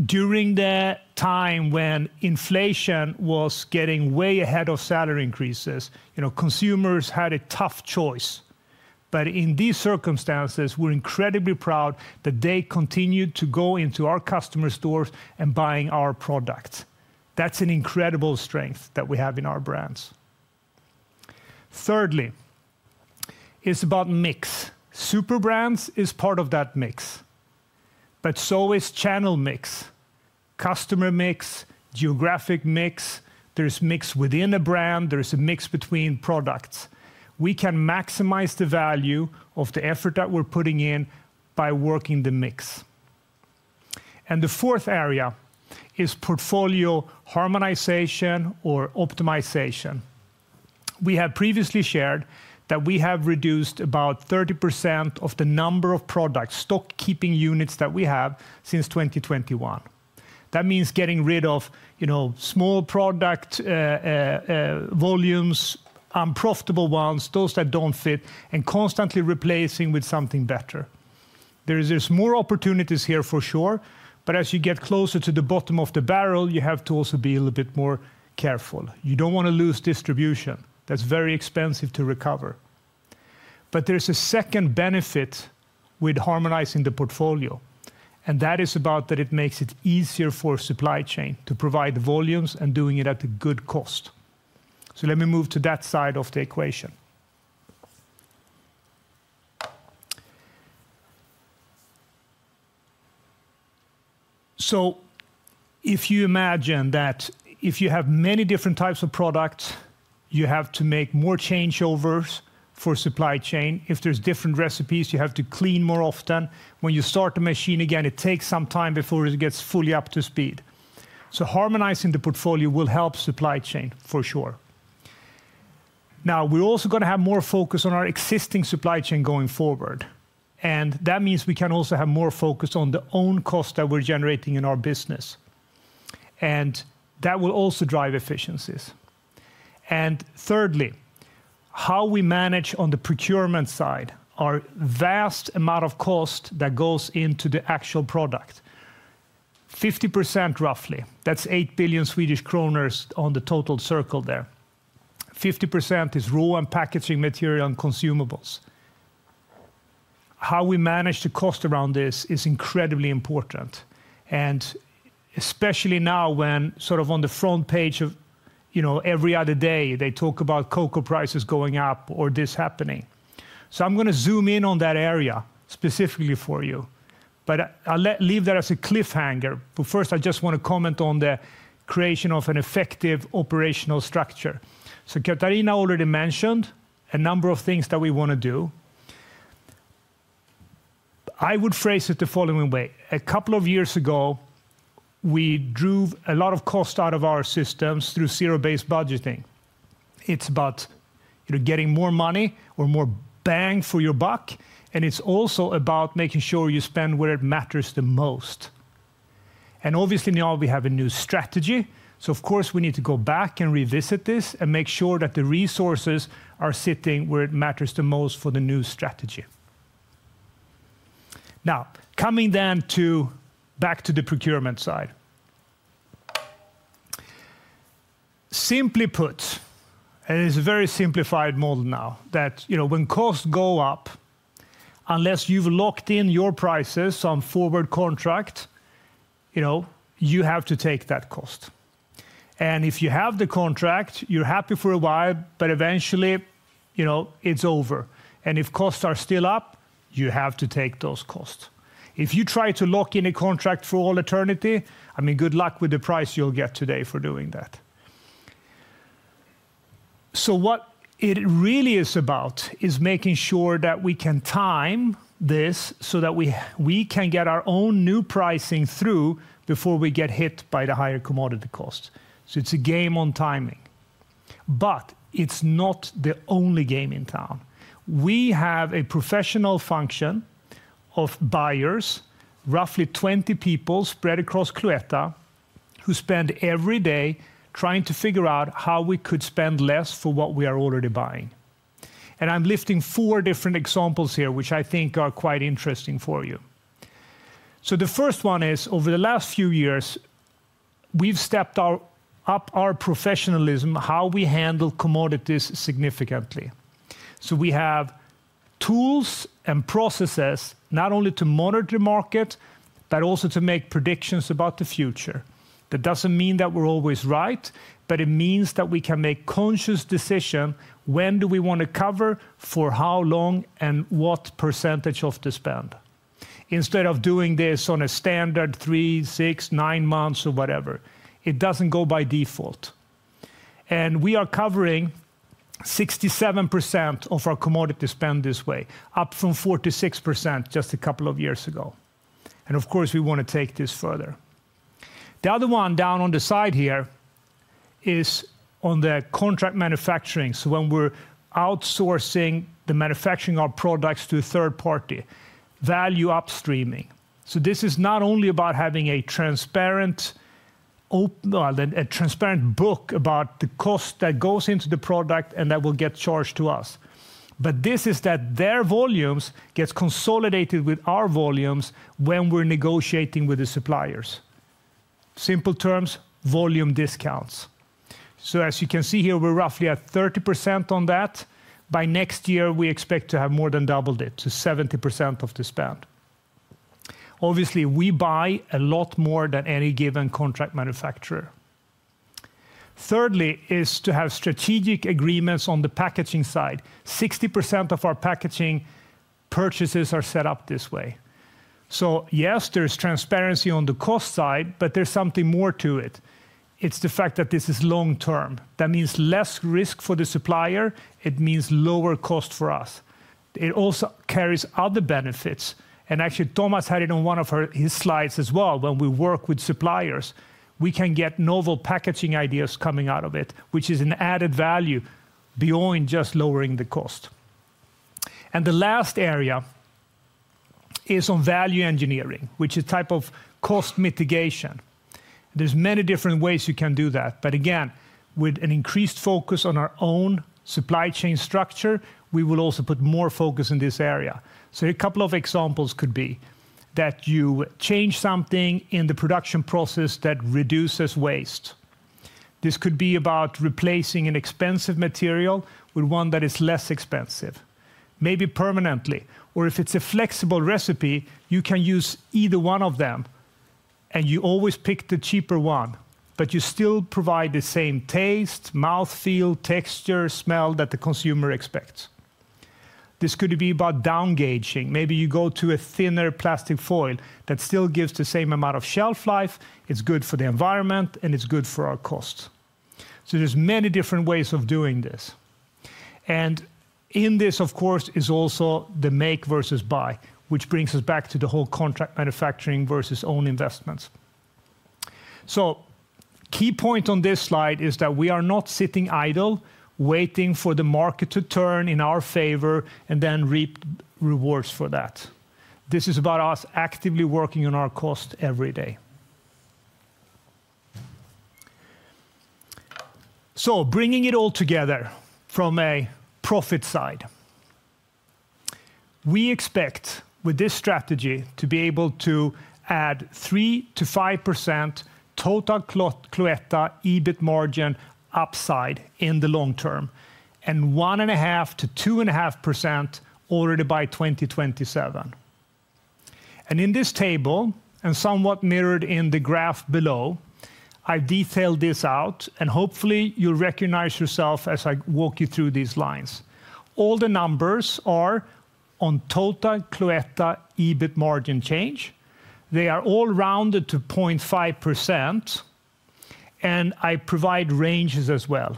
during the time when inflation was getting way ahead of salary increases, consumers had a tough choice. In these circumstances, we're incredibly proud that they continued to go into our customer stores and buy our products. That's an incredible strength that we have in our brands. Thirdly, it's about mix. Super brands are part of that mix, but so is channel mix, customer mix, geographic mix. There's mix within a brand. There's a mix between products. We can maximize the value of the effort that we're putting in by working the mix. The fourth area is portfolio harmonization or optimization. We have previously shared that we have reduced about 30% of the number of products, stock keeping units that we have since 2021. That means getting rid of small product volumes, unprofitable ones, those that don't fit, and constantly replacing with something better. There's more opportunities here for sure, but as you get closer to the bottom of the barrel, you have to also be a little bit more careful. You don't want to lose distribution. That's very expensive to recover. There's a second benefit with harmonizing the portfolio, and that is about that it makes it easier for supply chain to provide volumes and doing it at a good cost. Let me move to that side of the equation. If you imagine that if you have many different types of products, you have to make more changeovers for supply chain. If there's different recipes, you have to clean more often. When you start the machine again, it takes some time before it gets fully up to speed. Harmonizing the portfolio will help supply chain for sure. Now, we're also going to have more focus on our existing supply chain going forward, and that means we can also have more focus on the own cost that we're generating in our business, and that will also drive efficiencies. Thirdly, how we manage on the procurement side, our vast amount of cost that goes into the actual product, 50% roughly, that's 8 billion Swedish kronor on the total circle there. 50% is raw and packaging material and consumables. How we manage the cost around this is incredibly important, especially now when sort of on the front page of every other day, they talk about cocoa prices going up or this happening. I'm going to zoom in on that area specifically for you, but I'll leave that as a cliffhanger. First, I just want to comment on the creation of an effective operational structure. Katarina already mentioned a number of things that we want to do. I would phrase it the following way. A couple of years ago, we drove a lot of cost out of our systems through zero-based budgeting. It's about getting more money or more bang for your buck, and it's also about making sure you spend where it matters the most. Obviously, now we have a new strategy. Of course, we need to go back and revisit this and make sure that the resources are sitting where it matters the most for the new strategy. Now, coming then back to the procurement side. Simply put, and it's a very simplified model now, that when costs go up, unless you've locked in your prices on forward contract, you have to take that cost. If you have the contract, you're happy for a while, but eventually, it's over. If costs are still up, you have to take those costs. If you try to lock in a contract for all eternity, I mean, good luck with the price you'll get today for doing that. What it really is about is making sure that we can time this so that we can get our own new pricing through before we get hit by the higher commodity costs. It's a game on timing, but it's not the only game in town. We have a professional function of buyers, roughly 20 people spread across Cloetta, who spend every day trying to figure out how we could spend less for what we are already buying. I'm listing four different examples here, which I think are quite interesting for you. The first one is, over the last few years, we've stepped up our professionalism, how we handle commodities significantly. We have tools and processes not only to monitor the market, but also to make predictions about the future. That does not mean that we are always right, but it means that we can make conscious decisions when do we want to cover for how long and what percentage of the spend. Instead of doing this on a standard three, six, nine months or whatever, it does not go by default. We are covering 67% of our commodity spend this way, up from 46% just a couple of years ago. Of course, we want to take this further. The other one down on the side here is on the contract manufacturing. When we are outsourcing the manufacturing of our products to a third party, value upstreaming. This is not only about having a transparent book about the cost that goes into the product and that will get charged to us, but this is that their volumes get consolidated with our volumes when we're negotiating with the suppliers. Simple terms, volume discounts. As you can see here, we're roughly at 30% on that. By next year, we expect to have more than doubled it to 70% of the spend. Obviously, we buy a lot more than any given contract manufacturer. Thirdly, is to have strategic agreements on the packaging side. 60% of our packaging purchases are set up this way. Yes, there's transparency on the cost side, but there's something more to it. It's the fact that this is long term. That means less risk for the supplier. It means lower cost for us. It also carries other benefits. Actually, Thomas had it on one of his slides as well. When we work with suppliers, we can get novel packaging ideas coming out of it, which is an added value beyond just lowering the cost. The last area is on value engineering, which is a type of cost mitigation. There are many different ways you can do that, but again, with an increased focus on our own supply chain structure, we will also put more focus in this area. A couple of examples could be that you change something in the production process that reduces waste. This could be about replacing an expensive material with one that is less expensive, maybe permanently, or if it is a flexible recipe, you can use either one of them, and you always pick the cheaper one, but you still provide the same taste, mouthfeel, texture, smell that the consumer expects. This could be about downgaging. Maybe you go to a thinner plastic foil that still gives the same amount of shelf life. It's good for the environment, and it's good for our costs. There are many different ways of doing this. In this, of course, is also the make versus buy, which brings us back to the whole contract manufacturing versus own investments. The key point on this slide is that we are not sitting idle, waiting for the market to turn in our favor and then reap rewards for that. This is about us actively working on our cost every day. Bringing it all together from a profit side, we expect with this strategy to be able to add 3%-5% total Cloetta EBIT margin upside in the long term and 1.5%-2.5% already by 2027. In this table, and somewhat mirrored in the graph below, I have detailed this out, and hopefully, you will recognize yourself as I walk you through these lines. All the numbers are on total Cloetta EBIT margin change. They are all rounded to 0.5%, and I provide ranges as well.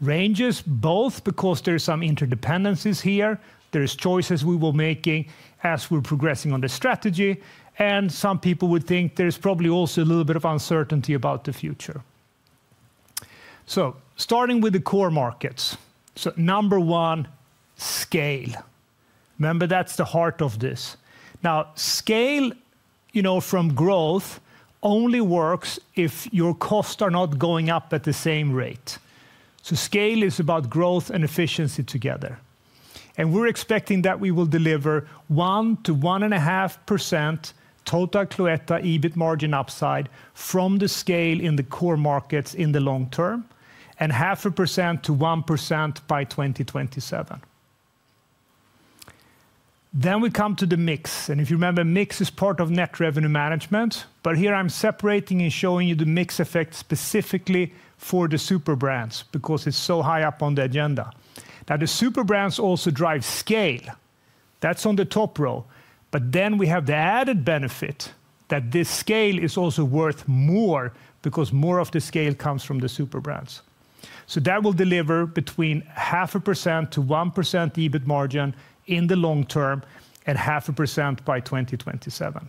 Ranges both because there are some interdependencies here. There are choices we will be making as we are progressing on the strategy, and some people would think there is probably also a little bit of uncertainty about the future. Starting with the core markets. Number one, scale. Remember, that is the heart of this. Now, scale from growth only works if your costs are not going up at the same rate. Scale is about growth and efficiency together. We are expecting that we will deliver 1%-1.5% total Cloetta EBIT margin upside from the scale in the core markets in the long term and 0.5%-1% by 2027. We come to the mix. If you remember, mix is part of net revenue management, but here I am separating and showing you the mix effect specifically for the super brands because it is so high up on the agenda. The super brands also drive scale. That is on the top row, but we have the added benefit that this scale is also worth more because more of the scale comes from the super brands. That will deliver between 0.5%-1% EBIT margin in the long term and 0.5% by 2027.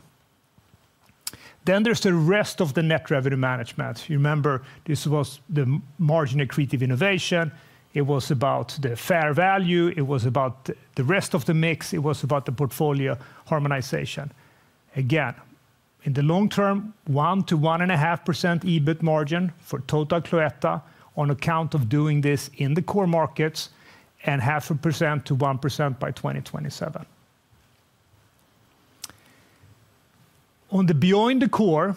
There is the rest of the net revenue management. You remember, this was the margin accretive innovation. It was about the fair value. It was about the rest of the mix. It was about the portfolio harmonization. Again, in the long term, 1%-1.5% EBIT margin for total Cloetta on account of doing this in the core markets and 0.5%-1% by 2027. On the beyond the core,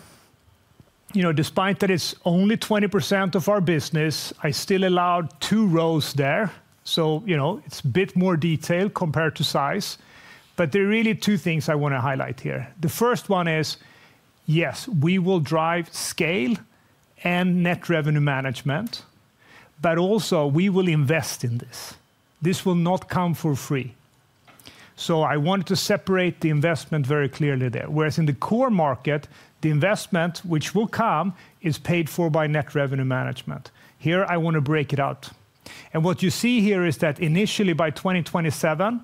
despite that it's only 20% of our business, I still allowed two rows there. It is a bit more detailed compared to size, but there are really two things I want to highlight here. The first one is, yes, we will drive scale and net revenue management, but also we will invest in this. This will not come for free. I wanted to separate the investment very clearly there. Whereas in the core market, the investment which will come is paid for by net revenue management. Here, I want to break it out. What you see here is that initially by 2027,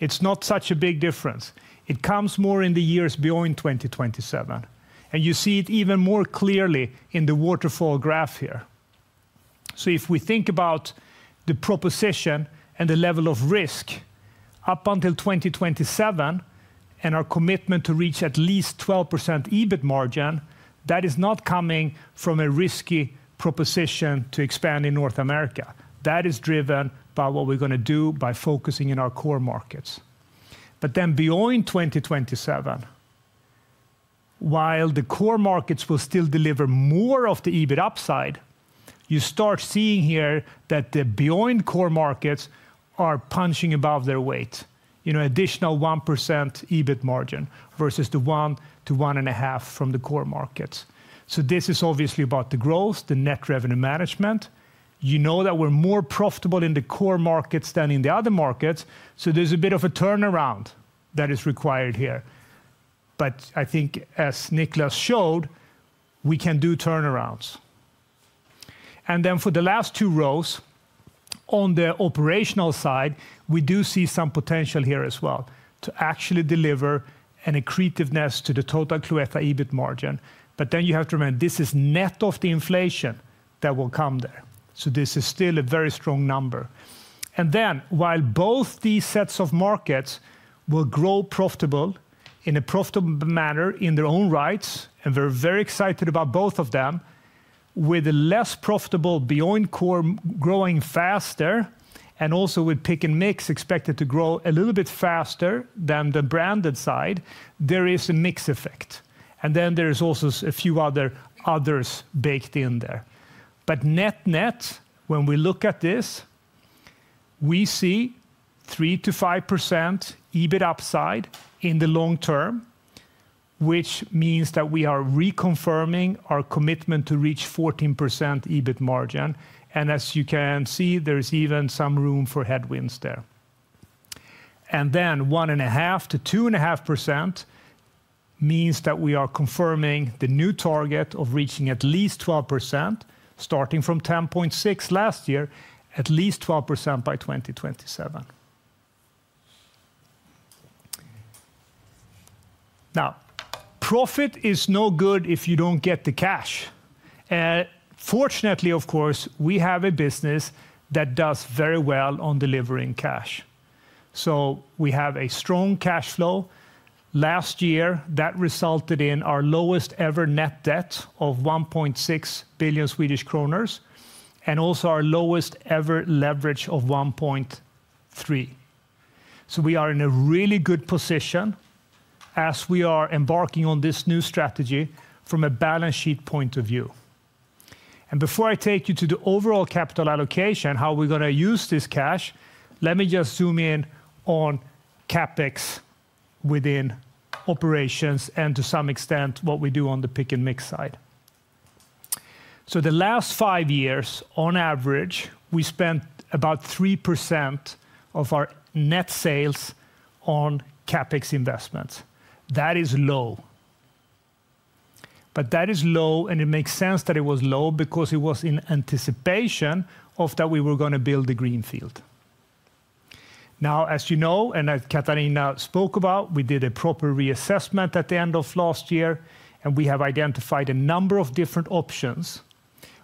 it's not such a big difference. It comes more in the years beyond 2027. You see it even more clearly in the waterfall graph here. If we think about the proposition and the level of risk up until 2027 and our commitment to reach at least 12% EBIT margin, that is not coming from a risky proposition to expand in North America. That is driven by what we're going to do by focusing in our core markets. Then beyond 2027, while the core markets will still deliver more of the EBIT upside, you start seeing here that the beyond core markets are punching above their weight, an additional 1% EBIT margin versus the 1%-1.5% from the core markets. This is obviously about the growth, the net revenue management. You know that we're more profitable in the core markets than in the other markets. There is a bit of a turnaround that is required here. I think, as Niklas showed, we can do turnarounds. For the last two rows, on the operational side, we do see some potential here as well to actually deliver an accretiveness to the total Cloetta EBIT margin. You have to remember, this is net of the inflation that will come there. This is still a very strong number. While both these sets of markets will grow in a profitable manner in their own rights, and we're very excited about both of them, with the less profitable beyond core growing faster and also with Pick & Mix expected to grow a little bit faster than the branded side, there is a mix effect. There are also a few others baked in there. Net net, when we look at this, we see 3%-5% EBIT upside in the long term, which means that we are reconfirming our commitment to reach 14% EBIT margin. As you can see, there's even some room for headwinds there. Then 1.5%-2.5% means that we are confirming the new target of reaching at least 12%, starting from 10.6 last year, at least 12% by 2027. Now, profit is no good if you don't get the cash. Fortunately, of course, we have a business that does very well on delivering cash. We have a strong cash flow. Last year, that resulted in our lowest ever net debt of 1.6 billion Swedish kronor and also our lowest ever leverage of 1.3. We are in a really good position as we are embarking on this new strategy from a balance sheet point of view. Before I take you to the overall capital allocation, how we're going to use this cash, let me just zoom in on CapEx within operations and to some extent what we do on the Pick & Mix side. The last five years, on average, we spent about 3% of our net sales on CapEx investments. That is low. That is low, and it makes sense that it was low because it was in anticipation of that we were going to build the greenfield. Now, as you know, and as Katarina spoke about, we did a proper reassessment at the end of last year, and we have identified a number of different options,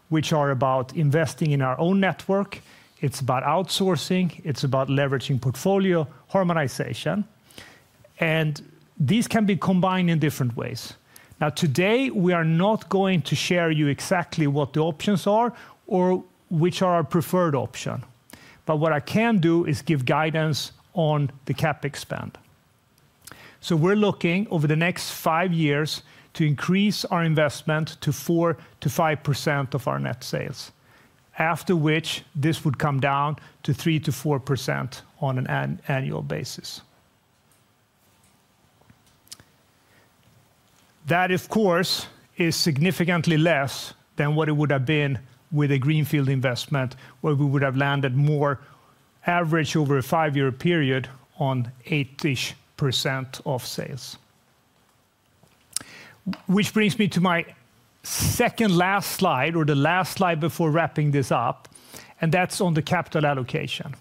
which are about investing in our own network. It is about outsourcing. It is about leveraging portfolio harmonization. These can be combined in different ways. Today, we are not going to share with you exactly what the options are or which are our preferred option. What I can do is give guidance on the CapEx spend. We are looking over the next five years to increase our investment to 4%-5% of our net sales, after which this would come down to 3%-4% on an annual basis. That, of course, is significantly less than what it would have been with a greenfield investment, where we would have landed more average over a five-year period on 8% of sales. Which brings me to my second last slide or the last slide before wrapping this up, and that's on the capital allocation.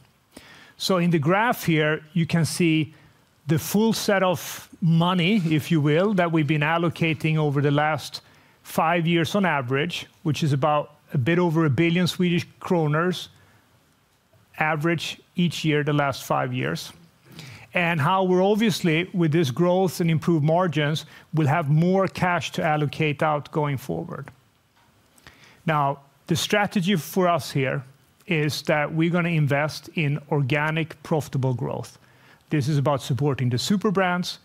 In the graph here, you can see the full set of money, if you will, that we've been allocating over the last five years on average, which is about a bit over 1 billion Swedish kronor average each year the last five years. How we're obviously, with this growth and improved margins, we'll have more cash to allocate out going forward. Now, the strategy for us here is that we're going to invest in organic profitable growth. This is about supporting the super brands.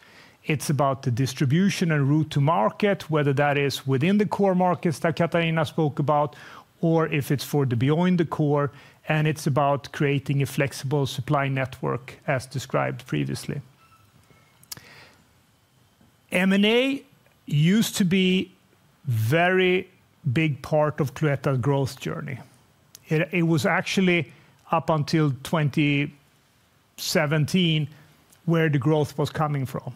It's about the distribution and route to market, whether that is within the core markets that Katarina spoke about or if it's for the beyond the core, and it's about creating a flexible supply network, as described previously. M&A used to be a very big part of Cloetta's growth journey. It was actually up until 2017 where the growth was coming from.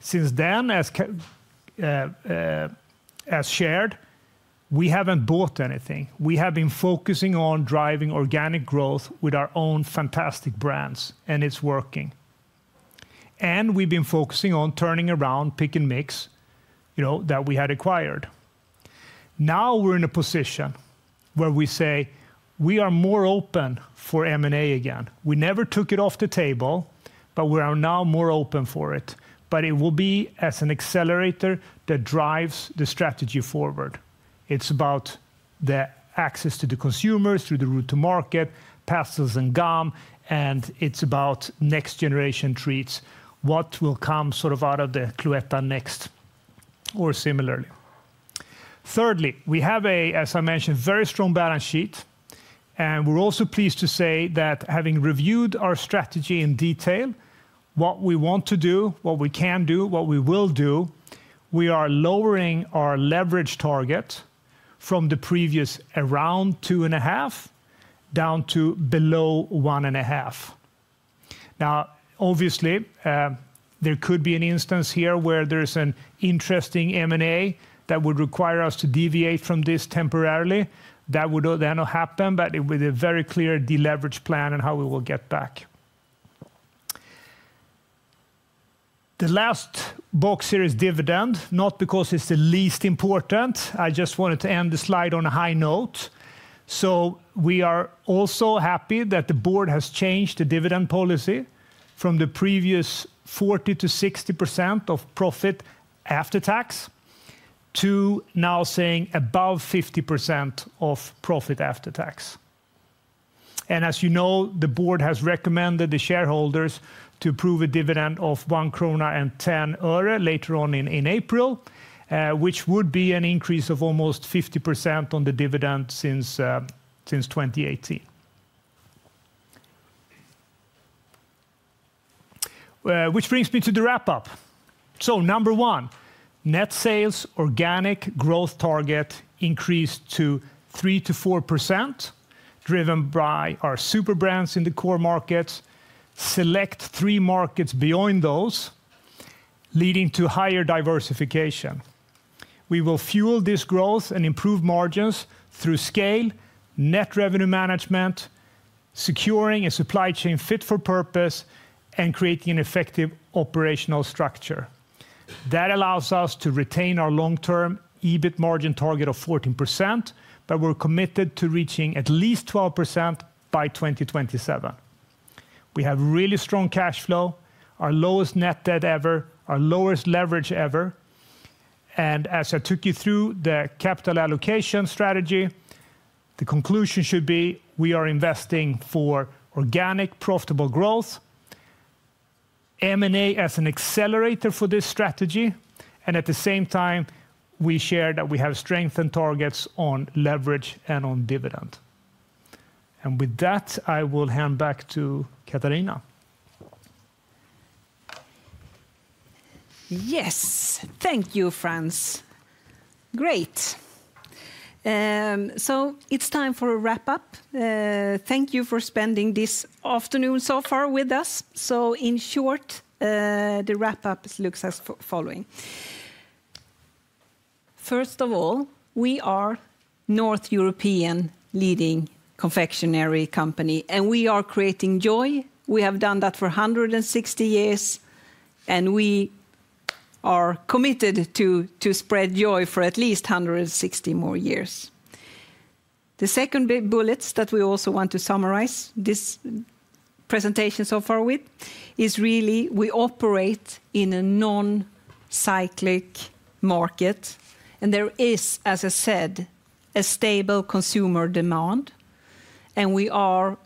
Since then, as shared, we haven't bought anything. We have been focusing on driving organic growth with our own fantastic brands, and it's working. We have been focusing on turning around Pick & Mix that we had acquired. Now we're in a position where we say we are more open for M&A again. We never took it off the table, but we are now more open for it. It will be as an accelerator that drives the strategy forward. It's about the access to the consumers through the route to market, pastilles and gum, and it's about next-generation treats, what will come sort of out of the Cloetta Next or similarly. Thirdly, we have a, as I mentioned, very strong balance sheet. We are also pleased to say that having reviewed our strategy in detail, what we want to do, what we can do, what we will do, we are lowering our leverage target from the previous around 2.5 down to below 1.5. Now, obviously, there could be an instance here where there's an interesting M&A that would require us to deviate from this temporarily. That would then happen, but with a very clear deleverage plan and how we will get back. The last box here is dividend, not because it's the least important. I just wanted to end the slide on a high note. We are also happy that the board has changed the dividend policy from the previous 40%-60% of profit after tax to now saying above 50% of profit after tax. As you know, the board has recommended the shareholders to approve a dividend of SEK 1.10 later on in April, which would be an increase of almost 50% on the dividend since 2018. Which brings me to the wrap-up. Number one, net sales, organic growth target increased to 3%-4% driven by our super brands in the core markets, select three markets beyond those leading to higher diversification. We will fuel this growth and improve margins through scale, net revenue management, securing a supply chain fit for purpose, and creating an effective operational structure. That allows us to retain our long-term EBIT margin target of 14%, but we're committed to reaching at least 12% by 2027. We have really strong cash flow, our lowest net debt ever, our lowest leverage ever. As I took you through the capital allocation strategy, the conclusion should be we are investing for organic profitable growth, M&A as an accelerator for this strategy, and at the same time, we share that we have strengthened targets on leverage and on dividend. With that, I will hand back to Katarina. Yes. Thank you, Frans. Great. It is time for a wrap-up. Thank you for spending this afternoon so far with us. In short, the wrap-up looks as following. First of all, we are a North European leading confectionery company, and we are creating joy. We have done that for 160 years, and we are committed to spread joy for at least 160 more years. The second bullet that we also want to summarize this presentation so far with is really we operate in a non-cyclic market, and there is, as I said, a stable consumer demand, and we are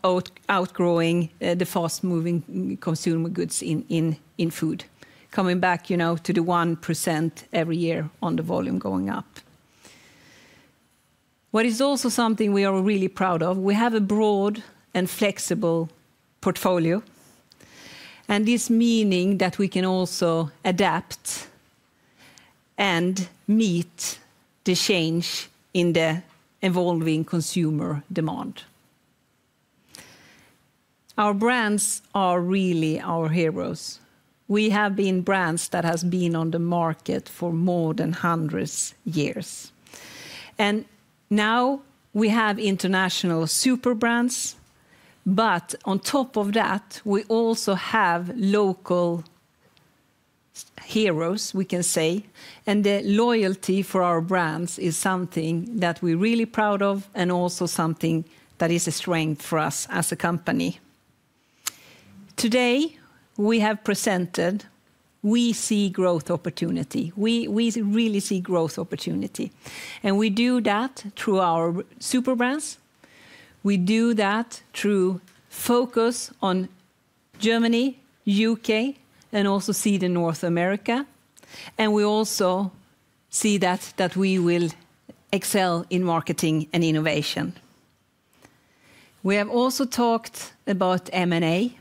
outgrowing the fast-moving consumer goods in food, coming back to the 1% every year on the volume going up. What is also something we are really proud of, we have a broad and flexible portfolio, and this meaning that we can also adapt and meet the change in the evolving consumer demand. Our brands are really our heroes. We have been brands that have been on the market for more than hundreds of years. We have international super brands, but on top of that, we also have local heroes, we can say, and the loyalty for our brands is something that we're really proud of and also something that is a strength for us as a company. Today, we have presented we see growth opportunity. We really see growth opportunity. We do that through our super brands. We do that through focus on Germany, U.K., and also see the North America. We also see that we will excel in marketing and innovation. We have also talked about M&A.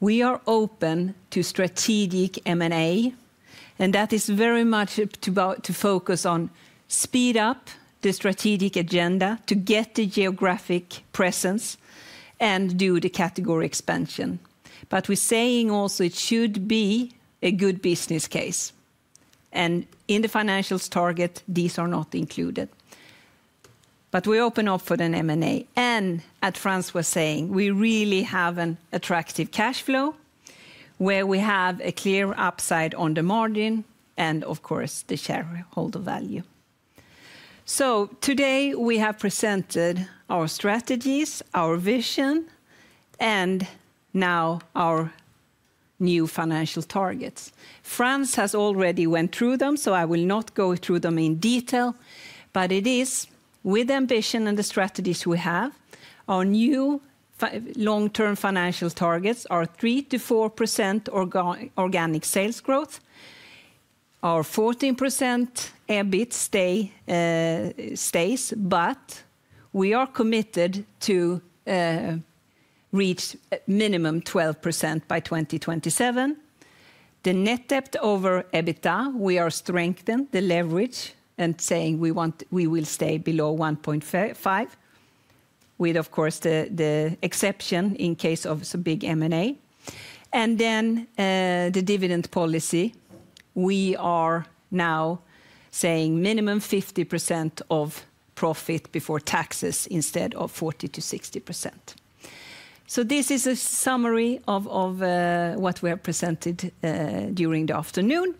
We are open to strategic M&A, and that is very much to focus on speed up the strategic agenda to get the geographic presence and do the category expansion. We're saying also it should be a good business case. In the financials target, these are not included. We open up for an M&A. At Frans, we're saying we really have an attractive cash flow where we have a clear upside on the margin and, of course, the shareholder value. Today, we have presented our strategies, our vision, and now our new financial targets. Frans has already went through them, so I will not go through them in detail, but it is with ambition and the strategies we have. Our new long-term financial targets are 3%-4% organic sales growth. Our 14% EBIT stays, but we are committed to reach minimum 12% by 2027. The net debt over EBITDA, we are strengthening the leverage and saying we will stay below 1.5, with, of course, the exception in case of a big M&A. The dividend policy, we are now saying minimum 50% of profit before taxes instead of 40%-60%. This is a summary of what we have presented during the afternoon.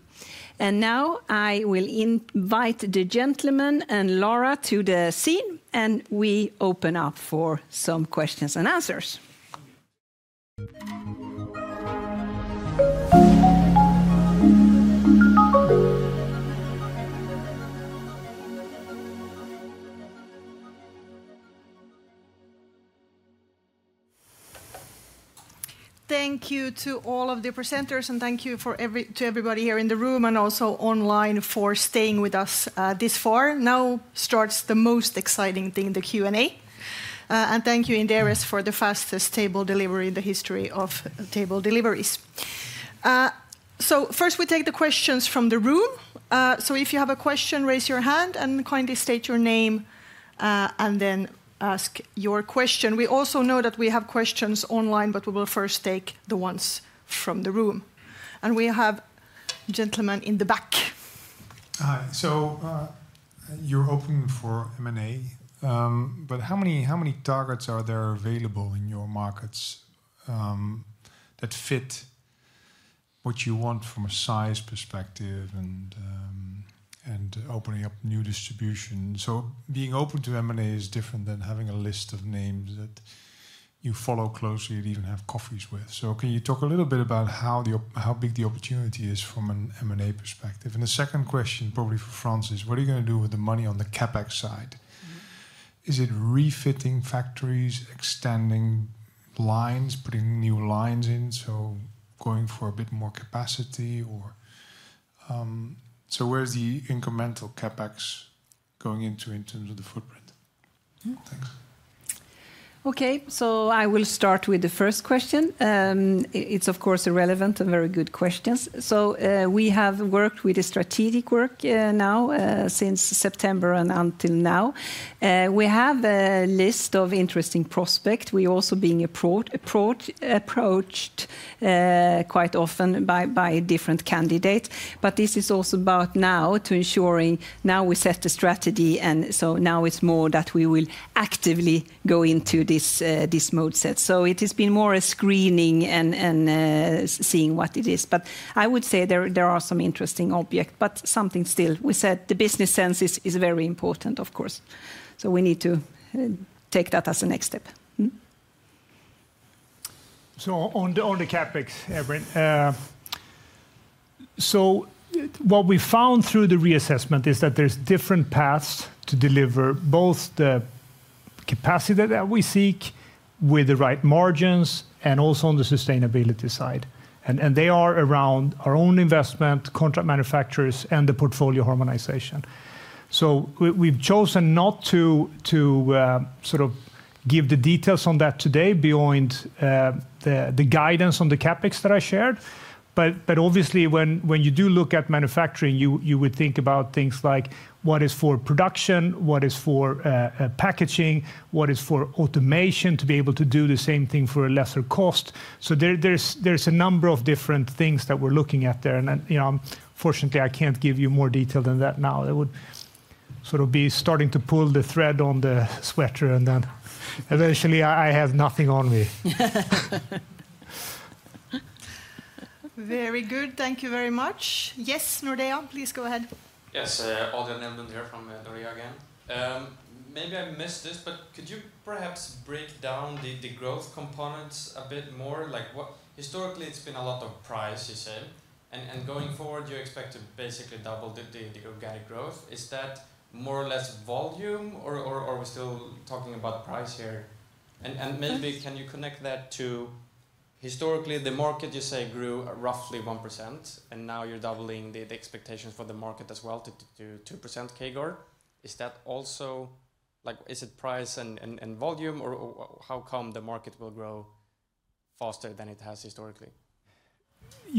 I will invite the gentleman and Laura to the scene, and we open up for some questions and answers. Thank you to all of the presenters, and thank you to everybody here in the room and also online for staying with us this far. Now starts the most exciting thing, the Q&A. Thank you, Inderis, for the fastest table delivery in the history of table deliveries. First, we take the questions from the room. If you have a question, raise your hand and kindly state your name, and then ask your question. We also know that we have questions online, but we will first take the ones from the room. We have a gentleman in the back. Hi. You're open for M&A, but how many targets are there available in your markets that fit what you want from a size perspective and opening up new distribution? Being open to M&A is different than having a list of names that you follow closely and even have coffees with. Can you talk a little bit about how big the opportunity is from an M&A perspective? The second question, probably for Frans, is what are you going to do with the money on the CapEx side? Is it refitting factories, extending lines, putting new lines in, going for a bit more capacity? Where is the incremental CapEx going into in terms of the footprint? Thanks. Okay. I will start with the first question. It is, of course, a relevant and very good question. We have worked with the strategic work now since September and until now. We have a list of interesting prospects. We are also being approached quite often by different candidates, but this is also about now to ensuring now we set the strategy, and so now it's more that we will actively go into this mode set. It has been more a screening and seeing what it is. I would say there are some interesting objects, but something still we said the business sense is very important, of course. We need to take that as a next step. On the CapEx, Averyn, what we found through the reassessment is that there are different paths to deliver both the capacity that we seek with the right margins and also on the sustainability side. They are around our own investment, contract manufacturers, and the portfolio harmonization. We have chosen not to sort of give the details on that today beyond the guidance on the CapEx that I shared. Obviously, when you do look at manufacturing, you would think about things like what is for production, what is for packaging, what is for automation to be able to do the same thing for a lesser cost. There are a number of different things that we are looking at there. Fortunately, I cannot give you more detail than that now. It would sort of be starting to pull the thread on the sweater, and then eventually, I have nothing on me. Very good. Thank you very much. Yes, Nordea, please go ahead. Yes. Audience here from Nordea again. Maybe I missed this, but could you perhaps break down the growth components a bit more? Historically, it has been a lot of price, you say. Going forward, you expect to basically double the organic growth. Is that more or less volume, or are we still talking about price here? Maybe can you connect that to historically, the market, you say, grew roughly 1%, and now you're doubling the expectations for the market as well to 2% KGOR. Is that also like is it price and volume, or how come the market will grow faster than it has historically?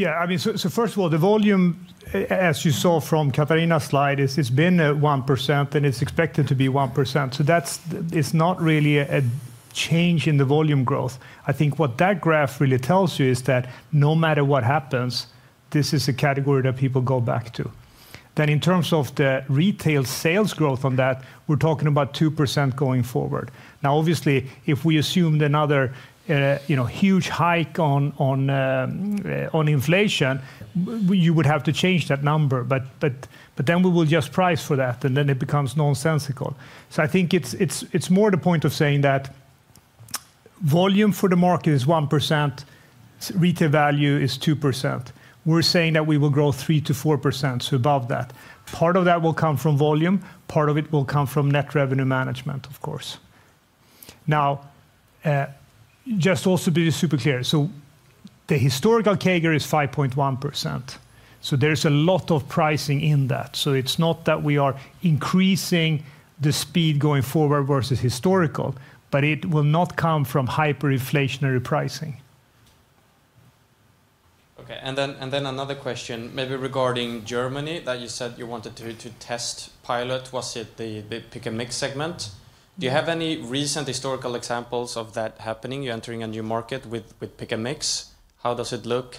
Yeah. I mean, first of all, the volume, as you saw from Katarina's slide, it's been 1%, and it's expected to be 1%. That's not really a change in the volume growth. I think what that graph really tells you is that no matter what happens, this is a category that people go back to. In terms of the retail sales growth on that, we're talking about 2% going forward. Obviously, if we assumed another huge hike on inflation, you would have to change that number. We will just price for that, and then it becomes nonsensical. I think it's more the point of saying that volume for the market is 1%, retail value is 2%. We're saying that we will grow 3%-4%, so above that. Part of that will come from volume. Part of it will come from net revenue management, of course. Just also be super clear. The historical KGOR is 5.1%. There's a lot of pricing in that. It's not that we are increasing the speed going forward versus historical, but it will not come from hyperinflationary pricing. Okay. Another question, maybe regarding Germany that you said you wanted to test pilot. Was it the Pick & Mix segment? Do you have any recent historical examples of that happening, you entering a new market with Pick & Mix? How does it look?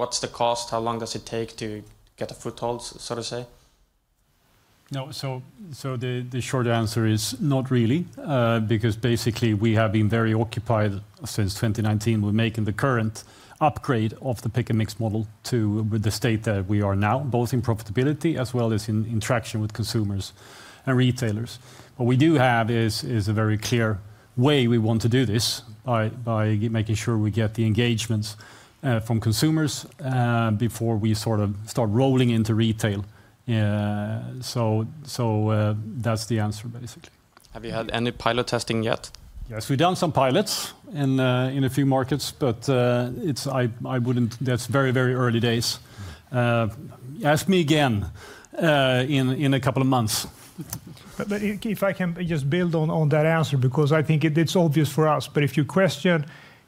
What's the cost? How long does it take to get a foothold, so to say? No. The short answer is not really, because basically, we have been very occupied since 2019 with making the current upgrade of the Pick & Mix model to the state that we are now, both in profitability as well as in interaction with consumers and retailers. What we do have is a very clear way we want to do this by making sure we get the engagements from consumers before we sort of start rolling into retail. That's the answer, basically. Have you had any pilot testing yet? Yes. We've done some pilots in a few markets, but it's I wouldn't, that's very, very early days. Ask me again in a couple of months. If I can just build on that answer, because I think it's obvious for us. But if you question,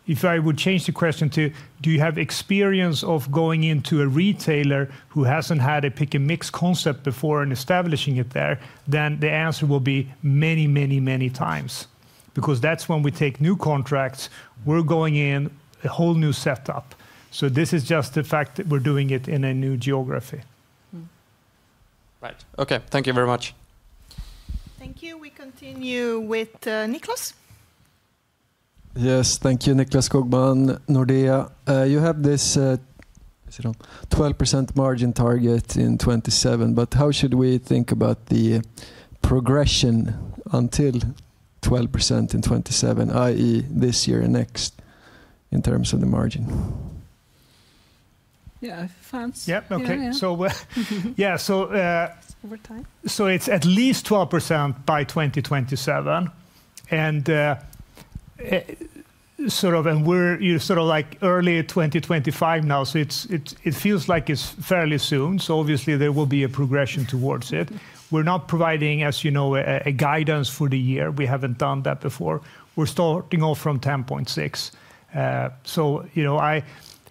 if I would change the question to, do you have experience of going into a retailer who hasn't had a Pick & Mix concept before and establishing it there, then the answer will be many, many, many times, because that's when we take new contracts. We're going in a whole new setup. This is just the fact that we're doing it in a new geography. Right. Okay. Thank you very much. Thank you. We continue with Nicklas. Yes. Thank you, Nicklas Skogman. Nordea, you have this 12% margin target in 2027, but how should we think about the progression until 12% in 2027, i.e., this year and next in terms of the margin? Yeah. Frans? Yep. Okay. Yeah. It is at least 12% by 2027. We are sort of like early 2025 now, so it feels like it is fairly soon. Obviously, there will be a progression towards it. We are not providing, as you know, a guidance for the year. We have not done that before. We are starting off from 10.6.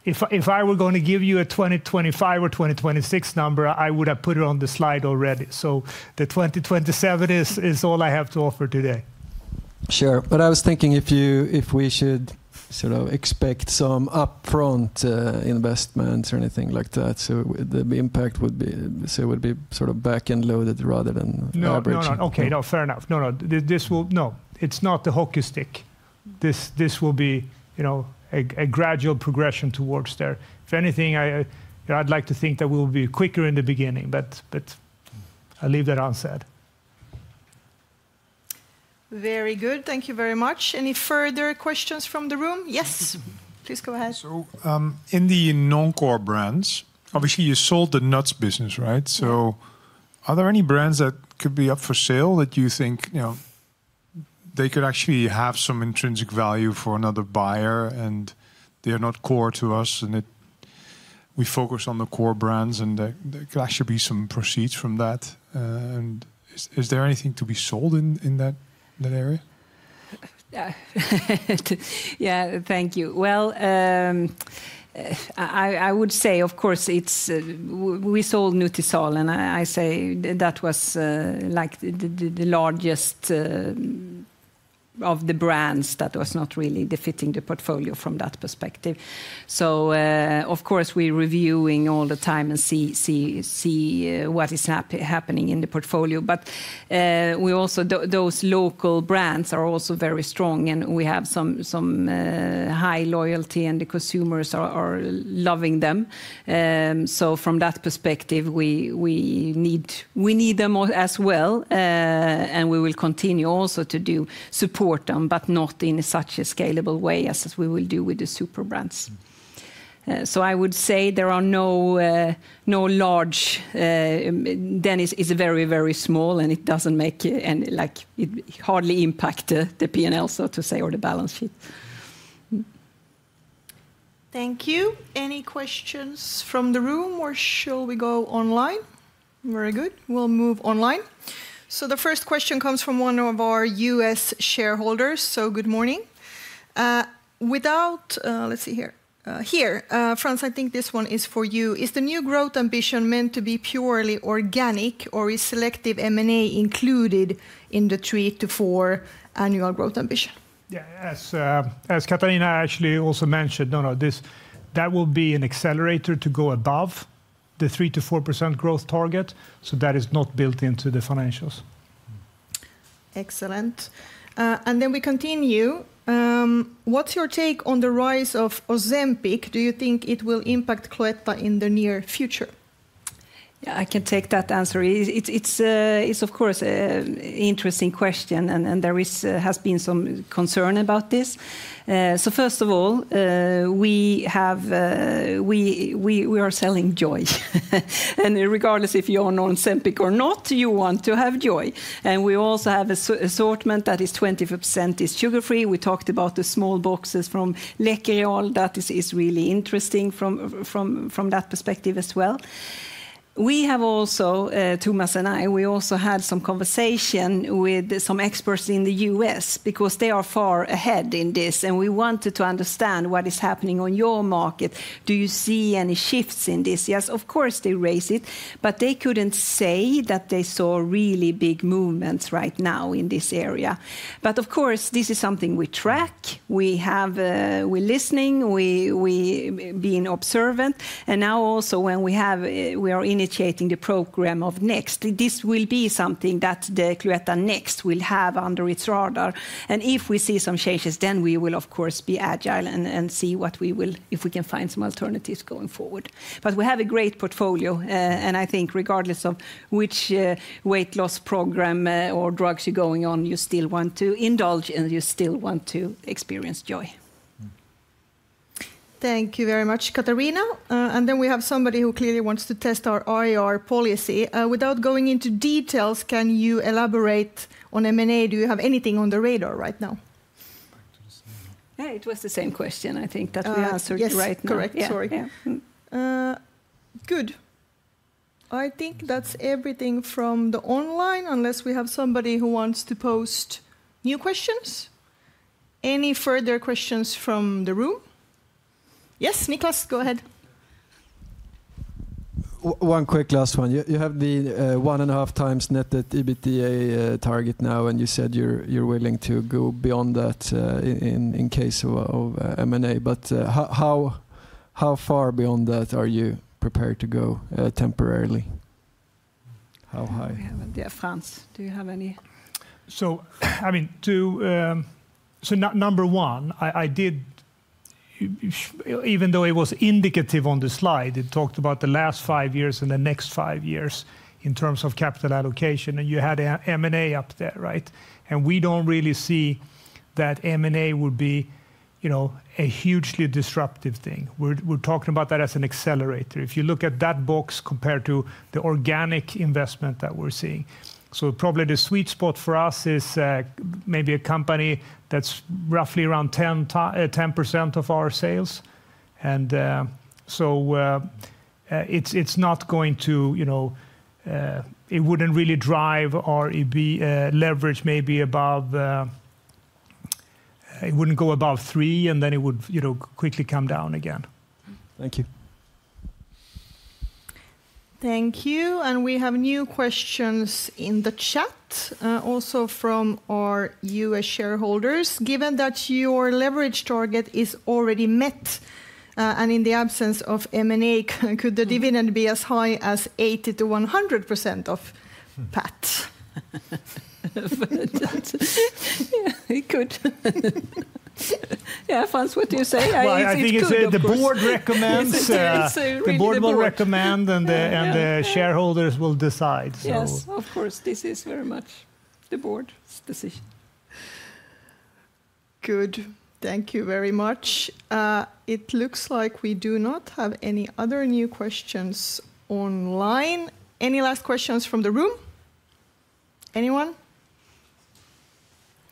If I were going to give you a 2025 or 2026 number, I would have put it on the slide already. The 2027 is all I have to offer today. Sure. But I was thinking if we should sort of expect some upfront investments or anything like that, so the impact would be, say, would be sort of backend loaded rather than average. No, no, no. Okay. No, fair enough. No, no. This will, no. It's not the hockey stick. This will be a gradual progression towards there. If anything, I'd like to think that we will be quicker in the beginning, but I'll leave that unsaid. Very good. Thank you very much. Any further questions from the room? Yes. Please go ahead. In the non-core brands, obviously, you sold the nuts business, right? Are there any brands that could be up for sale that you think they could actually have some intrinsic value for another buyer and they are not core to us and we focus on the core brands and there could actually be some proceeds from that? Is there anything to be sold in that area? Yeah. Thank you. I would say, of course, we sold Nutisal, and I say that was like the largest of the brands that was not really fitting the portfolio from that perspective. Of course, we're reviewing all the time and see what is happening in the portfolio. Those local brands are also very strong, and we have some high loyalty, and the consumers are loving them. From that perspective, we need them as well, and we will continue also to support them, but not in such a scalable way as we will do with the super brands. I would say there are no large, then it's very, very small, and it doesn't make like it hardly impacts the P&L, so to say, or the balance sheet. Thank you. Any questions from the room, or shall we go online? Very good. We'll move online. The first question comes from one of our U.S. shareholders. Good morning. Let's see here. Frans, I think this one is for you. Is the new growth ambition meant to be purely organic, or is selective M&A included in the 3%-4% annual growth ambition? Yeah. As Katarina actually also mentioned, no, no, that will be an accelerator to go above the 3%-4% growth target. That is not built into the financials. Excellent. We continue. What's your take on the rise of Ozempic? Do you think it will impact Cloetta in the near future? Yeah. I can take that answer. It's, of course, an interesting question, and there has been some concern about this. First of all, we are selling joy. Regardless if you own Ozempic or not, you want to have joy. We also have an assortment that is 20% sugar-free. We talked about the small boxes from Läkerol. That is really interesting from that perspective as well. Thomas and I, we also had some conversation with some experts in the U.S. because they are far ahead in this, and we wanted to understand what is happening on your market. Do you see any shifts in this? Yes, of course, they raise it, but they could not say that they saw really big movements right now in this area. Of course, this is something we track. We are listening. We have been observant. Now also, when we are initiating the program of next, this will be something that the Cloetta Next will have under its radar. If we see some changes, we will, of course, be agile and see if we can find some alternatives going forward. We have a great portfolio, and I think regardless of which weight loss program or drugs you are going on, you still want to indulge, and you still want to experience joy. Thank you very much, Katarina. Then we have somebody who clearly wants to test our IR policy. Without going into details, can you elaborate on M&A? Do you have anything on the radar right now? It was the same question, I think, that we answered right now. Yes. Correct. Sorry. Good. I think that's everything from the online, unless we have somebody who wants to post new questions. Any further questions from the room? Yes. Nicklas, go ahead. One quick last one. You have the one and a half times net at EBITDA target now, and you said you're willing to go beyond that in case of M&A. How far beyond that are you prepared to go temporarily? How high? Frans, do you have any? I mean, number one, I did, even though it was indicative on the slide, it talked about the last five years and the next five years in terms of capital allocation, and you had M&A up there, right? We do not really see that M&A would be a hugely disruptive thing. We are talking about that as an accelerator. If you look at that box compared to the organic investment that we are seeing, probably the sweet spot for us is maybe a company that is roughly around 10% of our sales. It is not going to, it would not really drive our leverage maybe above, it would not go above three, and then it would quickly come down again. Thank you. Thank you. We have new questions in the chat, also from our U.S. shareholders. Given that your leverage target is already met, and in the absence of M&A, could the dividend be as high as 80%-100% of PAT? Yeah. It could. Yeah. Frans, what do you say? I think it's the board recommends. The board will recommend, and the shareholders will decide. Yes. Of course, this is very much the board's decision. Good. Thank you very much. It looks like we do not have any other new questions online. Any last questions from the room? Anyone?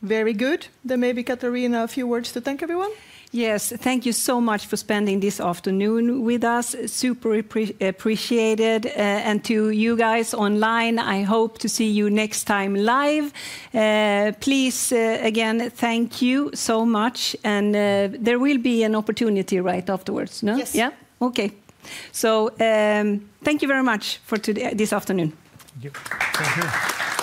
Very good. Maybe Katarina, a few words to thank everyone. Yes. Thank you so much for spending this afternoon with us. Super appreciated. And to you guys online, I hope to see you next time live. Please, again, thank you so much. There will be an opportunity right afterwards. Yes. Yeah. Okay. Thank you very much for this afternoon. Thank you. Thank you.